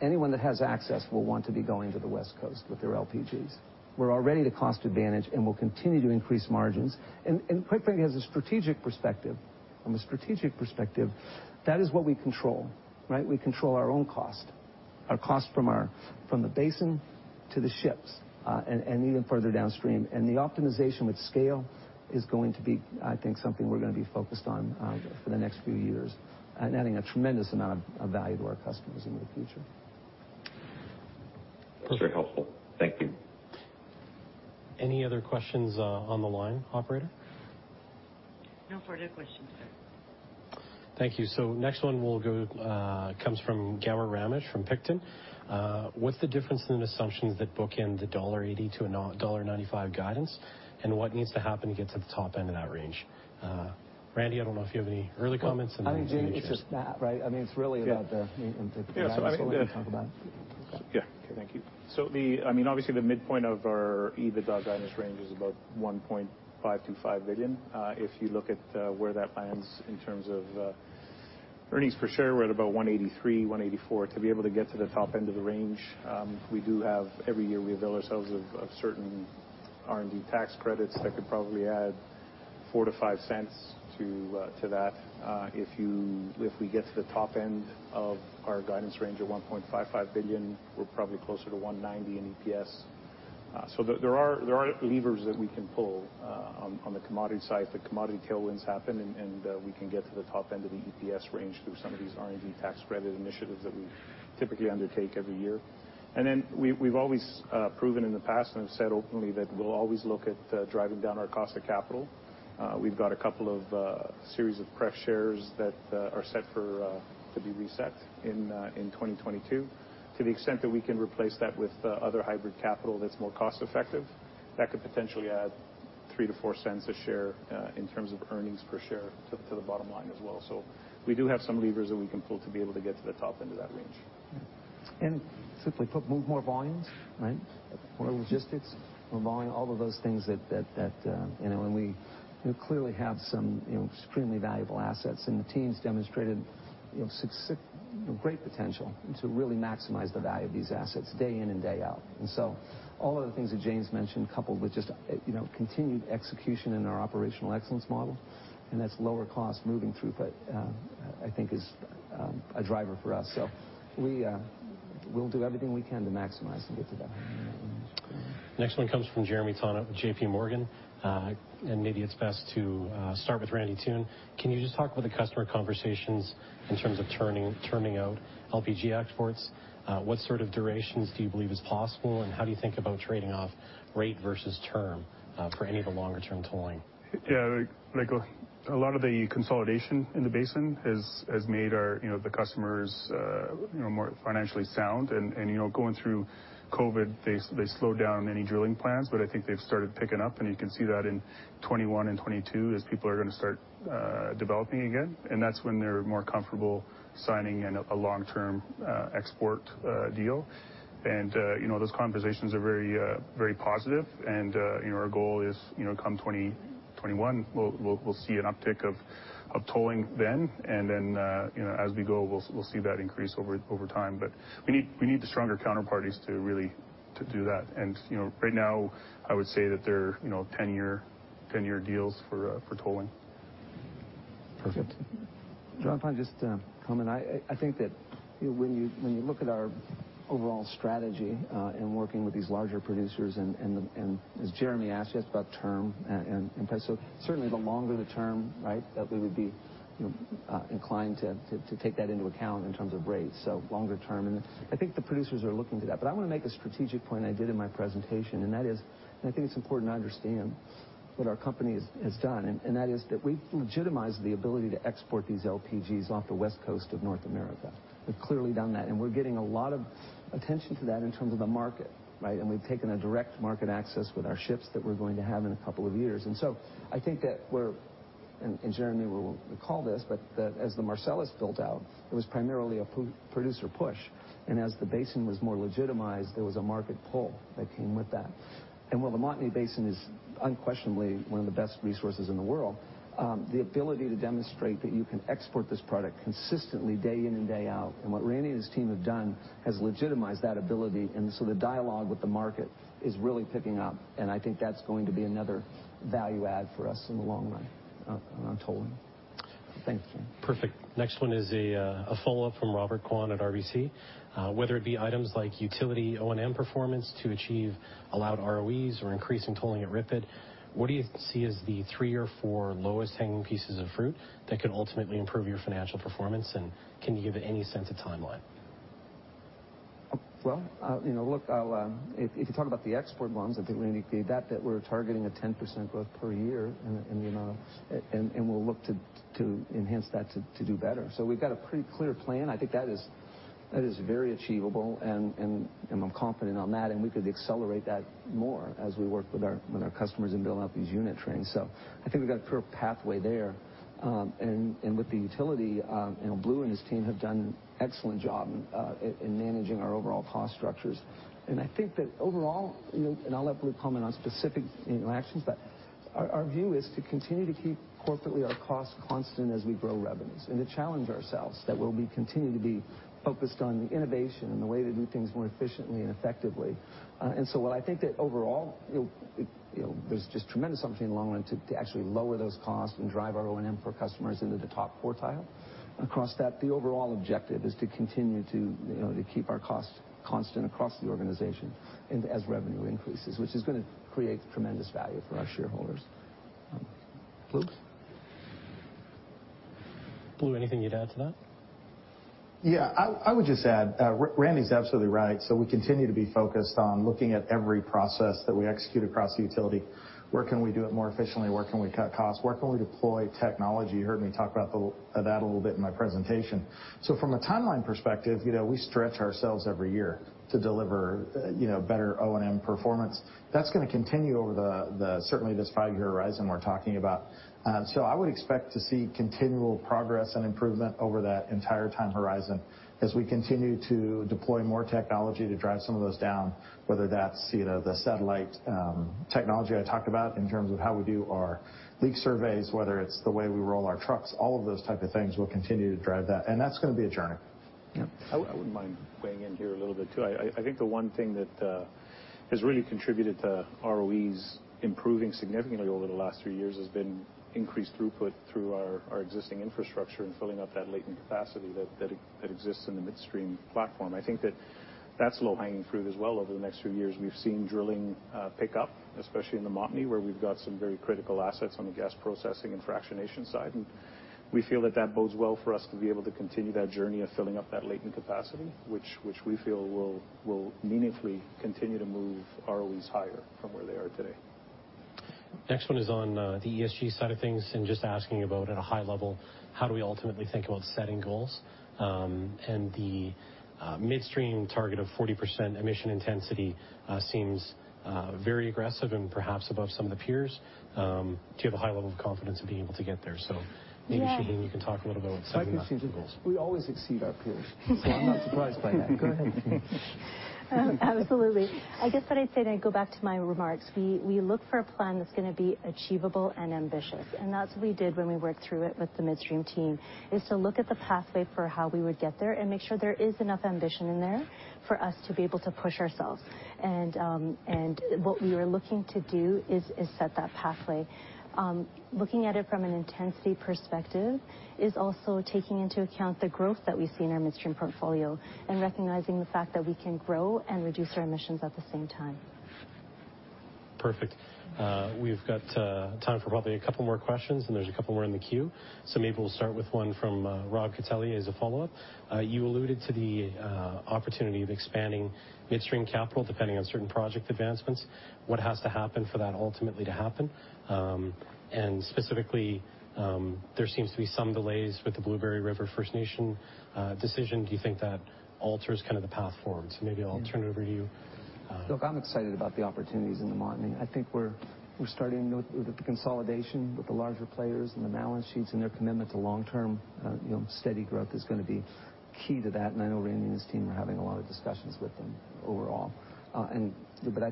anyone that has access will want to be going to the West Coast with their LPGs. We're already at a cost advantage, and we'll continue to increase margins. Quite frankly, as a strategic perspective, from a strategic perspective, that is what we control, right? We control our own cost, our cost from the basin to the ships, and even further downstream. The optimization with scale is going to be, I think, something we're gonna be focused on, for the next few years and adding a tremendous amount of value to our customers in the future. That's very helpful. Thank you. Any other questions, on the line, operator? No further questions, sir. Thank you. Next one we'll go comes from Gaurav Rungta from Picton Mahoney. What's the difference in assumptions that bookend the 1.80-1.95 dollar guidance, and what needs to happen to get to the top end of that range? Randy, I don't know if you have any early comments, and then Well, I think, James, it's just that, right? I mean, it's really about the. Yeah. The guidance. Why don't you talk about it? Yeah. Okay. Thank you. I mean, obviously the midpoint of our EBITDA guidance range is about 1.525 billion. If you look at where that lands in terms of earnings per share, we're at about 1.83-1.84. To be able to get to the top end of the range, we do have every year we avail ourselves of certain R&D tax credits that could probably add 0.04-0.05 to that. If we get to the top end of our guidance range of 1.55 billion, we're probably closer to 1.90 in EPS. There are levers that we can pull on the commodity side. The commodity tailwinds happen and we can get to the top end of the EPS range through some of these R&D tax credit initiatives that we typically undertake every year. Then we've always proven in the past and have said openly that we'll always look at driving down our cost of capital. We've got a couple of series of pref shares that are set to be reset in 2022. To the extent that we can replace that with other hybrid capital that's more cost effective, that could potentially add 0.03-0.04 a share in terms of earnings per share to the bottom line as well. We do have some levers that we can pull to be able to get to the top end of that range. Simply put, move more volumes, right? More logistics, more volume, all of those things that you know, and we clearly have some, you know, extremely valuable assets. The team's demonstrated, you know, great potential to really maximize the value of these assets day in and day out. All of the things that James mentioned, coupled with just, you know, continued execution in our operational excellence model, and that's lower cost moving throughput, I think is a driver for us. We, we'll do everything we can to maximize and get to that. Next one comes from Jeremy Tonet with JPMorgan. Maybe it's best to start with Randy Toone. Can you just talk about the customer conversations in terms of terming out LPG exports? What sort of durations do you believe is possible, and how do you think about trading off rate versus term for any of the longer-term tolling? Yeah. Like a lot of the consolidation in the basin has made our, you know, the customers, you know, more financially sound and, you know, going through COVID, they slowed down any drilling plans, but I think they've started picking up, and you can see that in 2021 and 2022 as people are gonna start developing again. That's when they're more comfortable signing a long-term export deal. You know, those conversations are very positive. Our goal is, you know, come 2021, we'll see an uptick of tolling then. Then, you know, as we go, we'll see that increase over time. We need the stronger counterparties to really do that. You know, right now, I would say that they're, you know, ten-year deals for tolling. Perfect. Jon, if I can just comment. I think that, you know, when you look at our overall strategy in working with these larger producers and as Jeremy asked you, it's about term and price. So certainly the longer the term, right, that we would be, you know, inclined to take that into account in terms of rates, so longer term. I think the producers are looking to that. I wanna make a strategic point I did in my presentation, and that is, and I think it's important to understand what our company has done, and that is that we've legitimized the ability to export these LPGs off the West Coast of North America. We've clearly done that, and we're getting a lot of attention to that in terms of the market, right? We've taken a direct market access with our ships that we're going to have in a couple of years. I think that Jeremy will recall this, but that as the Marcellus built out, it was primarily a pro-producer push. As the basin was more legitimized, there was a market pull that came with that. While the Montney Basin is unquestionably one of the best resources in the world, the ability to demonstrate that you can export this product consistently day in and day out, and what Randy and his team have done has legitimized that ability. The dialogue with the market is really picking up, and I think that's going to be another value add for us in the long run on tolling. Thanks, James. Perfect. Next one is a follow-up from Robert Kwan at RBC. Whether it be items like utility O&M performance to achieve allowed ROEs or increase in tolling at RIPET, what do you see as the 3 or 4 lowest hanging pieces of fruit that could ultimately improve your financial performance? And can you give any sense of timeline? Well, you know, look, if you talk about the export volumes, I think Randy gave that we're targeting a 10% growth per year in the. We'll look to enhance that to do better. We've got a pretty clear plan. I think that is very achievable and I'm confident on that, and we could accelerate that more as we work with our customers in building out these unit trains. I think we've got a clear pathway there. With the utility, you know, Blue and his team have done an excellent job in managing our overall cost structures. I think that overall, you know, and I'll let Blue comment on specific, you know, actions, but our view is to continue to keep corporately our costs constant as we grow revenues and to challenge ourselves that we'll continue to be focused on the innovation and the way to do things more efficiently and effectively. While I think that overall, you'll, you know, there's just tremendous opportunity in the long run to actually lower those costs and drive our O&M for customers into the top quartile. Across that, the overall objective is to continue to, you know, to keep our costs constant across the organization and as revenue increases, which is gonna create tremendous value for our shareholders. Blue? Blue, anything you'd add to that? Yeah. I would just add, Randy's absolutely right. We continue to be focused on looking at every process that we execute across the utility. Where can we do it more efficiently? Where can we cut costs? Where can we deploy technology? You heard me talk about that a little bit in my presentation. From a timeline perspective, you know, we stretch ourselves every year to deliver, you know, better O&M performance. That's gonna continue over this five-year horizon we're talking about, certainly. I would expect to see continual progress and improvement over that entire time horizon as we continue to deploy more technology to drive some of those down, whether that's, you know, the satellite technology I talked about in terms of how we do our leak surveys, whether it's the way we roll our trucks, all of those type of things will continue to drive that. That's gonna be a journey. Yep. I wouldn't mind weighing in here a little bit, too. I think the one thing that has really contributed to ROEs improving significantly over the last three years has been increased throughput through our existing infrastructure and filling up that latent capacity that exists in the midstream platform. I think that's low-hanging fruit as well over the next few years. We've seen drilling pick up, especially in the Montney, where we've got some very critical assets on the gas processing and fractionation side. We feel that bodes well for us to be able to continue that journey of filling up that latent capacity, which we feel will meaningfully continue to move ROEs higher from where they are today. Next one is on the ESG side of things and just asking about at a high level, how do we ultimately think about setting goals? And the midstream target of 40% emission intensity seems very aggressive and perhaps above some of the peers. Do you have a high level of confidence of being able to get there? Yeah. Maybe, Shaheen, you can talk a little about some of the goals. I can see we always exceed our peers. I'm not surprised by that. Go ahead. Absolutely. I guess what I'd say, and I go back to my remarks, we look for a plan that's gonna be achievable and ambitious, and that's what we did when we worked through it with the midstream team, is to look at the pathway for how we would get there and make sure there is enough ambition in there for us to be able to push ourselves. What we are looking to do is set that pathway. Looking at it from an intensity perspective is also taking into account the growth that we see in our midstream portfolio and recognizing the fact that we can grow and reduce our emissions at the same time. Perfect. We've got time for probably a couple more questions, and there's a couple more in the queue. Maybe we'll start with one from Robert Catellier as a follow-up. You alluded to the opportunity of expanding midstream capital depending on certain project advancements. What has to happen for that ultimately to happen? Specifically, there seems to be some delays with the Blueberry River First Nations decision. Do you think that alters kind of the path forward? Maybe I'll turn it over to you. Look, I'm excited about the opportunities in the Montney. I think we're starting with the consolidation with the larger players and the balance sheets and their commitment to long-term, you know, steady growth is gonna be key to that. I know Randy and his team are having a lot of discussions with them overall. I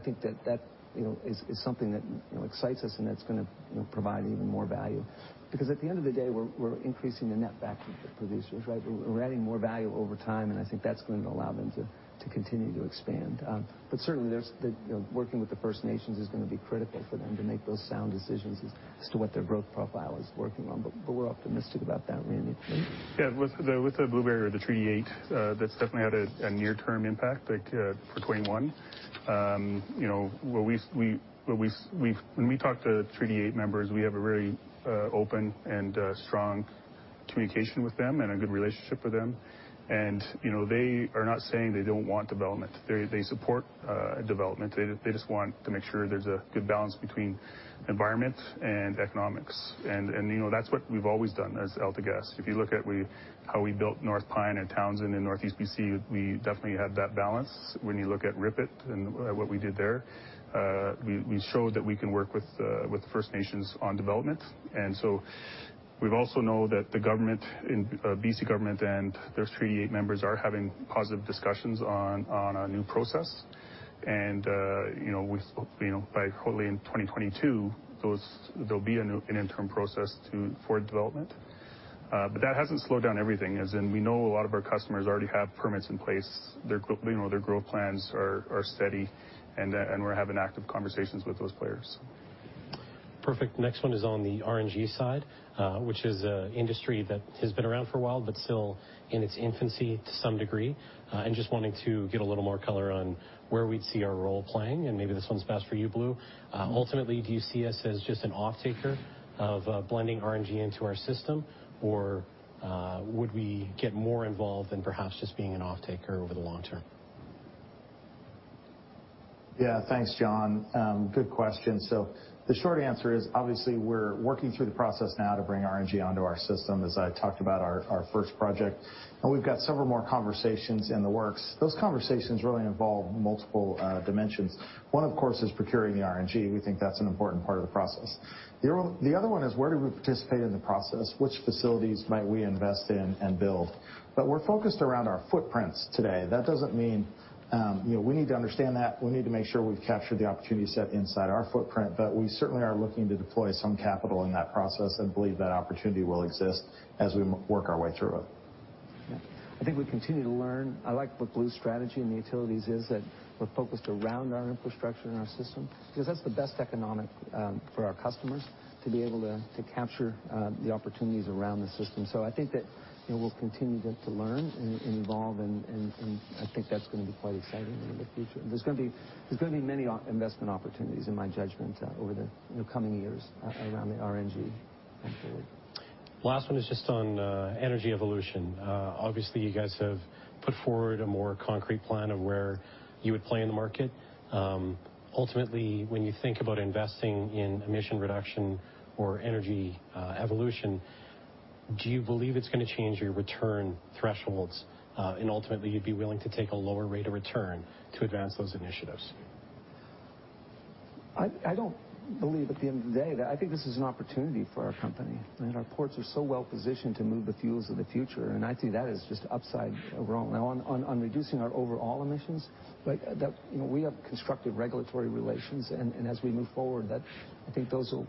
think that you know is something that you know excites us, and it's gonna you know provide even more value. Because at the end of the day, we're increasing the netback for producers, right? We're adding more value over time, and I think that's going to allow them to continue to expand. Certainly, you know, working with the First Nations is gonna be critical for them to make those sound decisions as to what their growth profile is working on. We're optimistic about that, Randy. Yeah. With the Blueberry or the Treaty 8, that's definitely had a near-term impact, like, for 2021. You know, when we talk to Treaty 8 members, we have a very open and strong communication with them and a good relationship with them. You know, they are not saying they don't want development. They support development. They just want to make sure there's a good balance between environment and economics. You know, that's what we've always done as AltaGas. If you look at how we built North Pine and Townsend in Northeast BC, we definitely had that balance. When you look at RIPET and what we did there, we showed that we can work with the First Nations on development. We also know that the BC government and those Treaty 8 members are having positive discussions on a new process. You know, we hope, you know, hopefully in 2022, there'll be a new interim process for development. But that hasn't slowed down everything, as we know a lot of our customers already have permits in place. You know, their growth plans are steady, and we're having active conversations with those players. Perfect. Next one is on the RNG side, which is an industry that has been around for a while but still in its infancy to some degree. Just wanting to get a little more color on where we'd see our role playing, and maybe this one's best for you, Blue. Ultimately, do you see us as just an offtaker of blending RNG into our system, or would we get more involved than perhaps just being an offtaker over the long term? Yeah. Thanks, Jon. Good question. The short answer is, obviously, we're working through the process now to bring RNG onto our system, as I talked about our first project, and we've got several more conversations in the works. Those conversations really involve multiple dimensions. One, of course, is procuring the RNG. We think that's an important part of the process. The other one is where do we participate in the process? Which facilities might we invest in and build? We're focused around our footprints today. That doesn't mean, you know, we need to understand that. We need to make sure we've captured the opportunity set inside our footprint. We certainly are looking to deploy some capital in that process and believe that opportunity will exist as we work our way through it. Yeah. I think we continue to learn. I like what Blue's strategy in the utilities is that we're focused around our infrastructure and our system because that's the best economic for our customers to be able to capture the opportunities around the system. I think that, you know, we'll continue to learn and I think that's gonna be quite exciting into the future. There's gonna be many investment opportunities in my judgment over the, you know, coming years around the RNG going forward. Last one is just on energy evolution. Obviously, you guys have put forward a more concrete plan of where you would play in the market. Ultimately, when you think about investing in emission reduction or energy evolution, do you believe it's gonna change your return thresholds, and ultimately you'd be willing to take a lower rate of return to advance those initiatives? I think this is an opportunity for our company, right? Our ports are so well positioned to move the fuels of the future, and I see that as just upside overall. Now on reducing our overall emissions, right, you know, we have constructive regulatory relations and as we move forward, I think those will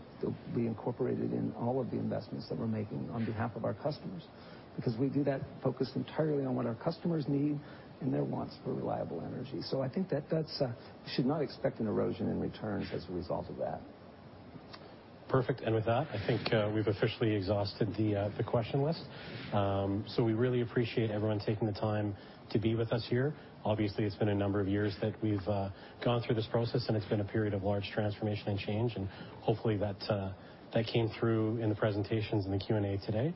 be incorporated in all of the investments that we're making on behalf of our customers. Because we do that, focused entirely on what our customers need and their wants for reliable energy. I think we should not expect an erosion in returns as a result of that. Perfect. With that, I think we've officially exhausted the question list. We really appreciate everyone taking the time to be with us here. Obviously, it's been a number of years that we've gone through this process, and it's been a period of large transformation and change, and hopefully that came through in the presentations in the Q&A today.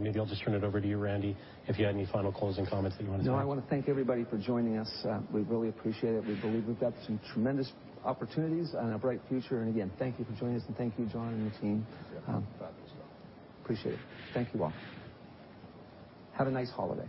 Maybe I'll just turn it over to you, Randy, if you had any final closing comments that you wanna say. No, I wanna thank everybody for joining us. We really appreciate it. We believe we've got some tremendous opportunities and a bright future. Again, thank you for joining us, and thank you, Jon, and your team. Appreciate it. Thank you all. Have a nice holiday.